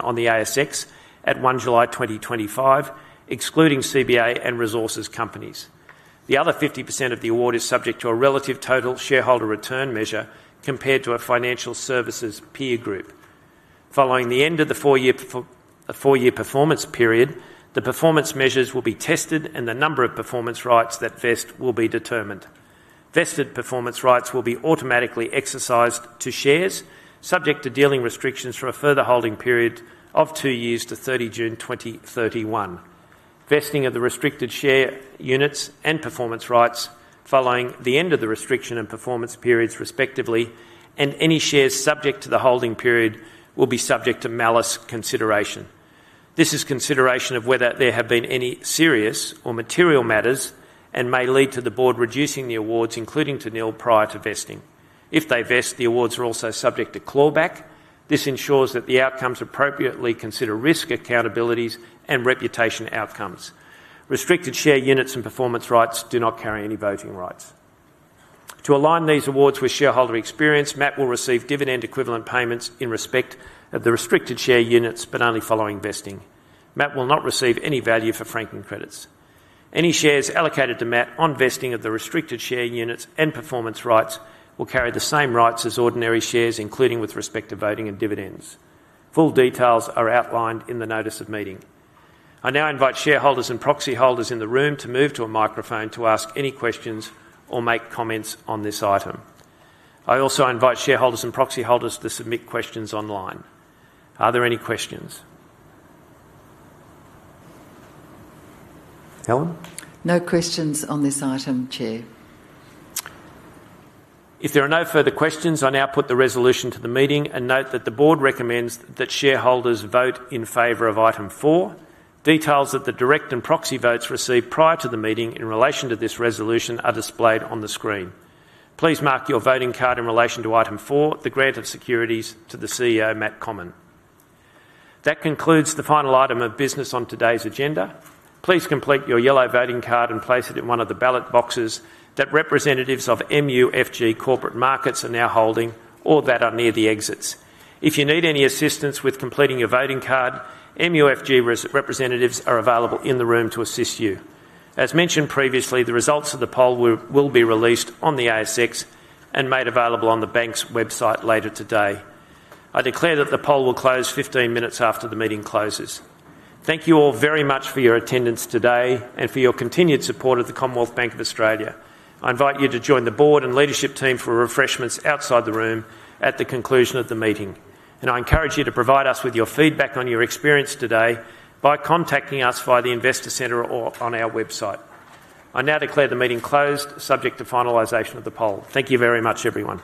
on the ASX at 1 July 2025, excluding CBA and resources companies. The other 50% of the award is subject to a relative total shareholder return measure compared to a financial services peer group. Following the end of the four-year performance period, the performance measures will be tested and the number of performance rights that vest will be determined. Vested performance rights will be automatically exercised to shares, subject to dealing restrictions for a further holding period of 2 years to 30 June 2031. Vesting of the restricted share units and performance rights follows the end of the restriction and performance periods respectively, and any shares subject to the holding period will be subject to malice consideration. This is consideration of whether there have been any serious or material matters and may lead to the Board reducing the awards, including to nil prior to vesting. If they vest, the awards are also subject to clawback. This ensures that the outcomes appropriately consider risk accountabilities and reputation outcomes. Restricted share units and performance rights do not carry any voting rights. To align these awards with shareholder experience, MAPP will receive dividend equivalent payments in respect of the restricted share units, but only following vesting. MAPP will not receive any value for franking credits. Any shares allocated to MAPP on vesting of the restricted share units and performance rights will carry the same rights as ordinary shares, including with respect to voting and dividends. Full details are outlined in the Notice of Meeting. I now invite shareholders and proxy holders in the room to move to a microphone to ask any questions or make comments on this item. I also invite shareholders and proxy holders to submit questions online. Are there any questions, Helen? No questions on this item, chair. If there are no further questions, I now put the resolution to the meeting and note that the Board recommends that shareholders vote in favor of item four. Details that the direct and proxy votes received prior to the meeting in relation to this resolution are displayed on the screen. Please mark your voting card in relation to item four, the grant of securities to the CEO Matt Comyn. That concludes the final item of business on today's agenda. Please complete your yellow voting card and place it in one of the ballot boxes that representatives of MUFG Corporate Markets are now holding or that are near the exits. If you need any assistance with completing your voting card, MUFG representatives are available in the room to assist you. As mentioned previously, the results of the poll will be released on the ASX and made available on the Bank's website later today. I declare that the poll will close 15 minutes after the meeting closes. Thank you all very much for your attendance today and for your continued support of the Commonwealth Bank of Australia. I invite you to join the Board and leadership team for refreshments outside the room at the conclusion of the meeting. I encourage you to provide us with your feedback on your experience today by contacting us via the Investor Center or on our website. I now declare the meeting closed, subject to finalization of the poll. Thank you very much, everyone.